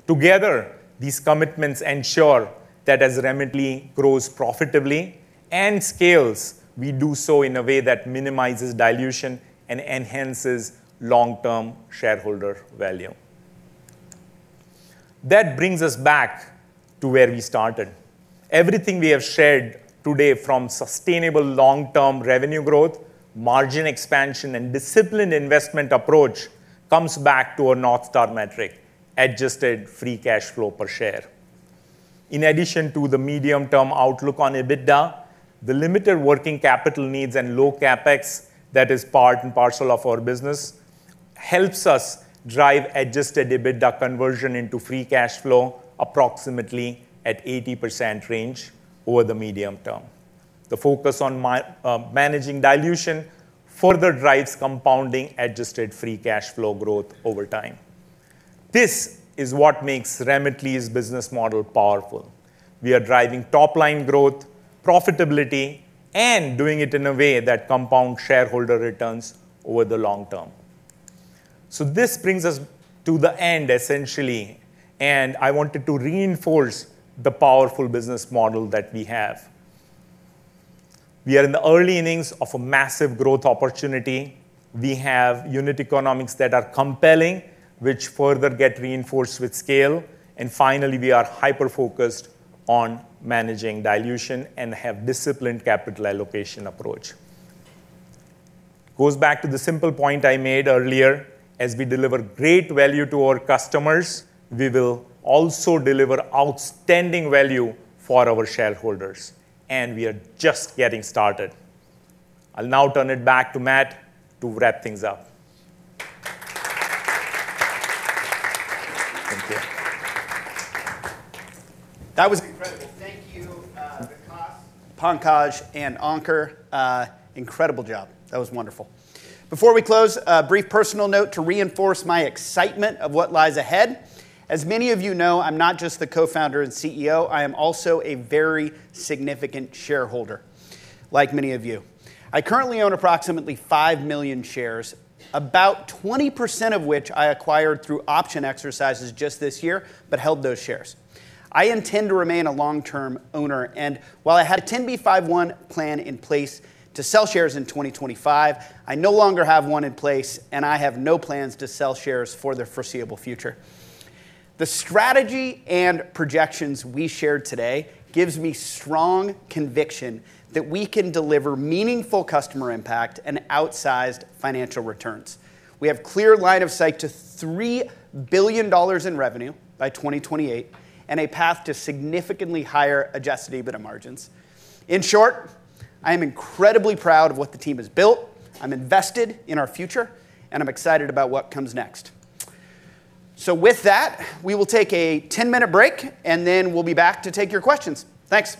Together, these commitments ensure that as Remitly grows profitably and scales, we do so in a way that minimizes dilution and enhances long-term shareholder value. That brings us back to where we started. Everything we have shared today from sustainable long-term revenue growth, margin expansion, and disciplined investment approach comes back to our North Star metric, Adjusted Free Cash Flow per share. In addition to the medium-term outlook on EBITDA, the limited working capital needs and low CapEx that is part and parcel of our business helps us drive Adjusted EBITDA conversion into free cash flow approximately at 80% range over the medium term. The focus on managing dilution further drives compounding Adjusted Free Cash Flow growth over time. This is what makes Remitly's business model powerful. We are driving top-line growth, profitability, and doing it in a way that compounds shareholder returns over the long term. So this brings us to the end, essentially, and I wanted to reinforce the powerful business model that we have. We are in the early innings of a massive growth opportunity. We have unit economics that are compelling, which further get reinforced with scale. And finally, we are hyper-focused on managing dilution and have a disciplined capital allocation approach. Goes back to the simple point I made earlier. As we deliver great value to our customers, we will also deliver outstanding value for our shareholders. And we are just getting started. I'll now turn it back to Matt to wrap things up. Thank you. That was incredible. Thank you, Vikas, Pankaj, and Ankur. Incredible job. That was wonderful. Before we close, a brief personal note to reinforce my excitement of what lies ahead. As many of you know, I'm not just the co-founder and CEO. I am also a very significant shareholder, like many of you. I currently own approximately 5 million shares, about 20% of which I acquired through option exercises just this year, but held those shares. I intend to remain a long-term owner. And while I had a 10b5-1 plan in place to sell shares in 2025, I no longer have one in place, and I have no plans to sell shares for the foreseeable future. The strategy and projections we shared today give me strong conviction that we can deliver meaningful customer impact and outsized financial returns. We have a clear line of sight to $3 billion in revenue by 2028 and a path to significantly higher Adjusted EBITDA margins. In short, I am incredibly proud of what the team has built. I'm invested in our future, and I'm excited about what comes next. So with that, we will take a 10-minute break, and then we'll be back to take your questions. Thanks.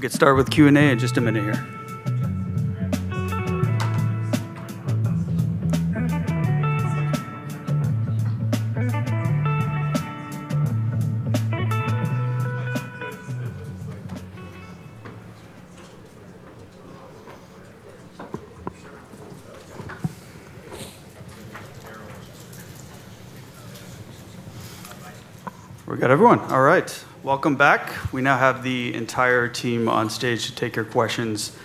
All right, we'll get started with Q&A in just a minute here. We've got everyone. All right, welcome back. We now have the entire team on stage to take your questions.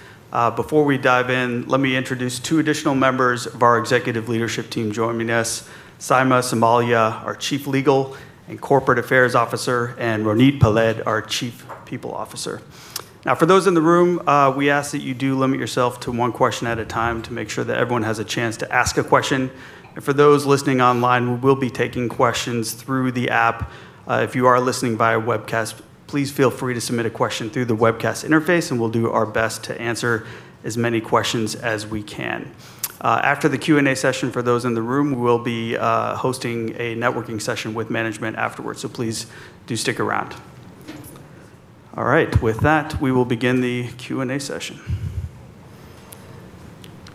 Before we dive in, let me introduce two additional members of our executive leadership team joining us: Saema Somalya, our Chief Legal and Corporate Affairs Officer, and Ronit Peled, our Chief People Officer. Now, for those in the room, we ask that you do limit yourself to one question at a time to make sure that everyone has a chance to ask a question. And for those listening online, we will be taking questions through the app. If you are listening via webcast, please feel free to submit a question through the webcast interface, and we'll do our best to answer as many questions as we can. After the Q&A session, for those in the room, we will be hosting a networking session with management afterwards. So please do stick around. All right, with that, we will begin the Q&A session.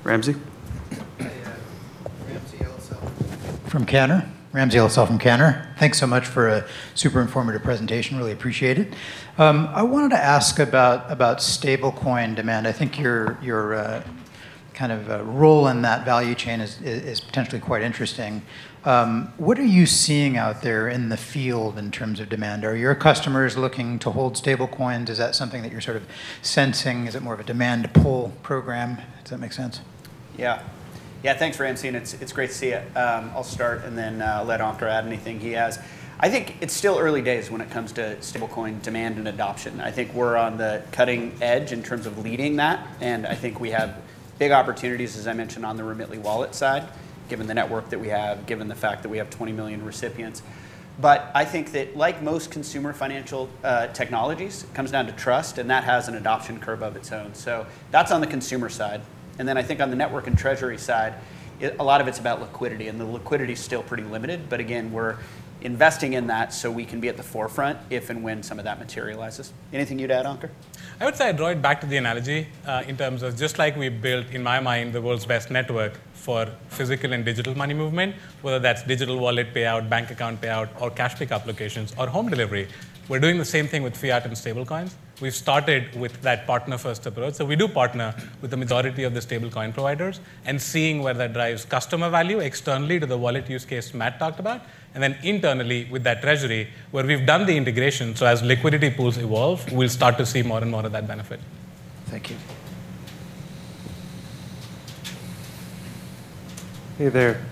Ramsey? Hi, Ramsey El-Assal from Cantor. Thanks so much for a super informative presentation. Really appreciate it. I wanted to ask about stablecoin demand. I think your kind of role in that value chain is potentially quite interesting. What are you seeing out there in the field in terms of demand? Are your customers looking to hold stablecoins? Is that something that you're sort of sensing? Is it more of a demand pull program? Does that make sense? Yeah. Yeah, thanks, Ramsey. It's great to see it. I'll start, and then let Ankur add anything he has. I think it's still early days when it comes to stablecoin demand and adoption. I think we're on the cutting edge in terms of leading that. I think we have big opportunities, as I mentioned, on the Remitly wallet side, given the network that we have, given the fact that we have 20 million recipients. But I think that, like most consumer financial technologies, it comes down to trust, and that has an adoption curve of its own. So that's on the consumer side. Then I think on the network and treasury side, a lot of it's about liquidity. The liquidity is still pretty limited. But again, we're investing in that so we can be at the forefront if and when some of that materializes. Anything you'd add, Ankur? I would say I'd draw it back to the analogy in terms of just like we built, in my mind, the world's best network for physical and digital money movement, whether that's digital wallet payout, bank account payout, or cash pick applications, or home delivery. We're doing the same thing with fiat and stablecoins. We've started with that partner-first approach. So we do partner with the majority of the stablecoin providers and seeing whether that drives customer value externally to the wallet use case Matt talked about, and then internally with that treasury, where we've done the integration. So as liquidity pools evolve, we'll start to see more and more of that benefit. Thank you. Hey there.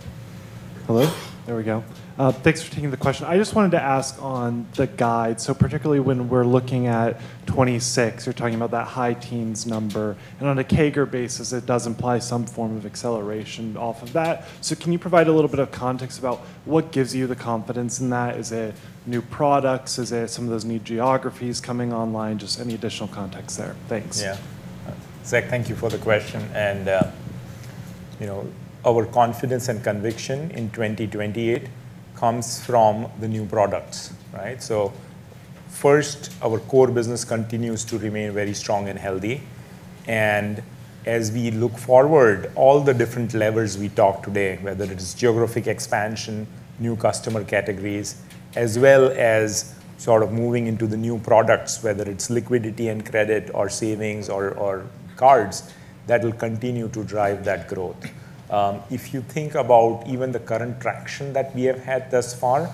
Hello? There we go. Thanks for taking the question. I just wanted to ask on the guide. So particularly when we're looking at 26, you're talking about that high teens number. On a CAGR basis, it does imply some form of acceleration off of that. Can you provide a little bit of context about what gives you the confidence in that? Is it new products? Is it some of those new geographies coming online? Just any additional context there. Thanks. Yeah. Zach, thank you for the question. Our confidence and conviction in 2028 comes from the new products. First, our core business continues to remain very strong and healthy. As we look forward, all the different levers we talked today, whether it is geographic expansion, new customer categories, as well as sort of moving into the new products, whether it's liquidity and credit or savings or cards, that will continue to drive that growth. If you think about even the current traction that we have had thus far,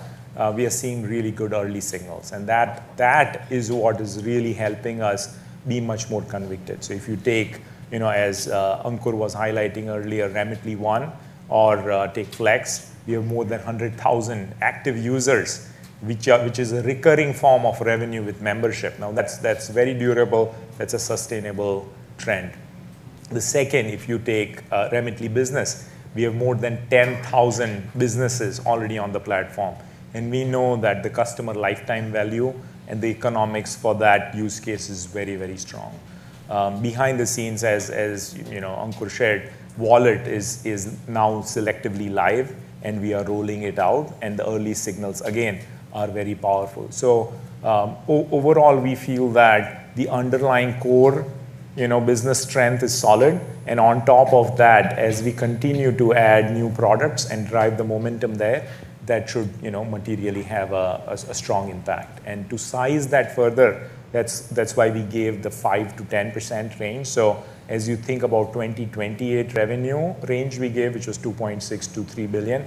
we are seeing really good early signals. That is what is really helping us be much more convicted. If you take, as Ankur was highlighting earlier, Remitly One, or take Flex, we have more than 100,000 active users, which is a recurring form of revenue with membership. Now, that's very durable. That's a sustainable trend. The second, if you take Remitly Business, we have more than 10,000 businesses already on the platform. We know that the customer lifetime value and the economics for that use case is very, very strong. Behind the scenes, as Ankur shared, Wallet is now selectively live, and we are rolling it out. The early signals, again, are very powerful. Overall, we feel that the underlying core business strength is solid. On top of that, as we continue to add new products and drive the momentum there, that should materially have a strong impact. To size that further, that's why we gave the 5%-10% range. So as you think about 2028 revenue range, we gave, which was $2.6-$3 billion,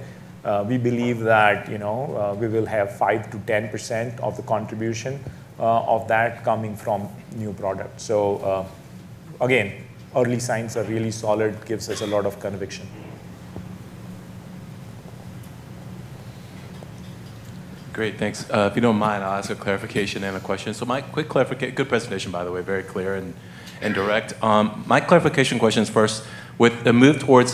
we believe that we will have 5%-10% of the contribution of that coming from new products. So again, early signs are really solid, gives us a lot of conviction. Great, thanks. If you don't mind, I'll ask a clarification and a question. So my quick clarification, good presentation, by the way, very clear and direct. My clarification questions first, with the move towards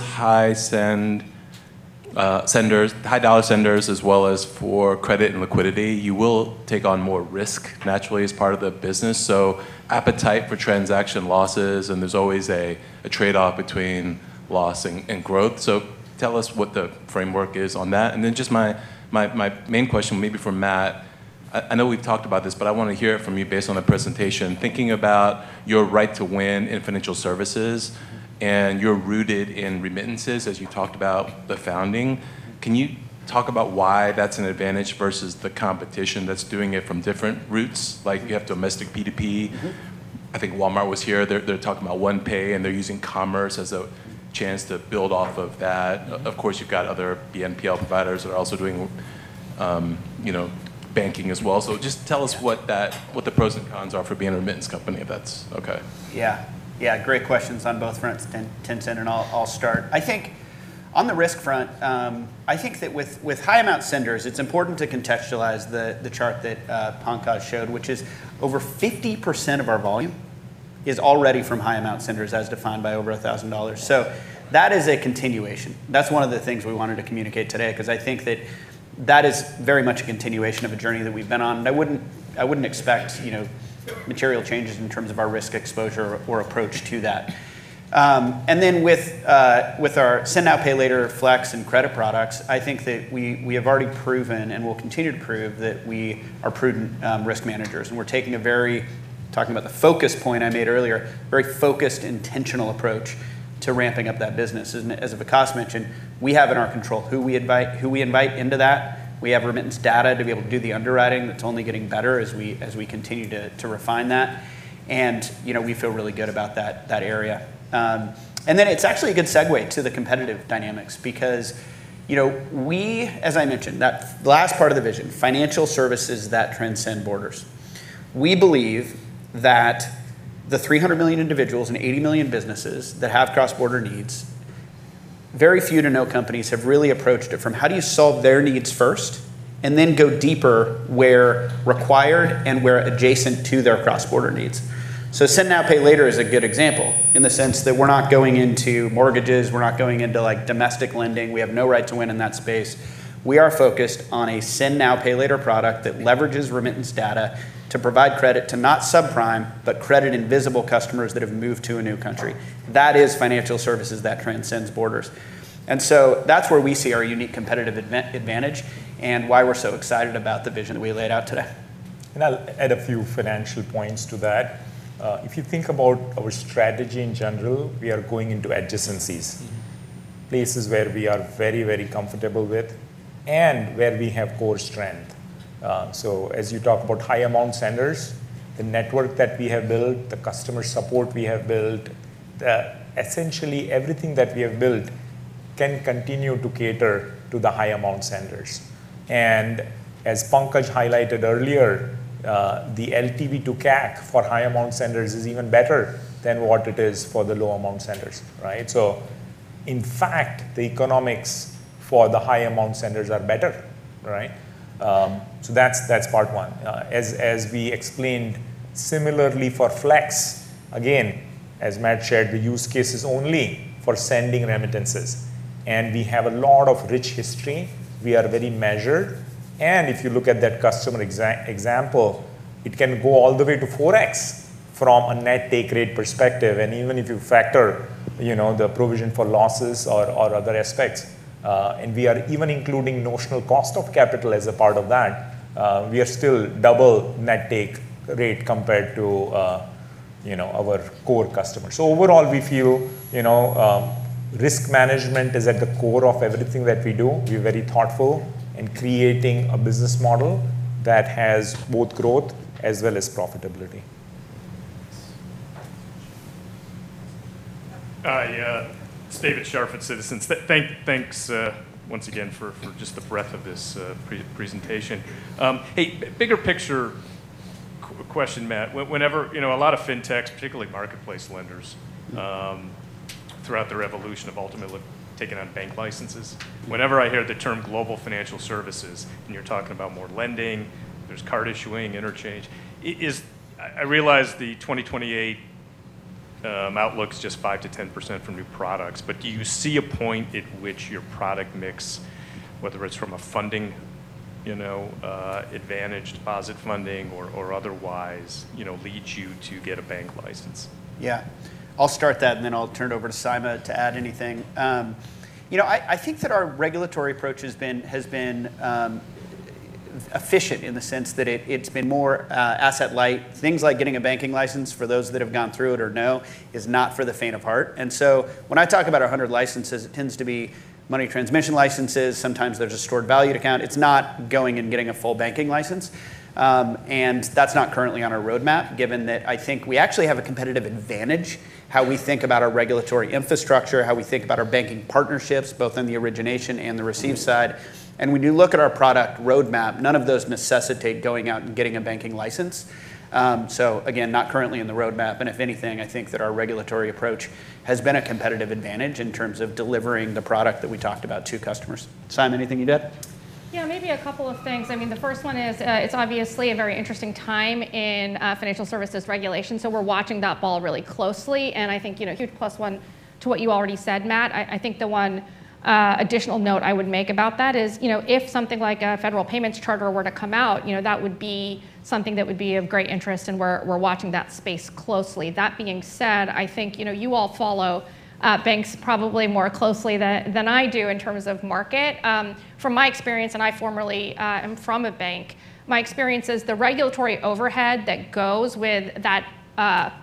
high dollar senders, as well as for credit and liquidity, you will take on more risk naturally as part of the business. So appetite for transaction losses, and there's always a trade-off between loss and growth. So tell us what the framework is on that. And then just my main question, maybe for Matt. I know we've talked about this, but I want to hear it from you based on the presentation. Thinking about your right to win in financial services, and you're rooted in remittances, as you talked about the founding. Can you talk about why that's an advantage versus the competition that's doing it from different routes? Like you have domestic P2P. I think Walmart was here. They're talking about One Pay, and they're using commerce as a chance to build off of that. Of course, you've got other BNPL providers that are also doing banking as well. So just tell us what the pros and cons are for being a remittance company if that's okay. Yeah. Yeah, great questions on both fronts, Tien-Tsin, and I'll start. I think on the risk front, I think that with high amount senders, it's important to contextualize the chart that Pankaj showed, which is over 50% of our volume is already from high amount senders as defined by over $1,000, so that is a continuation. That's one of the things we wanted to communicate today because I think that that is very much a continuation of a journey that we've been on, and I wouldn't expect material changes in terms of our risk exposure or approach to that, and then with our Send Now, Pay Later Flex and credit products, I think that we have already proven and will continue to prove that we are prudent risk managers, and we're taking a very, talking about the focus point I made earlier, very focused intentional approach to ramping up that business. As Vikas mentioned, we have in our control who we invite into that. We have remittance data to be able to do the underwriting. It's only getting better as we continue to refine that. And we feel really good about that area. And then it's actually a good segue to the competitive dynamics because we, as I mentioned, that last part of the vision, financial services that transcend borders. We believe that the 300 million individuals and 80 million businesses that have cross-border needs. Very few to no companies have really approached it from how do you solve their needs first and then go deeper where required and where adjacent to their cross-border needs. So Send Now, Pay Later is a good example in the sense that we're not going into mortgages. We're not going into domestic lending. We have no right to win in that space. We are focused on a Send Now, Pay Later product that leverages remittance data to provide credit to not subprime, but credit invisible customers that have moved to a new country. That is financial services that transcends borders. And so that's where we see our unique competitive advantage and why we're so excited about the vision that we laid out today. And I'll add a few financial points to that. If you think about our strategy in general, we are going into adjacencies, places where we are very, very comfortable with and where we have core strength. So as you talk about high amount senders, the network that we have built, the customer support we have built, essentially everything that we have built can continue to cater to the high amount senders. As Pankaj highlighted earlier, the LTV to CAC for high amount senders is even better than what it is for the low amount senders. In fact, the economics for the high amount senders are better. That's part one. As we explained, similarly for Flex, again, as Matt shared, the use case is only for sending remittances. We have a lot of rich history. We are very measured. If you look at that customer example, it can go all the way to 4X from a net take rate perspective. Even if you factor the provision for losses or other aspects, and we are even including notional cost of capital as a part of that, we are still double net take rate compared to our core customers. Overall, we feel risk management is at the core of everything that we do. We're very thoughtful in creating a business model that has both growth as well as profitability. Yeah, David Scharf at Citizens. Thanks once again for just the breadth of this presentation. A bigger picture question, Matt. A lot of fintechs, particularly marketplace lenders, throughout the revolution have ultimately taken on bank licenses. Whenever I hear the term global financial services and you're talking about more lending, there's card issuing, interchange, I realize the 2028 outlook is just 5%-10% from new products. But do you see a point at which your product mix, whether it's from a funding advantage, deposit funding, or otherwise, leads you to get a bank license? Yeah. I'll start that, and then I'll turn it over to Saema to add anything. I think that our regulatory approach has been efficient in the sense that it's been more asset-light. Things like getting a banking license for those that have gone through it or know is not for the faint of heart. And so when I talk about 100 licenses, it tends to be money transmission licenses. Sometimes there's a stored value account. It's not going and getting a full banking license. And that's not currently on our roadmap, given that I think we actually have a competitive advantage, how we think about our regulatory infrastructure, how we think about our banking partnerships, both on the origination and the receive side. And when you look at our product roadmap, none of those necessitate going out and getting a banking license. So again, not currently in the roadmap. And if anything, I think that our regulatory approach has been a competitive advantage in terms of delivering the product that we talked about to customers. Saema, anything you'd add? Yeah, maybe a couple of things. I mean, the first one is it's obviously a very interesting time in financial services regulation. So we're watching that ball really closely. And I think huge plus one to what you already said, Matt. I think the one additional note I would make about that is if something like a federal payments charter were to come out, that would be something that would be of great interest. And we're watching that space closely. That being said, I think you all follow banks probably more closely than I do in terms of market. From my experience, and I formerly am from a bank, my experience is the regulatory overhead that goes with the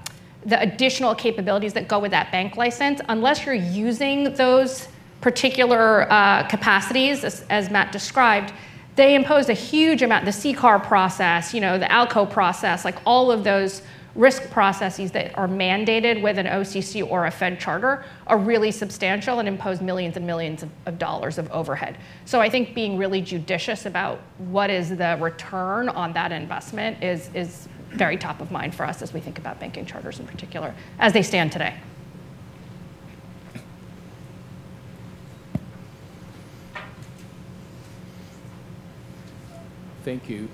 additional capabilities that go with that bank license, unless you're using those particular capacities, as Matt described, they impose a huge amount. The CCAR process, the ALCO process, all of those risk processes that are mandated with an OCC or a Fed charter are really substantial and impose millions and millions of dollars of overhead. So I think being really judicious about what is the return on that investment is very top of mind for us as we think about banking charters in particular as they stand today. Thank you.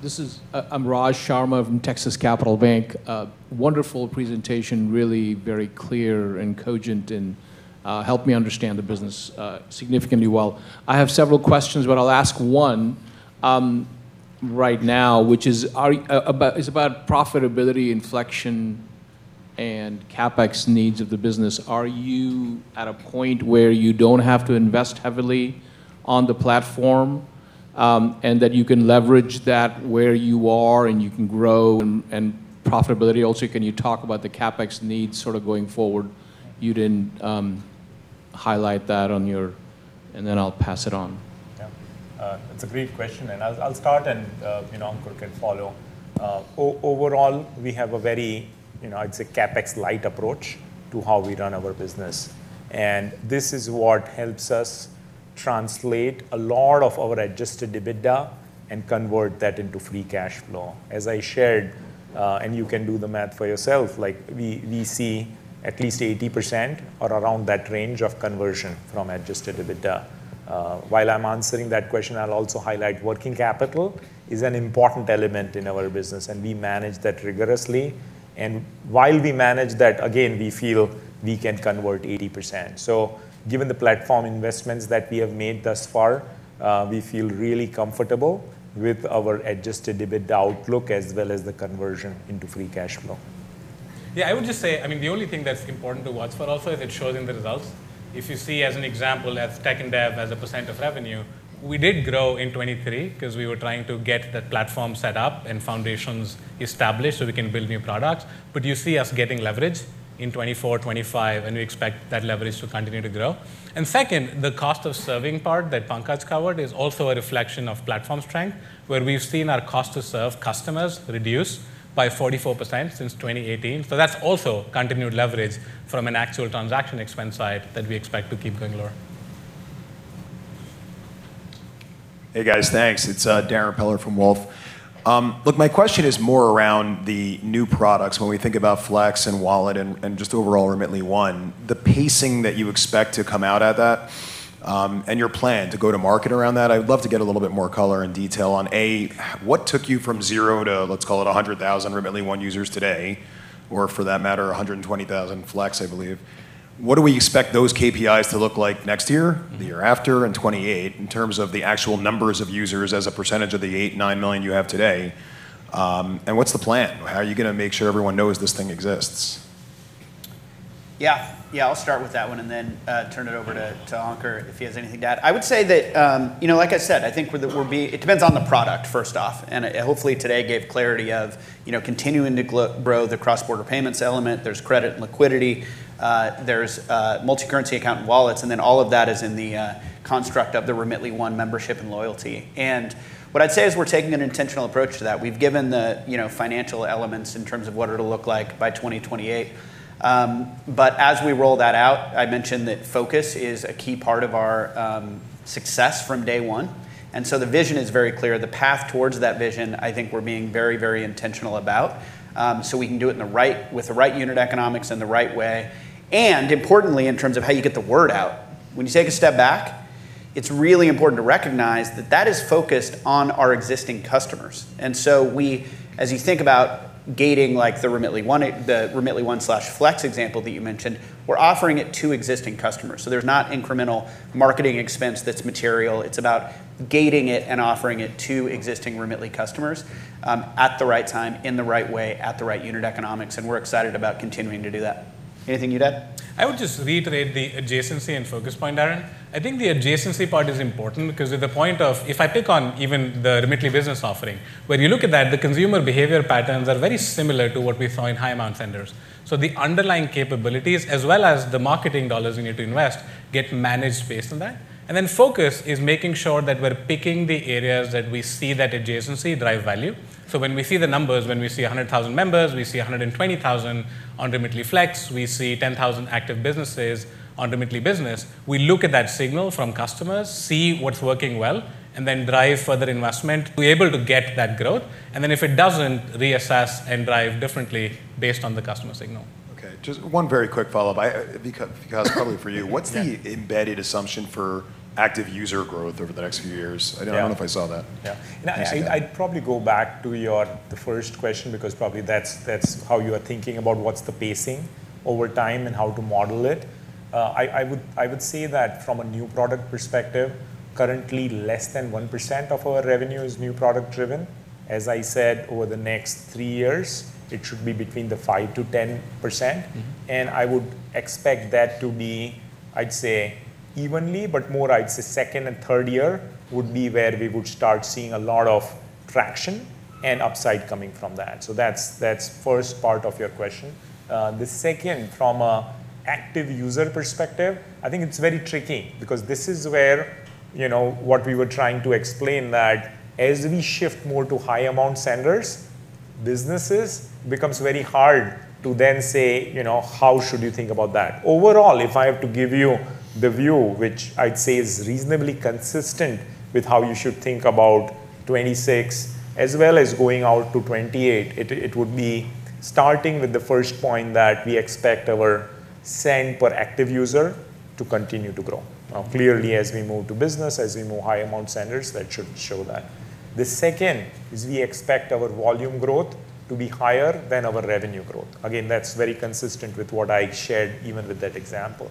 This is. I'm Raj Sharma from Texas Capital Bank. Wonderful presentation, really very clear and cogent and helped me understand the business significantly well. I have several questions, but I'll ask one right now, which is about profitability, inflection, and CapEx needs of the business. Are you at a point where you don't have to invest heavily on the platform and that you can leverage that where you are and you can grow. And profitability? Also, can you talk about the CapEx needs sort of going forward? You didn't highlight that on your, and then I'll pass it on. Yeah. It's a great question. And I'll start, and Ankur can follow. Overall, we have a very, I'd say, CapEx light approach to how we run our business. And this is what helps us translate a lot of our Adjusted EBITDA and convert that into free cash flow. As I shared, and you can do the math for yourself, we see at least 80% or around that range of conversion from Adjusted EBITDA. While I'm answering that question, I'll also highlight working capital is an important element in our business, and we manage that rigorously. And while we manage that, again, we feel we can convert 80%. Given the platform investments that we have made thus far, we feel really comfortable with our Adjusted EBITDA outlook as well as the conversion into free cash flow. Yeah, I would just say, I mean, the only thing that's important to watch for also is it shows in the results. If you see, as an example, as tech and dev as a % of revenue, we did grow in 2023 because we were trying to get the platform set up and foundations established so we can build new products. But you see us getting leverage in 2024, 2025, and we expect that leverage to continue to grow. Second, the cost of serving part that Pankaj covered is also a reflection of platform strength, where we've seen our cost to serve customers reduce by 44% since 2018. So that's also continued leverage from an actual transaction expense side that we expect to keep going lower. Hey, guys, thanks. It's Darrin Peller from Wolfe. Look, my question is more around the new products. When we think about Flex and Wallet and just overall Remitly One, the pacing that you expect to come out at that and your plan to go to market around that, I'd love to get a little bit more color and detail on, A, what took you from zero to, let's call it, 100,000 Remitly One users today, or for that matter, 120,000 Flex, I believe. What do we expect those KPIs to look like next year, the year after, and 2028 in terms of the actual numbers of users as a percentage of the 8-9 million you have today? And what's the plan? How are you going to make sure everyone knows this thing exists? Yeah. Yeah, I'll start with that one and then turn it over to Ankur if he has anything to add. I would say that, like I said, I think it depends on the product first off. And hopefully today gave clarity of continuing to grow the cross-border payments element. There's credit and liquidity. There's multi-currency account and wallets. And then all of that is in the construct of the Remitly One membership and loyalty. And what I'd say is we're taking an intentional approach to that. We've given the financial elements in terms of what it'll look like by 2028. But as we roll that out, I mentioned that focus is a key part of our success from day one. And so the vision is very clear. The path towards that vision, I think we're being very, very intentional about so we can do it with the right unit economics and the right way. And importantly, in terms of how you get the word out, when you take a step back, it's really important to recognize that that is focused on our existing customers. And so as you think about gating the Remitly One/Flex example that you mentioned, we're offering it to existing customers. So there's not incremental marketing expense that's material. It's about gating it and offering it to existing Remitly customers at the right time, in the right way, at the right unit economics. And we're excited about continuing to do that. Anything you'd add? I would just reiterate the adjacency and focus point, Aaron. I think the adjacency part is important because at the point of, if I pick on even the Remitly Business offering, when you look at that, the consumer behavior patterns are very similar to what we saw in high amount senders. So the underlying capabilities, as well as the marketing dollars you need to invest, get managed based on that. And then focus is making sure that we're picking the areas that we see that adjacency drive value. So when we see the numbers, when we see 100,000 members, we see 120,000 on Remitly Flex, we see 10,000 active businesses on Remitly Business, we look at that signal from customers, see what's working well, and then drive further investment. Able to get that growth. And then if it doesn't, reassess and drive differently based on the customer signal. Okay. Just one very quick follow-up, because probably for you, what's the embedded assumption for active user growth over the next few years? I don't know if I saw that. Yeah. I'd probably go back to the first question because probably that's how you are thinking about what's the pacing over time and how to model it. I would say that from a new product perspective, currently less than 1% of our revenue is new product driven. As I said, over the next three years, it should be between the 5%-10%. And I would expect that to be, I'd say, evenly, but more, I'd say, second and third year would be where we would start seeing a lot of traction and upside coming from that. So that's the first part of your question. The second, from an active user perspective, I think it's very tricky because this is where what we were trying to explain that as we shift more to high amount senders, businesses becomes very hard to then say, how should you think about that? Overall, if I have to give you the view, which I'd say is reasonably consistent with how you should think about 2026 as well as going out to 2028, it would be starting with the first point that we expect our send per active user to continue to grow. Now, clearly, as we move to business, as we move high amount senders, that should show that. The second is we expect our volume growth to be higher than our revenue growth. Again, that's very consistent with what I shared even with that example.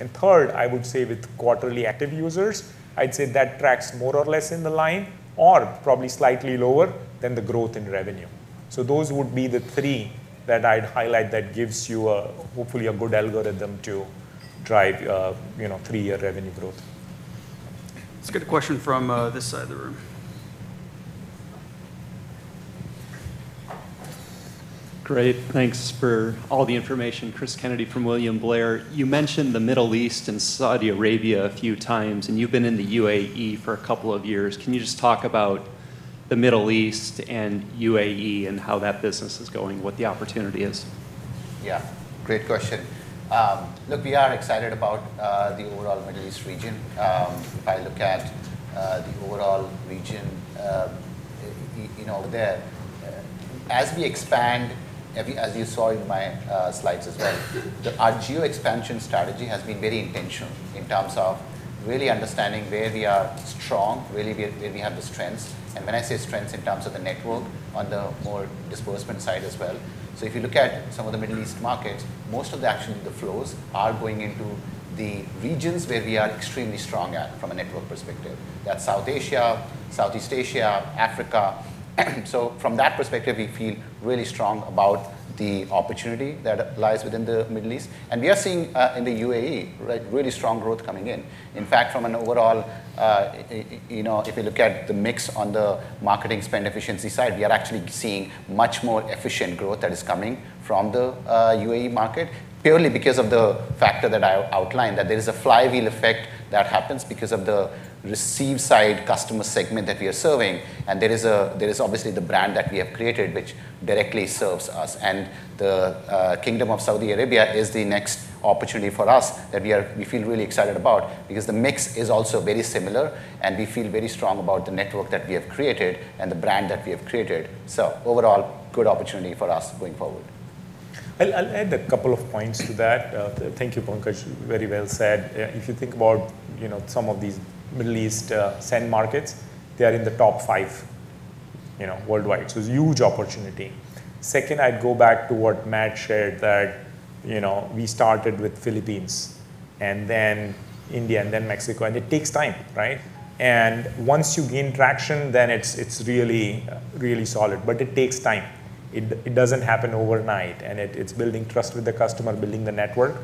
And third, I would say with quarterly active users, I'd say that tracks more or less in line or probably slightly lower than the growth in revenue. So those would be the three that I'd highlight that gives you hopefully a good algorithm to drive three-year revenue growth. Let's get a question from this side of the room. Great. Thanks for all the information. Chris Kennedy from William Blair. You mentioned the Middle East and Saudi Arabia a few times, and you've been in the UAE for a couple of years. Can you just talk about the Middle East and UAE and how that business is going, what the opportunity is? Yeah. Great question. Look, we are excited about the overall Middle East region. If I look at the overall region over there, as we expand, as you saw in my slides as well, our geo expansion strategy has been very intentional in terms of really understanding where we are strong, really where we have the strengths, and when I say strengths in terms of the network on the more disbursement side as well. So if you look at some of the Middle East markets, most of the action, the flows are going into the regions where we are extremely strong at from a network perspective. That's South Asia, Southeast Asia, Africa. So from that perspective, we feel really strong about the opportunity that lies within the Middle East, and we are seeing in the UAE really strong growth coming in. In fact, from an overall, if you look at the mix on the marketing spend efficiency side, we are actually seeing much more efficient growth that is coming from the UAE market purely because of the factor that I outlined, that there is a flywheel effect that happens because of the receive side customer segment that we are serving. And there is obviously the brand that we have created, which directly serves us. And the Kingdom of Saudi Arabia is the next opportunity for us that we feel really excited about because the mix is also very similar, and we feel very strong about the network that we have created and the brand that we have created. So overall, good opportunity for us going forward. I'll add a couple of points to that. Thank you, Pankaj. Very well said. If you think about some of these Middle East send markets, they are in the top five worldwide. So it's a huge opportunity. Second, I'd go back to what Matt shared, that we started with Philippines and then India and then Mexico. And it takes time, right? And once you gain traction, then it's really, really solid. But it takes time. It doesn't happen overnight. And it's building trust with the customer, building the network.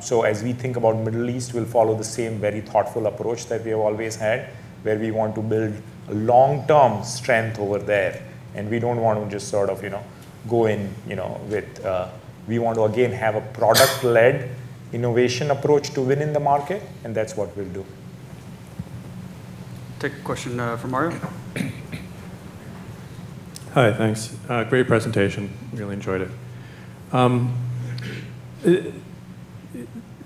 So as we think about Middle East, we'll follow the same very thoughtful approach that we have always had, where we want to build long-term strength over there. And we don't want to just sort of go in with we want to, again, have a product-led innovation approach to win in the market. And that's what we'll do. Take a question from Mario. Hi, thanks. Great presentation. Really enjoyed it.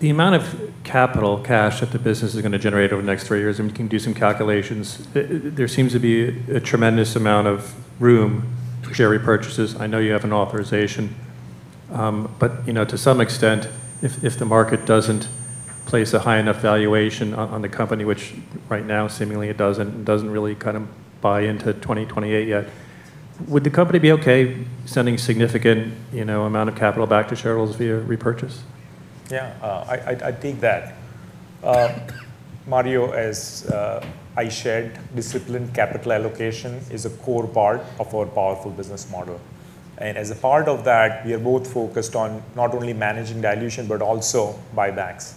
The amount of capital cash that the business is going to generate over the next three years, and we can do some calculations, there seems to be a tremendous amount of room to share repurchases. I know you have an authorization. But to some extent, if the market doesn't place a high enough valuation on the company, which right now seemingly it doesn't and doesn't really kind of buy into 2028 yet, would the company be okay sending a significant amount of capital back to shareholders via repurchase? Yeah. I take that. Mario, as I shared, disciplined capital allocation is a core part of our powerful business model. And as a part of that, we are both focused on not only managing dilution, but also buybacks.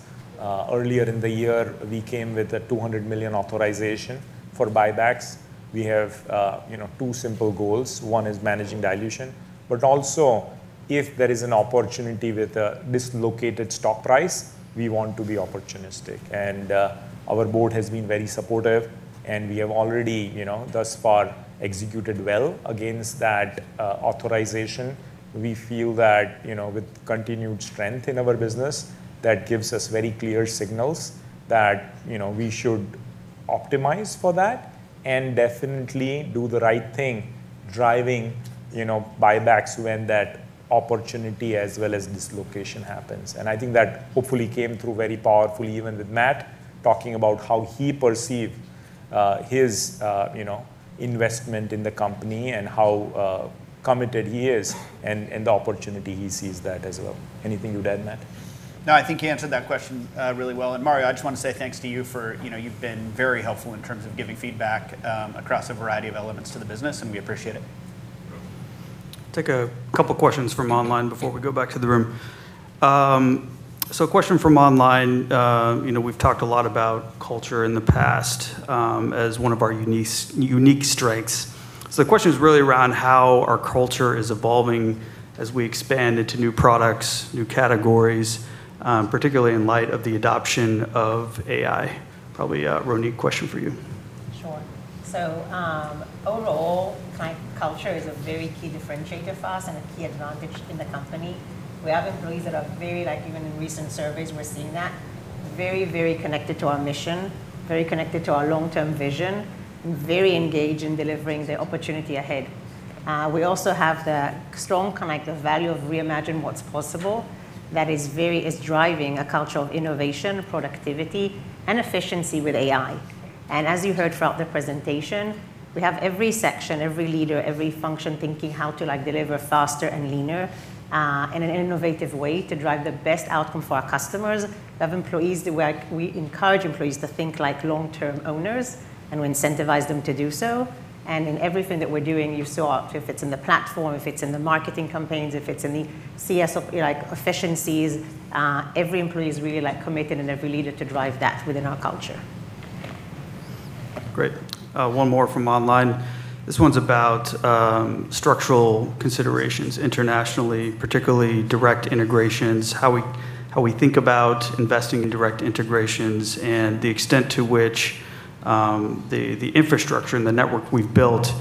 Earlier in the year, we came with a $200 million authorization for buybacks. We have two simple goals. One is managing dilution. But also, if there is an opportunity with a dislocated stock price, we want to be opportunistic. And our board has been very supportive. And we have already thus far executed well against that authorization. We feel that with continued strength in our business, that gives us very clear signals that we should optimize for that and definitely do the right thing, driving buybacks when that opportunity as well as dislocation happens. And I think that hopefully came through very powerfully even with Matt talking about how he perceived his investment in the company and how committed he is and the opportunity he sees that as well. Anything you'd add, Matt? No, I think you answered that question really well. Mario, I just want to say thanks to you for you've been very helpful in terms of giving feedback across a variety of elements to the business, and we appreciate it. Take a couple of questions from online before we go back to the room. A question from online. We've talked a lot about culture in the past as one of our unique strengths. The question is really around how our culture is evolving as we expand into new products, new categories, particularly in light of the adoption of AI. Probably a Ronit question for you. Sure. Overall, culture is a very key differentiator for us and a key advantage in the company. We have employees that are very, even in recent surveys, we're seeing that very, very connected to our mission, very connected to our long-term vision, and very engaged in delivering the opportunity ahead. We also have the strong connective value of reimagine what's possible that is driving a culture of innovation, productivity, and efficiency with AI. And as you heard throughout the presentation, we have every section, every leader, every function thinking how to deliver faster and leaner in an innovative way to drive the best outcome for our customers. We have employees that we encourage to think like long-term owners, and we incentivize them to do so. And in everything that we're doing, you saw if it's in the platform, if it's in the marketing campaigns, if it's in the CS efficiencies, every employee is really committed and every leader to drive that within our culture. Great. One more from online. This one's about structural considerations internationally, particularly direct integrations, how we think about investing in direct integrations and the extent to which the infrastructure and the network we've built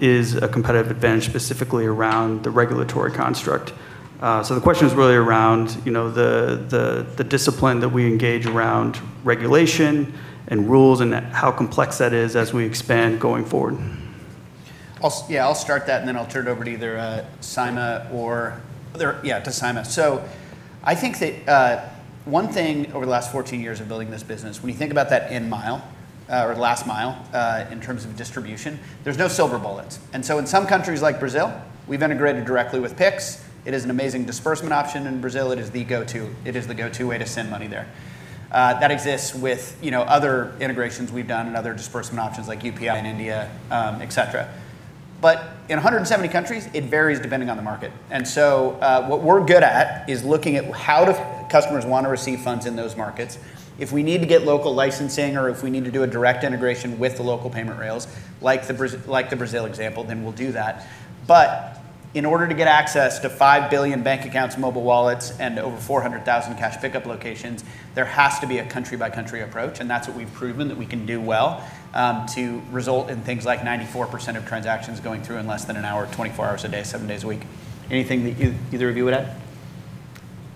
is a competitive advantage specifically around the regulatory construct. So the question is really around the discipline that we engage around regulation and rules and how complex that is as we expand going forward. Yeah, I'll start that, and then I'll turn it over to either Saema or. Yeah, to Saema. So I think that one thing over the last 14 years of building this business, when you think about that end mile or last mile in terms of distribution, there's no silver bullets. And so in some countries like Brazil, we've integrated directly with Pix. It is an amazing disbursement option. In Brazil, it is the go-to. It is the go-to way to send money there. That exists with other integrations we've done and other disbursement options like UPI in India, etc. But in 170 countries, it varies depending on the market. And so what we're good at is looking at how customers want to receive funds in those markets. If we need to get local licensing or if we need to do a direct integration with the local payment rails, like the Brazil example, then we'll do that. But in order to get access to 5 billion bank accounts, mobile wallets, and over 400,000 cash pickup locations, there has to be a country-by-country approach. And that's what we've proven that we can do well to result in things like 94% of transactions going through in less than an hour, 24 hours a day, 7 days a week. Anything that either of you would add?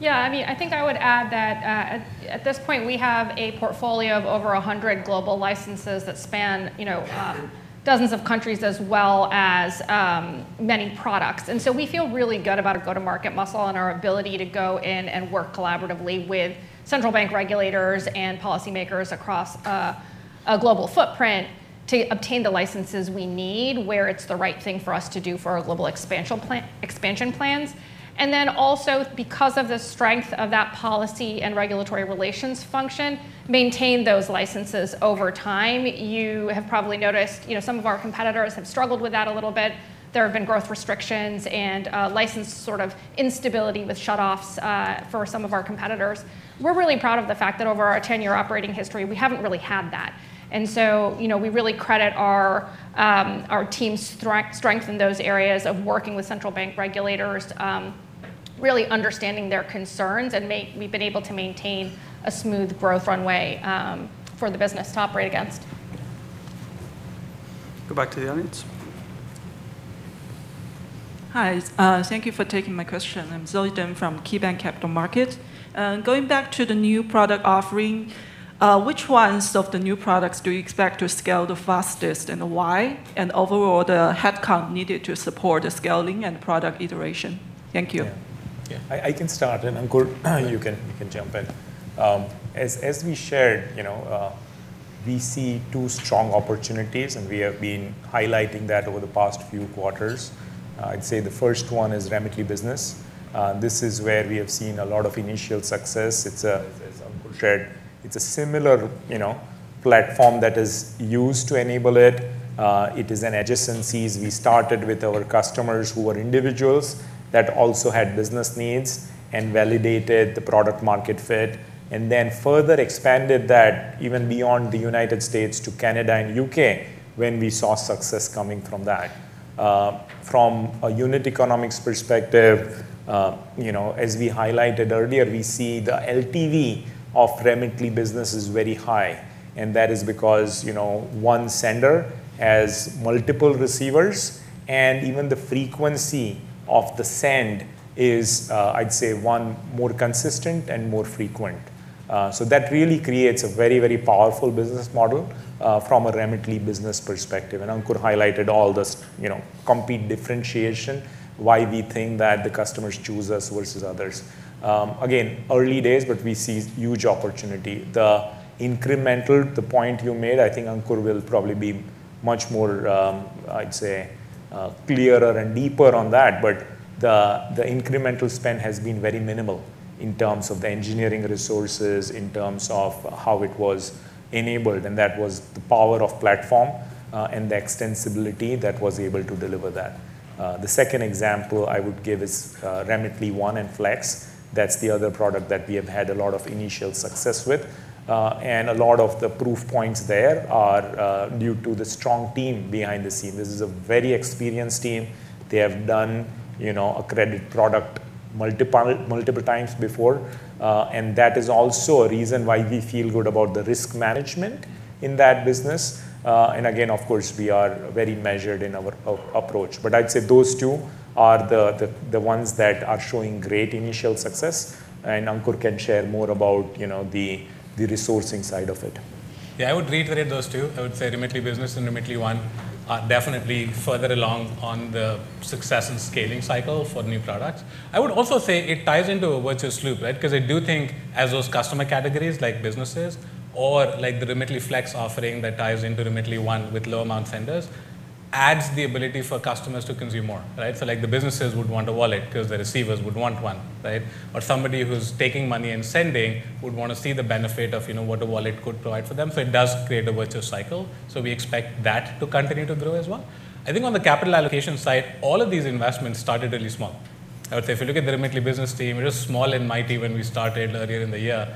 Yeah. I mean, I think I would add that at this point, we have a portfolio of over 100 global licenses that span dozens of countries as well as many products, and so we feel really good about our go-to-market muscle and our ability to go in and work collaboratively with central bank regulators and policymakers across a global footprint to obtain the licenses we need where it's the right thing for us to do for our global expansion plans, and then also, because of the strength of that policy and regulatory relations function, maintain those licenses over time. You have probably noticed some of our competitors have struggled with that a little bit. There have been growth restrictions and license sort of instability with shutoffs for some of our competitors. We're really proud of the fact that over our 10-year operating history, we haven't really had that. And so we really credit our team's strength in those areas of working with central bank regulators, really understanding their concerns, and we've been able to maintain a smooth growth runway for the business to operate against. Go back to the audience. Hi. Thank you for taking my question. I'm Zoe Deng from KeyBanc Capital Markets. Going back to the new product offering, which ones of the new products do you expect to scale the fastest and why? And overall, the headcount needed to support the scaling and product iteration. Thank you. Yeah. I can start, and Ankur, you can jump in. As we shared, we see two strong opportunities, and we have been highlighting that over the past few quarters. I'd say the first one is Remitly Business. This is where we have seen a lot of initial success. It's a similar platform that is used to enable it. It is an adjacency. We started with our customers who were individuals that also had business needs and validated the product-market fit and then further expanded that even beyond the United States to Canada and U.K. when we saw success coming from that. From a unit economics perspective, as we highlighted earlier, we see the LTV of Remitly Business is very high. And that is because one sender has multiple receivers, and even the frequency of the send is, I'd say, one more consistent and more frequent. So that really creates a very, very powerful business model from a Remitly Business perspective. And Ankur highlighted all this complete differentiation, why we think that the customers choose us versus others. Again, early days, but we see huge opportunity. The incremental, the point you made, I think Ankur will probably be much more, I'd say, clearer and deeper on that. But the incremental spend has been very minimal in terms of the engineering resources, in terms of how it was enabled. And that was the power of platform and the extensibility that was able to deliver that. The second example I would give is Remitly One and Remitly Flex. That's the other product that we have had a lot of initial success with. And a lot of the proof points there are due to the strong team behind the scene. This is a very experienced team. They have done a credit product multiple times before. And that is also a reason why we feel good about the risk management in that business. And again, of course, we are very measured in our approach. But I'd say those two are the ones that are showing great initial success. And Ankur can share more about the resourcing side of it. Yeah, I would reiterate those two. I would say Remitly Business and Remitly One are definitely further along on the success and scaling cycle for new products. I would also say it ties into a virtuous loop, right? Because I do think as those customer categories like businesses or the Remitly Flex offering that ties into Remitly One with low-amount senders adds the ability for customers to consume more, right? So the businesses would want a wallet because the receivers would want one, right? Or somebody who's taking money and sending would want to see the benefit of what a wallet could provide for them. So it does create a virtuous cycle. So we expect that to continue to grow as well. I think on the capital allocation side, all of these investments started really small. I would say if you look at the Remitly Business team, it was small and mighty when we started earlier in the year.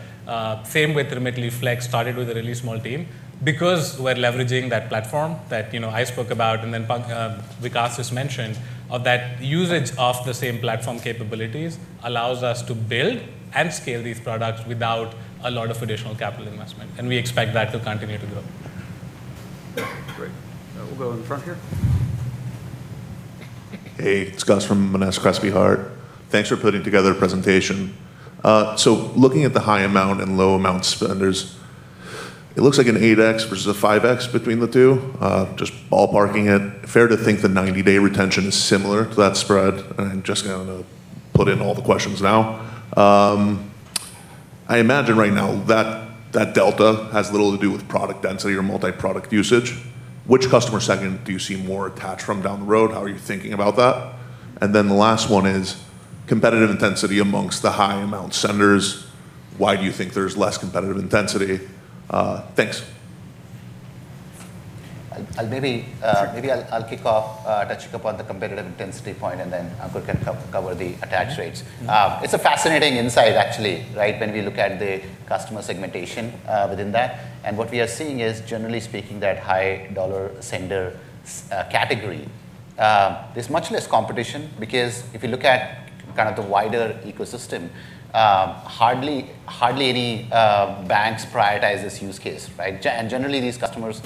Same with Remitly Flex, started with a really small team because we're leveraging that platform that I spoke about and then Vikas just mentioned of that usage of the same platform capabilities allows us to build and scale these products without a lot of additional capital investment, and we expect that to continue to grow. Great. We'll go in front here. Hey, it's Gus from Monness, Crespi, Hardt. Thanks for putting together a presentation. So looking at the high amount and low amount spenders, it looks like an 8x versus a 5x between the two. Just ballparking it, fair to think the 90-day retention is similar to that spread? And I'm just going to put in all the questions now. I imagine right now that delta has little to do with product density or multi-product usage. Which customer segment do you see more attachment down the road? How are you thinking about that? And then the last one is competitive intensity among the high-amount senders. Why do you think there's less competitive intensity? Thanks. Maybe I'll kick off touching upon the competitive intensity point, and then Ankur can cover the attachment rates. It's a fascinating insight, actually, right, when we look at the customer segmentation within that. And what we are seeing is, generally speaking, that high-dollar sender category. There's much less competition because if you look at kind of the wider ecosystem, hardly any banks prioritize this use case, right? And generally, these customers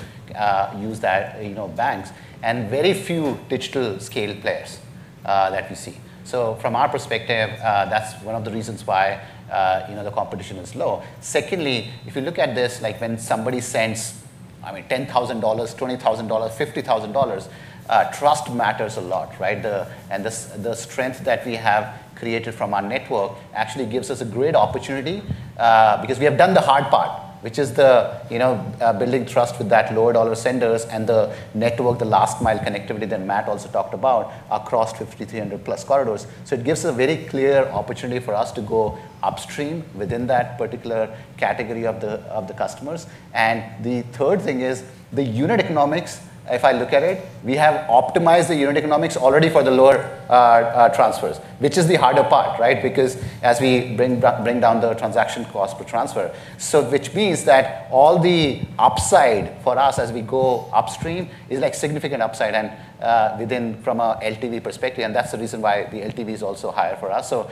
use banks and very few digital-scale players that we see. So from our perspective, that's one of the reasons why the competition is low. Secondly, if you look at this, when somebody sends, I mean, $10,000, $20,000, $50,000, trust matters a lot, right? And the strength that we have created from our network actually gives us a great opportunity because we have done the hard part, which is the building trust with that lower-dollar senders and the network, the last-mile connectivity that Matt also talked about across 5,300-plus corridors. So it gives a very clear opportunity for us to go upstream within that particular category of the customers. And the third thing is the unit economics. If I look at it, we have optimized the unit economics already for the lower transfers, which is the harder part, right? Because as we bring down the transaction cost per transfer, which means that all the upside for us as we go upstream is significant upside from an LTV perspective, and that's the reason why the LTV is also higher for us, so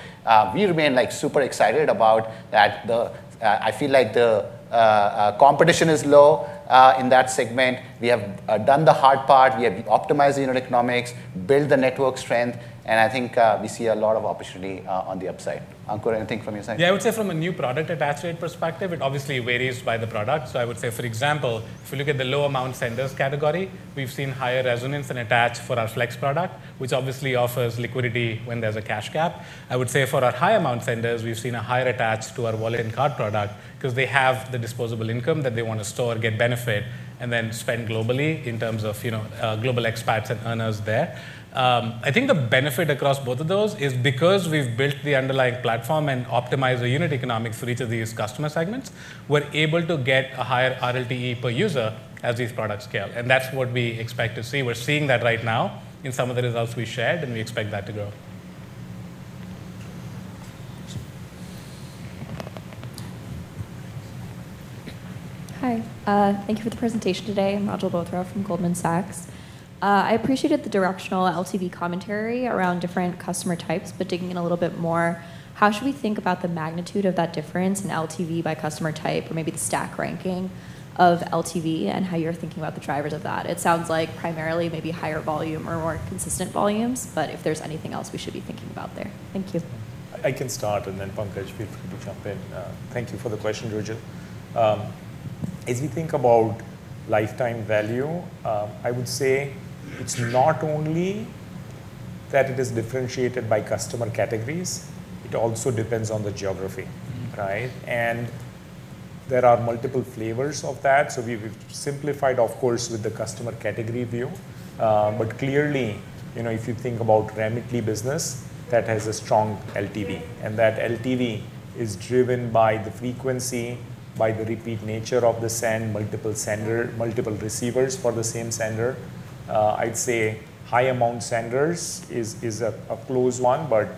we remain super excited about that. I feel like the competition is low in that segment. We have done the hard part. We have optimized the unit economics, built the network strength, and I think we see a lot of opportunity on the upside. Ankur, anything from your side? Yeah, I would say from a new product attach rate perspective, it obviously varies by the product, so I would say, for example, if you look at the low-amount senders category, we've seen higher resonance and attach for our Flex product, which obviously offers liquidity when there's a cash gap. I would say for our high-amount senders, we've seen a higher attach to our wallet and card product because they have the disposable income that they want to store, get benefit, and then spend globally in terms of global expats and earners there. I think the benefit across both of those is because we've built the underlying platform and optimized the unit economics for each of these customer segments, we're able to get a higher RLTE per user as these products scale, and that's what we expect to see. We're seeing that right now in some of the results we shared, and we expect that to grow. Hi. Thank you for the presentation today. I'm Gurjit Jagpal from Goldman Sachs. I appreciated the directional LTV commentary around different customer types, but digging in a little bit more, how should we think about the magnitude of that difference in LTV by customer type or maybe the stack ranking of LTV and how you're thinking about the drivers of that? It sounds like primarily maybe higher volume or more consistent volumes, but if there's anything else, we should be thinking about there. Thank you. I can start, and then Pankaj will jump in. Thank you for the question, Gurjit. As we think about lifetime value, I would say it's not only that it is differentiated by customer categories. It also depends on the geography, right? And there are multiple flavors of that. So we've simplified, of course, with the customer category view. But clearly, if you think about Remitly Business, that has a strong LTV. That LTV is driven by the frequency, by the repeat nature of the send, multiple receivers for the same sender. I'd say high-amount senders is a close one, but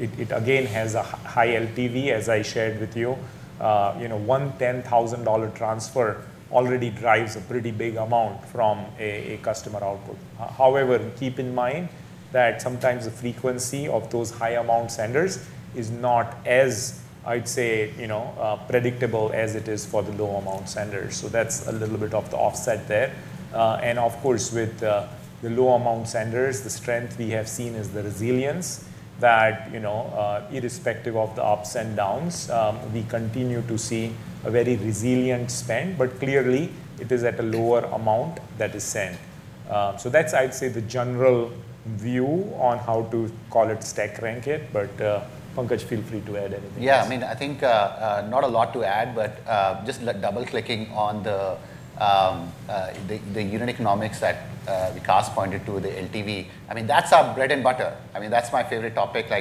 it again has a high LTV, as I shared with you. One $10,000 transfer already drives a pretty big amount from a customer output. However, keep in mind that sometimes the frequency of those high-amount senders is not as, I'd say, predictable as it is for the low-amount senders. So that's a little bit of the offset there. Of course, with the low-amount senders, the strength we have seen is the resilience that irrespective of the ups and downs, we continue to see a very resilient spend, but clearly, it is at a lower amount that is sent. So that's, I'd say, the general view on how to call it stack rank it, but Pankaj, feel free to add anything. Yeah. I mean, I think not a lot to add, but just double-clicking on the unit economics that Vikas pointed to, the LTV. I mean, that's our bread and butter. I mean, that's my favorite topic. I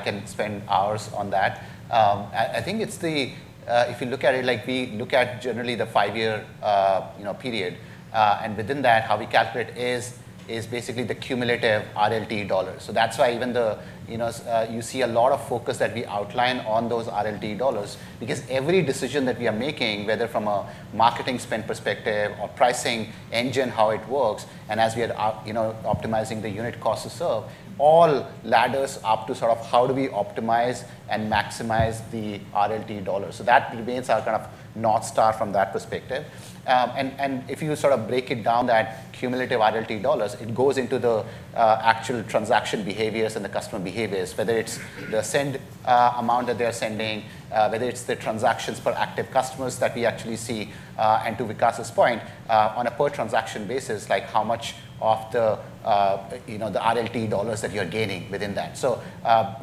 can spend hours on that. I think it's the, if you look at it, we look at generally the five-year period, and within that, how we calculate is basically the cumulative RLT dollars. So that's why even you see a lot of focus that we outline on those RLT dollars because every decision that we are making, whether from a marketing spend perspective or pricing engine, how it works, and as we are optimizing the unit cost to serve, all ladders up to sort of how do we optimize and maximize the RLT dollars. So that remains our kind of North Star from that perspective. And if you sort of break it down, that cumulative RLT dollars, it goes into the actual transaction behaviors and the customer behaviors, whether it's the send amount that they're sending, whether it's the transactions per active customers that we actually see. And to Vikas's point, on a per transaction basis, how much of the RLT dollars that you're gaining within that.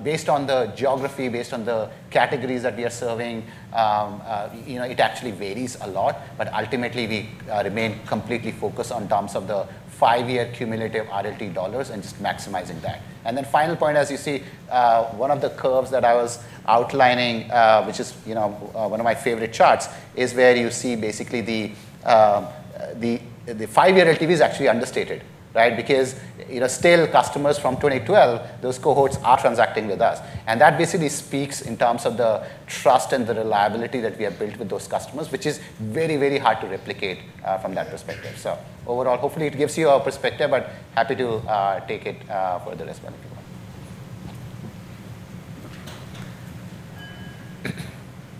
Based on the geography, based on the categories that we are serving, it actually varies a lot. But ultimately, we remain completely focused on terms of the five-year cumulative RLT dollars and just maximizing that. And then final point, as you see, one of the curves that I was outlining, which is one of my favorite charts, is where you see basically the five-year LTV is actually understated, right? Because still, customers from 2012, those cohorts are transacting with us. And that basically speaks in terms of the trust and the reliability that we have built with those customers, which is very, very hard to replicate from that perspective. So overall, hopefully, it gives you a perspective, but happy to take it further as well.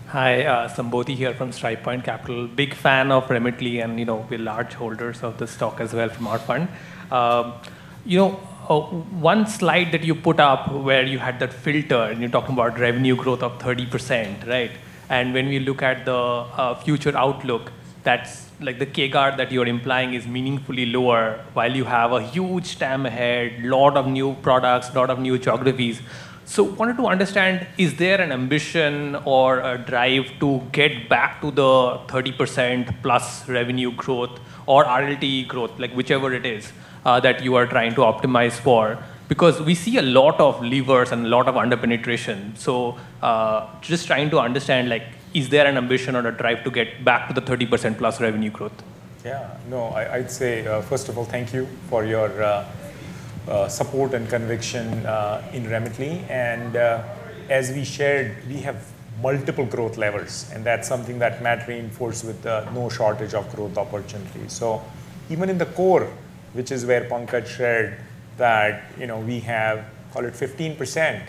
Hi, Sambodhi here from Strivepoint Capital. Big fan of Remitly and we're large holders of the stock as well from our fund. One slide that you put up where you had that filter, and you're talking about revenue growth of 30%, right? And when we look at the future outlook, that's like the CAGR that you're implying is meaningfully lower while you have a huge TAM ahead, a lot of new products, a lot of new geographies. So I wanted to understand, is there an ambition or a drive to get back to the 30% plus revenue growth or RLTE growth, whichever it is that you are trying to optimize for? Because we see a lot of levers and a lot of under-penetration. So just trying to understand, is there an ambition or a drive to get back to the 30% plus revenue growth? Yeah. No, I'd say, first of all, thank you for your support and conviction in Remitly. As we shared, we have multiple growth levels, and that's something that Matt reinforced with no shortage of growth opportunities. So even in the core, which is where Pankaj shared that we have, call it 15%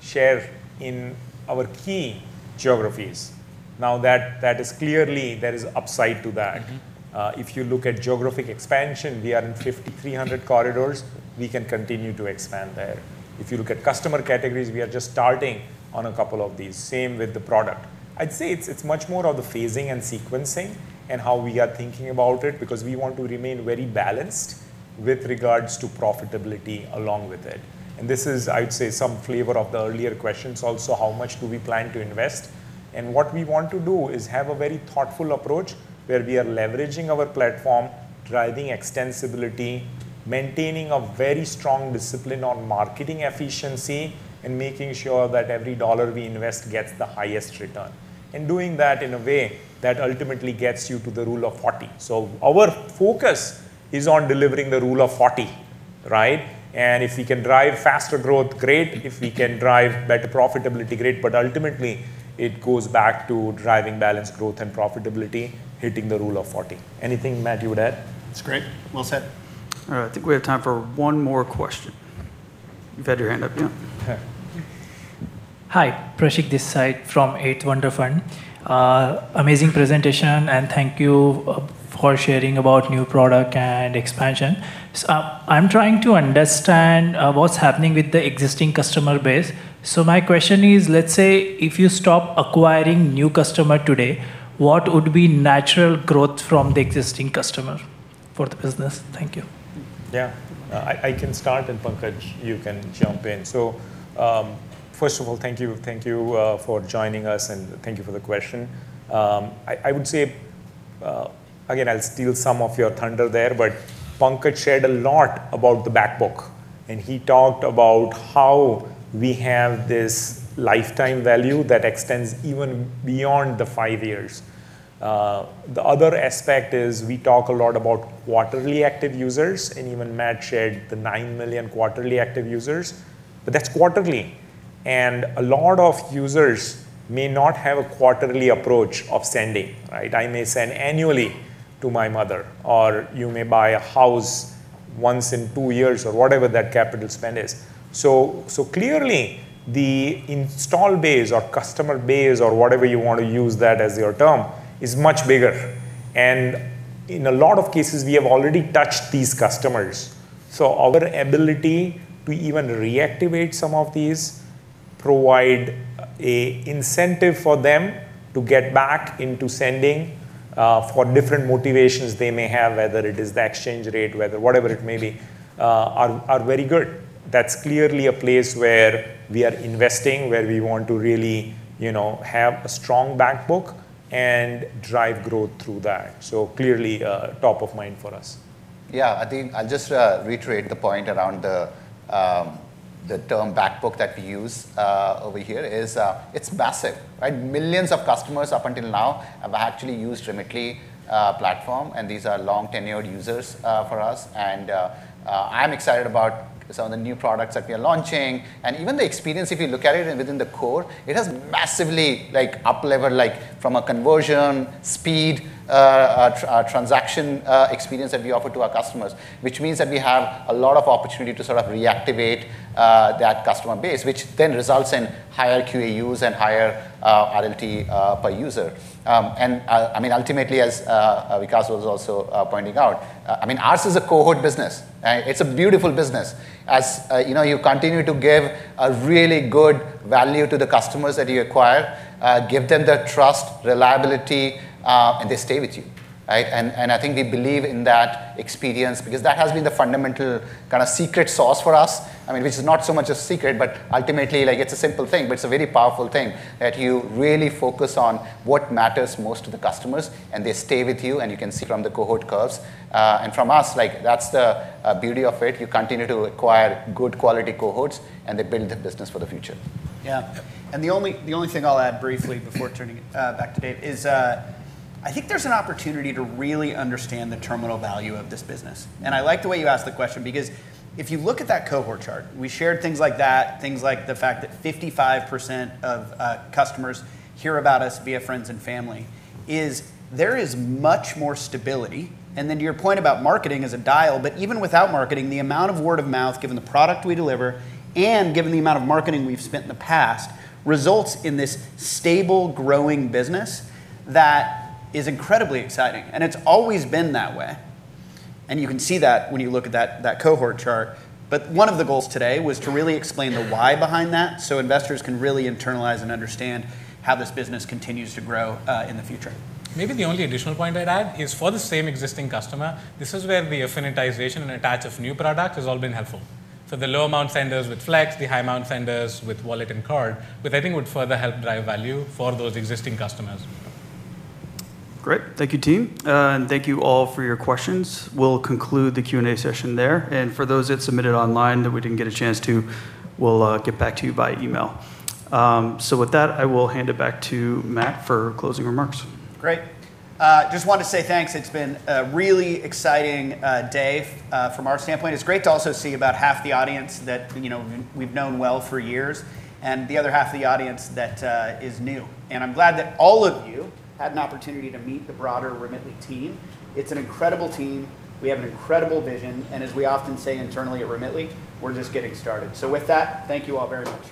share in our key geographies. Now, that is clearly there is upside to that. If you look at geographic expansion, we are in 5,300 corridors. We can continue to expand there. If you look at customer categories, we are just starting on a couple of these, same with the product. I'd say it's much more of the phasing and sequencing and how we are thinking about it because we want to remain very balanced with regards to profitability along with it. And this is, I'd say, some flavor of the earlier questions also, how much do we plan to invest? And what we want to do is have a very thoughtful approach where we are leveraging our platform, driving extensibility, maintaining a very strong discipline on marketing efficiency, and making sure that every dollar we invest gets the highest return. And doing that in a way that ultimately gets you to the Rule of 40. So our focus is on delivering the Rule of 40, right? And if we can drive faster growth, great. If we can drive better profitability, great. But ultimately, it goes back to driving balanced growth and profitability, hitting the Rule of 40. Anything Matt you would add? That's great. Well said. All right. I think we have time for one more question. You've had your hand up, yeah? Hi. Prashik Gawai from 8th Wonder Fund. Amazing presentation, and thank you for sharing about new product and expansion. I'm trying to understand what's happening with the existing customer base. So my question is, let's say if you stop acquiring new customers today, what would be natural growth from the existing customers for the business? Thank you. Yeah. I can start, and Pankaj, you can jump in. So first of all, thank you for joining us, and thank you for the question. I would say, again, I'll steal some of your thunder there, but Pankaj shared a lot about the backbook, and he talked about how we have this lifetime value that extends even beyond the five years. The other aspect is we talk a lot about quarterly active users, and even Matt shared the 9 million quarterly active users, but that's quarterly. A lot of users may not have a quarterly approach of sending, right? I may send annually to my mother, or you may buy a house once in two years or whatever that capital spend is. So clearly, the install base or customer base or whatever you want to use that as your term is much bigger. And in a lot of cases, we have already touched these customers. So our ability to even reactivate some of these, provide an incentive for them to get back into sending for different motivations they may have, whether it is the exchange rate, whatever it may be, are very good. That's clearly a place where we are investing, where we want to really have a strong backbook and drive growth through that. So clearly, top of mind for us. Yeah. I think I'll just reiterate the point around the term backbook that we use over here is it's massive, right? Millions of customers up until now have actually used Remitly platform, and these are long-tenured users for us. And I'm excited about some of the new products that we are launching. And even the experience, if you look at it within the core, it has massively upleveled from a conversion speed transaction experience that we offer to our customers, which means that we have a lot of opportunity to sort of reactivate that customer base, which then results in higher QAUs and higher RLT per user. And I mean, ultimately, as Vikas was also pointing out, I mean, ours is a cohort business. It's a beautiful business. As you continue to give a really good value to the customers that you acquire, give them their trust, reliability, and they stay with you, right? I think we believe in that experience because that has been the fundamental kind of secret sauce for us, which is not so much a secret, but ultimately, it's a simple thing, but it's a very powerful thing that you really focus on what matters most to the customers, and they stay with you, and you can see from the cohort curves. And from us, that's the beauty of it. You continue to acquire good quality cohorts, and they build the business for the future. Yeah. And the only thing I'll add briefly before turning back to Dave is I think there's an opportunity to really understand the terminal value of this business. I like the way you asked the question because if you look at that cohort chart, we shared things like that, things like the fact that 55% of customers hear about us via friends and family. There is much more stability. To your point about marketing as a dial, but even without marketing, the amount of word of mouth, given the product we deliver, and given the amount of marketing we've spent in the past, results in this stable, growing business that is incredibly exciting. It's always been that way. You can see that when you look at that cohort chart. One of the goals today was to really explain the why behind that so investors can really internalize and understand how this business continues to grow in the future. Maybe the only additional point I'd add is for the same existing customer, this is where the affinitization and attach of new products has all been helpful. So the low-amount senders with Flex, the high-amount senders with Wallet and Card, which I think would further help drive value for those existing customers. Great. Thank you, team. And thank you all for your questions. We'll conclude the Q&A session there. And for those that submitted online that we didn't get a chance to, we'll get back to you by email. So with that, I will hand it back to Matt for closing remarks. Great. Just wanted to say thanks. It's been a really exciting day from our standpoint. It's great to also see about half the audience that we've known well for years and the other half of the audience that is new. I'm glad that all of you had an opportunity to meet the broader Remitly team. It's an incredible team. We have an incredible vision. And as we often say internally at Remitly, we're just getting started. With that, thank you all very much.